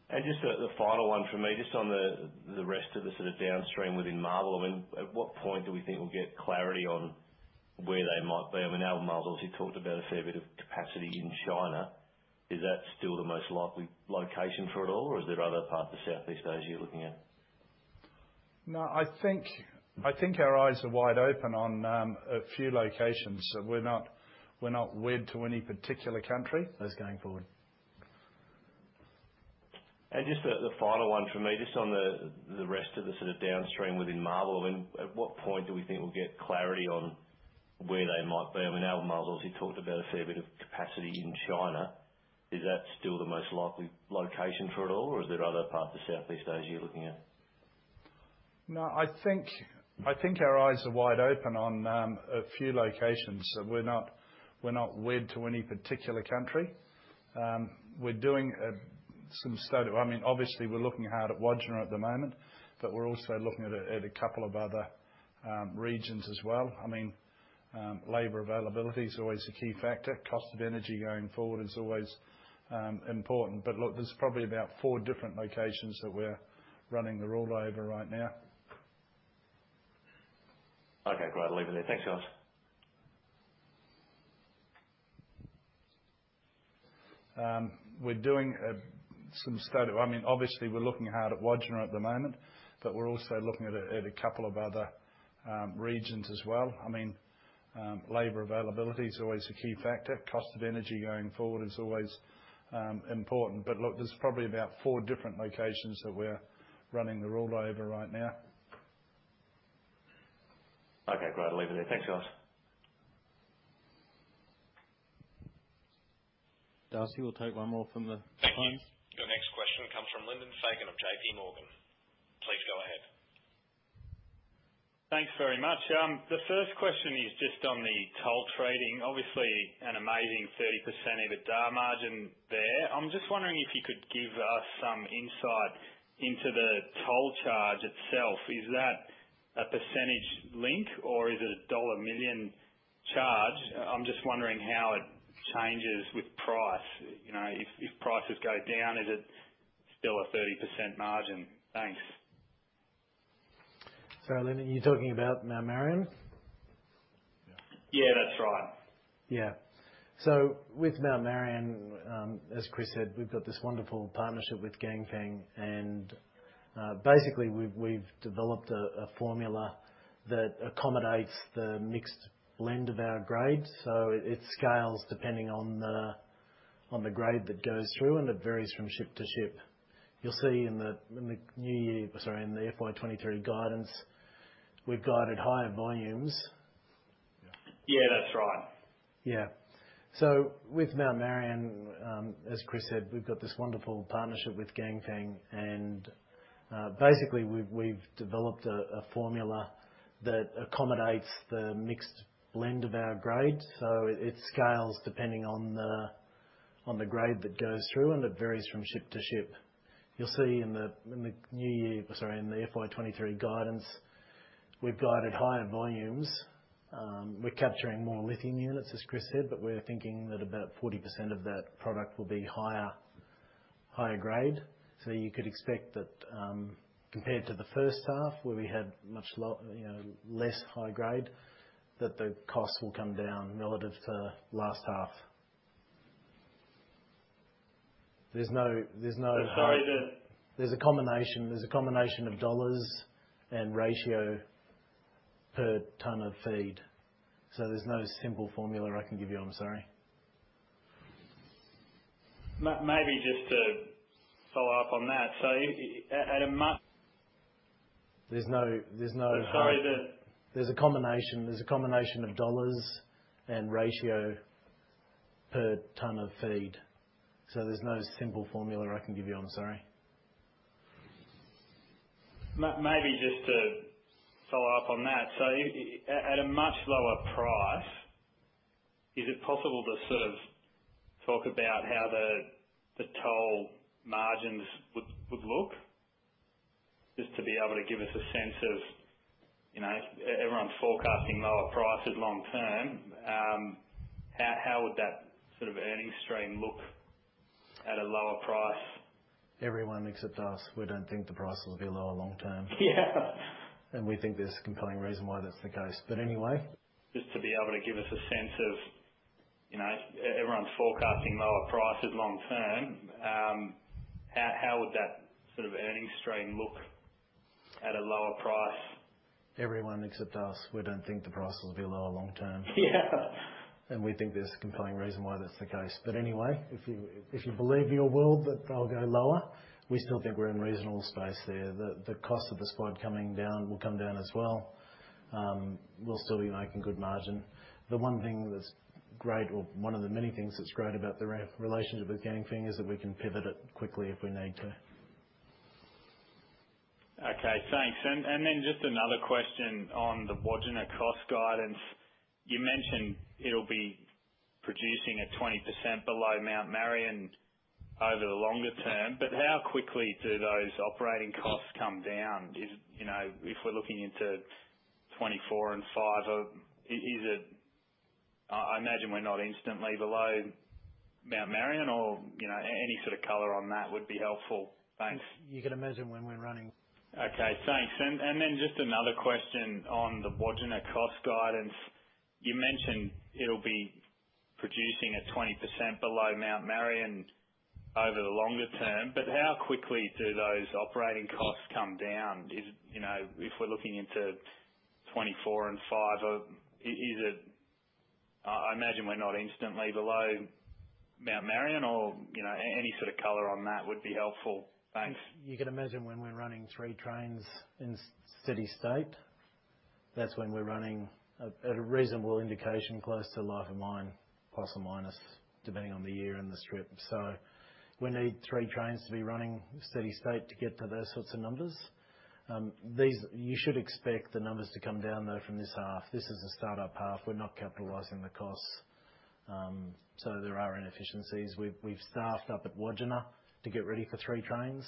Just the final one from me, just on the rest of the sort of downstream within MARBL. I mean, at what point do we think we'll get clarity on where they might be? I mean, Albemarle obviously talked about a fair bit of capacity in China. Is that still the most likely location for it all, or is there other parts of Southeast Asia you're looking at? No, I think our eyes are wide open on a few locations. We're not wed to any particular country. That's going forward. Just the final one from me, just on the rest of the sort of downstream within MARBL. I mean, at what point do we think we'll get clarity on where they might be? I mean, Albemarle obviously talked about a fair bit of capacity in China. Is that still the most likely location for it all, or is there other parts of Southeast Asia you're looking at? No, I think our eyes are wide open on a few locations. We're not wed to any particular country. We're doing some study. I mean, obviously, we're looking hard at Wodgina at the moment, but we're also looking at a couple of other regions as well. I mean, labor availability is always a key factor. Cost of energy going forward is always important. Look, there's probably about four different locations that we're running the ruler over right now. Okay, great. I'll leave it there. Thanks, guys. We're doing some study. I mean, obviously, we're looking hard at Wodgina at the moment, but we're also looking at a couple of other regions as well. I mean, labor availability is always a key factor. Cost of energy going forward is always important. Look, there's probably about four different locations that we're running the ruler over right now. Okay, great. I'll leave it there. Thanks, guys. Darcy, we'll take one more from the phones. Thank you. Your next question comes from Lyndon Fagan of J.P. Morgan. Please go ahead. Thanks very much. The first question is just on the toll treating. Obviously, an amazing 30% EBITDA margin there. I'm just wondering if you could give us some insight into the toll charge itself. Is that percentage linked or is it a dollar 1 million charge? I'm just wondering how it changes with price. You know, if prices go down, is it still a 30% margin? Thanks. Lyndon, you're talking about Mount Marion? Yeah, that's right. With Mount Marion, as Chris said, we've got this wonderful partnership with Ganfeng. Basically, we've developed a formula that accommodates the mixed blend of our grades. It scales depending on the grade that goes through, and it varies from ship to ship. You'll see in the FY23 guidance, we've guided higher volumes. Yeah, that's right. With Mount Marion, as Chris said, we've got this wonderful partnership with Ganfeng. Basically we've developed a formula that accommodates the mixed blend of our grades. It scales depending on the grade that goes through, and it varies from ship to ship. You'll see in the FY23 guidance, we've guided higher volumes. We're capturing more lithium units, as Chris said, but we're thinking that about 40% of that product will be higher grade. You could expect that, compared to the first half, where we had, you know, less high grade, that the costs will come down relative to the last half. There's no Sorry. There's a combination of dollars and ratio per ton of feed. There's no simple formula I can give you. I'm sorry. Maybe just to follow up on that. There's no. Sorry, the- There's a combination of dollars and ratio per ton of feed. There's no simple formula I can give you. I'm sorry. Maybe just to follow up on that. At a much lower price, is it possible to sort of talk about how the toll margins would look? Just to be able to give us a sense of, you know, everyone's forecasting lower prices long term. How would that sort of earnings stream look at a lower price? Everyone except us, we don't think the price will be lower long term. Yeah. We think there's a compelling reason why that's the case. Anyway. Just to be able to give us a sense of, you know, everyone's forecasting lower prices long term. How would that sort of earnings stream look at a lower price? Everyone except us, we don't think the price will be lower long term. Yeah. We think there's a compelling reason why that's the case. Anyway, if you believe in your world that they'll go lower, we still think we're in reasonable space there. The cost of the spodumene coming down will come down as well. We'll still be making good margin. The one thing that's great or one of the many things that's great about the relationship with Ganfeng is that we can pivot it quickly if we need to. Okay, thanks. Just another question on the Wodgina cost guidance. You mentioned it'll be producing at 20% below Mount Marion over the longer term, but how quickly do those operating costs come down? You know, if we're looking into 2024 and 2025, is it? I imagine we're not instantly below Mount Marion, or, you know, any sort of color on that would be helpful. Thanks. You can imagine when we're running. Okay, thanks. Then just another question on the Wodgina cost guidance. You mentioned it'll be producing at 20% below Mount Marion over the longer term, but how quickly do those operating costs come down? You know, if we're looking into 2024 and 2025, is it? I imagine we're not instantly below Mount Marion or, you know, any sort of color on that would be helpful. Thanks. You can imagine when we're running three trains in steady state, that's when we're running at a reasonable indication, close to life of mine, plus or minus, depending on the year and the strip. We need three trains to be running steady state to get to those sorts of numbers. You should expect the numbers to come down, though, from this half. This is the start-up half. We're not capitalizing the costs. There are inefficiencies. We've staffed up at Wodgina to get ready for three trains.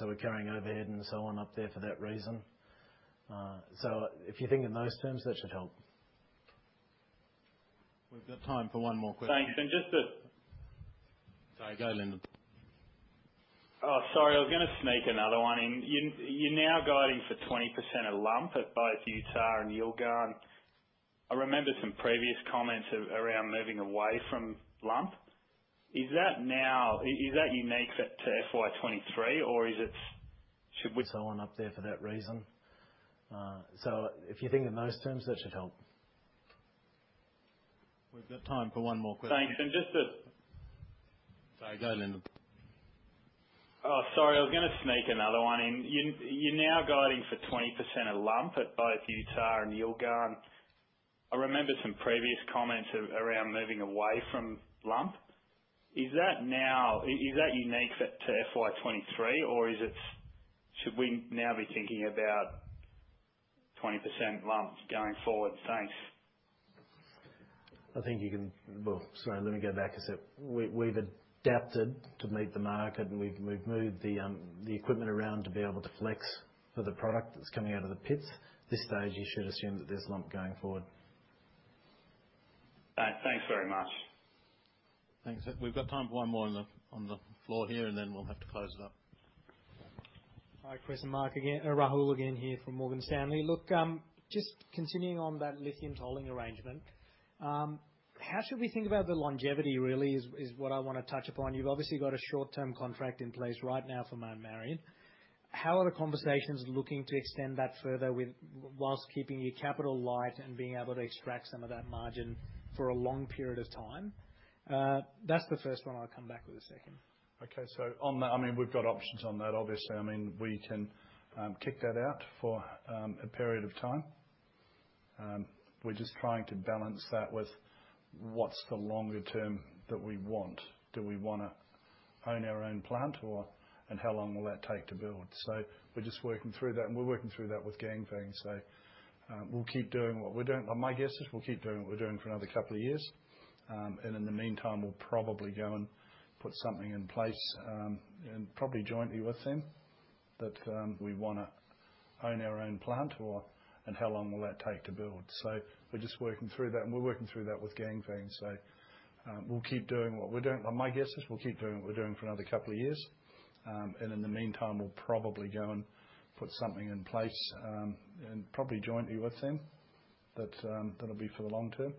We're carrying overhead and so on up there for that reason. If you think in those terms, that should help. We've got time for one more question. Thanks. Sorry, go Lyndon. Oh, sorry. I was gonna sneak another one in. You're now guiding for 20% of lump at both Utah and Yilgarn. I remember some previous comments around moving away from lump. Is that now unique to FY23 or is it should we on up there for that reason. If you think in those terms, that should help Oh, sorry. I was gonna sneak another one in. You're now guiding for 20% of lump at both Utah and Yilgarn. I remember some previous comments around moving away from lump. Is that now unique to FY23 or should we now be thinking about 20% lumps going forward? Thanks. Well, sorry, let me go back a step. We've adapted to meet the market, and we've moved the equipment around to be able to flex for the product that's coming out of the pits. At this stage, you should assume that there's lump going forward. All right. Thanks very much. Thanks. We've got time for one more on the floor here, and then we'll have to close it up. Hi, Chris and Mark again. Rahul again here from Morgan Stanley. Look, just continuing on that lithium tolling arrangement, how should we think about the longevity really is what I wanna touch upon. You've obviously got a short-term contract in place right now for Mount Marion. How are the conversations looking to extend that further with whilst keeping your capital light and being able to extract some of that margin for a long period of time? That's the first one. I'll come back with a second. Okay. On that, I mean, we've got options on that, obviously. I mean, we can kick that out for a period of time. We're just trying to balance that with what's the longer term that we want. Do we wanna own our own plant or, and how long will that take to build? We're just working through that, and we're working through that with Ganfeng. We'll keep doing what we're doing. My guess is we'll keep doing what we're doing for another couple of years. And in the meantime, we'll probably go and put something in place, and probably jointly with them. My guess is we'll keep doing what we're doing for another couple of years. In the meantime, we'll probably go and put something in place, and probably jointly with them that'll be for the long term.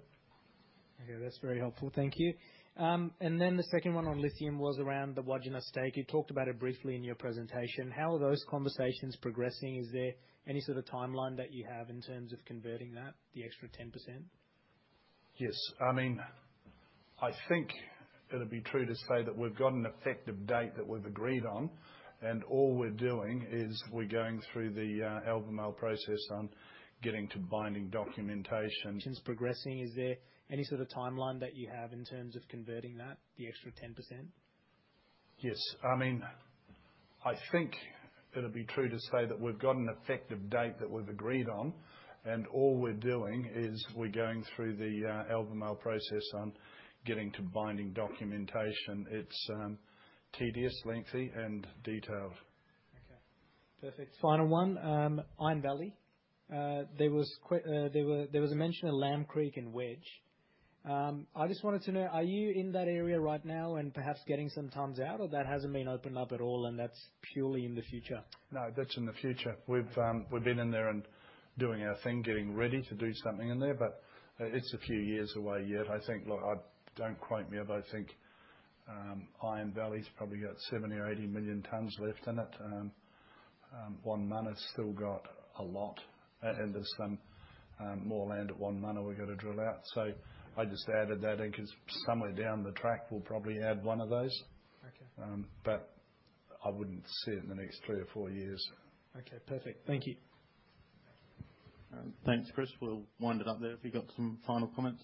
Okay, that's very helpful. Thank you. The second one on lithium was around the Wodgina stake. You talked about it briefly in your presentation. How are those conversations progressing? Is there any sort of timeline that you have in terms of converting that, the extra 10%? Yes. I mean, I think it'd be true to say that we've got an effective date that we've agreed on, and all we're doing is we're going through the email process on getting to binding documentation. Is there any sort of timeline that you have in terms of converting that, the extra 10%? Yes. I mean, I think it'd be true to say that we've got an effective date that we've agreed on, and all we're doing is we're going through the email process on getting to binding documentation. It's tedious, lengthy, and detailed. Okay. Perfect. Final one. Iron Valley, there was a mention of Lamb Creek and Wedge. I just wanted to know, are you in that area right now and perhaps getting some tons out, or that hasn't been opened up at all and that's purely in the future? No, that's in the future. We've been in there and doing our thing, getting ready to do something in there, but it's a few years away yet. I think, look, don't quote me, but I think Iron Valley's probably got 70 or 80 million tons left in it. Wonmunna's still got a lot, and there's some more land at Wonmunna we've got to drill out. I just added that in 'cause somewhere down the track we'll probably add one of those. Okay. I wouldn't see it in the next three or four years. Okay, perfect. Thank you. Thanks, Chris. We'll wind it up there, if you've got some final comments?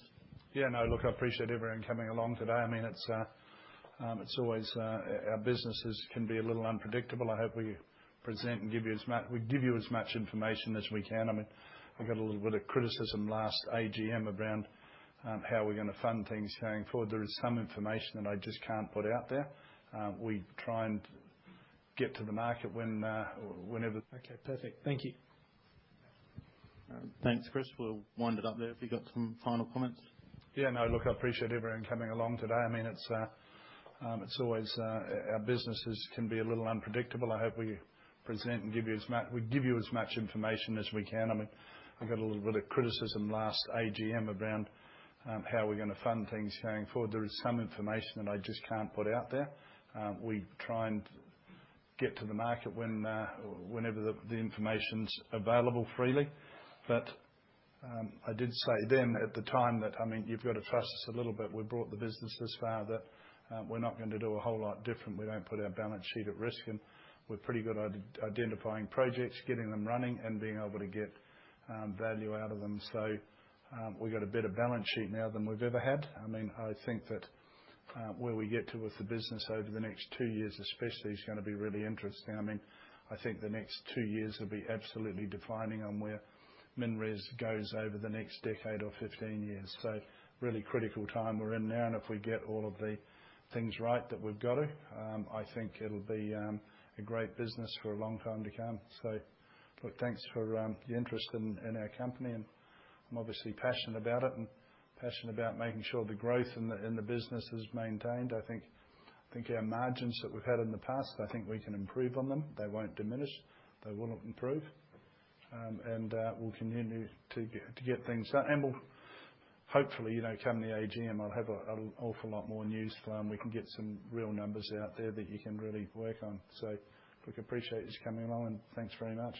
Yeah, no, look, I appreciate everyone coming along today. I mean, it's always our businesses can be a little unpredictable. I hope we present and give you as much information as we can. I mean, I got a little bit of criticism last AGM around how we're gonna fund things going forward. There is some information that I just can't put out there. We try and get to the market whenever. Okay, perfect. Thank you. Thanks, Chris. We'll wind it up there, if you've got some final comments. Yeah, no, look, I appreciate everyone coming along today. I mean, it's always our businesses can be a little unpredictable. I hope we present and give you as much information as we can. I mean, I got a little bit of criticism last AGM around how we're gonna fund things going forward. There is some information that I just can't put out there. We try and get to the market when whenever the information's available freely. But I did say then at the time that, I mean, you've got to trust us a little bit. We've brought the business this far that we're not going to do a whole lot different. We won't put our balance sheet at risk, and we're pretty good at identifying projects, getting them running, and being able to get value out of them. We've got a better balance sheet now than we've ever had. I mean, I think that where we get to with the business over the next two years especially is gonna be really interesting. I mean, I think the next two years will be absolutely defining on where MinRes goes over the next decade or 15 years. Really critical time we're in now, and if we get all of the things right that we've got to, I think it'll be a great business for a long time to come. Look, thanks for the interest in our company, and I'm obviously passionate about it and passionate about making sure the growth in the business is maintained. I think our margins that we've had in the past, I think we can improve on them. They won't diminish. They will improve. We'll continue to get things done, and we'll hopefully, you know, come the AGM, I'll have an awful lot more news. We can get some real numbers out there that you can really work on. Look, appreciate you coming along, and thanks very much.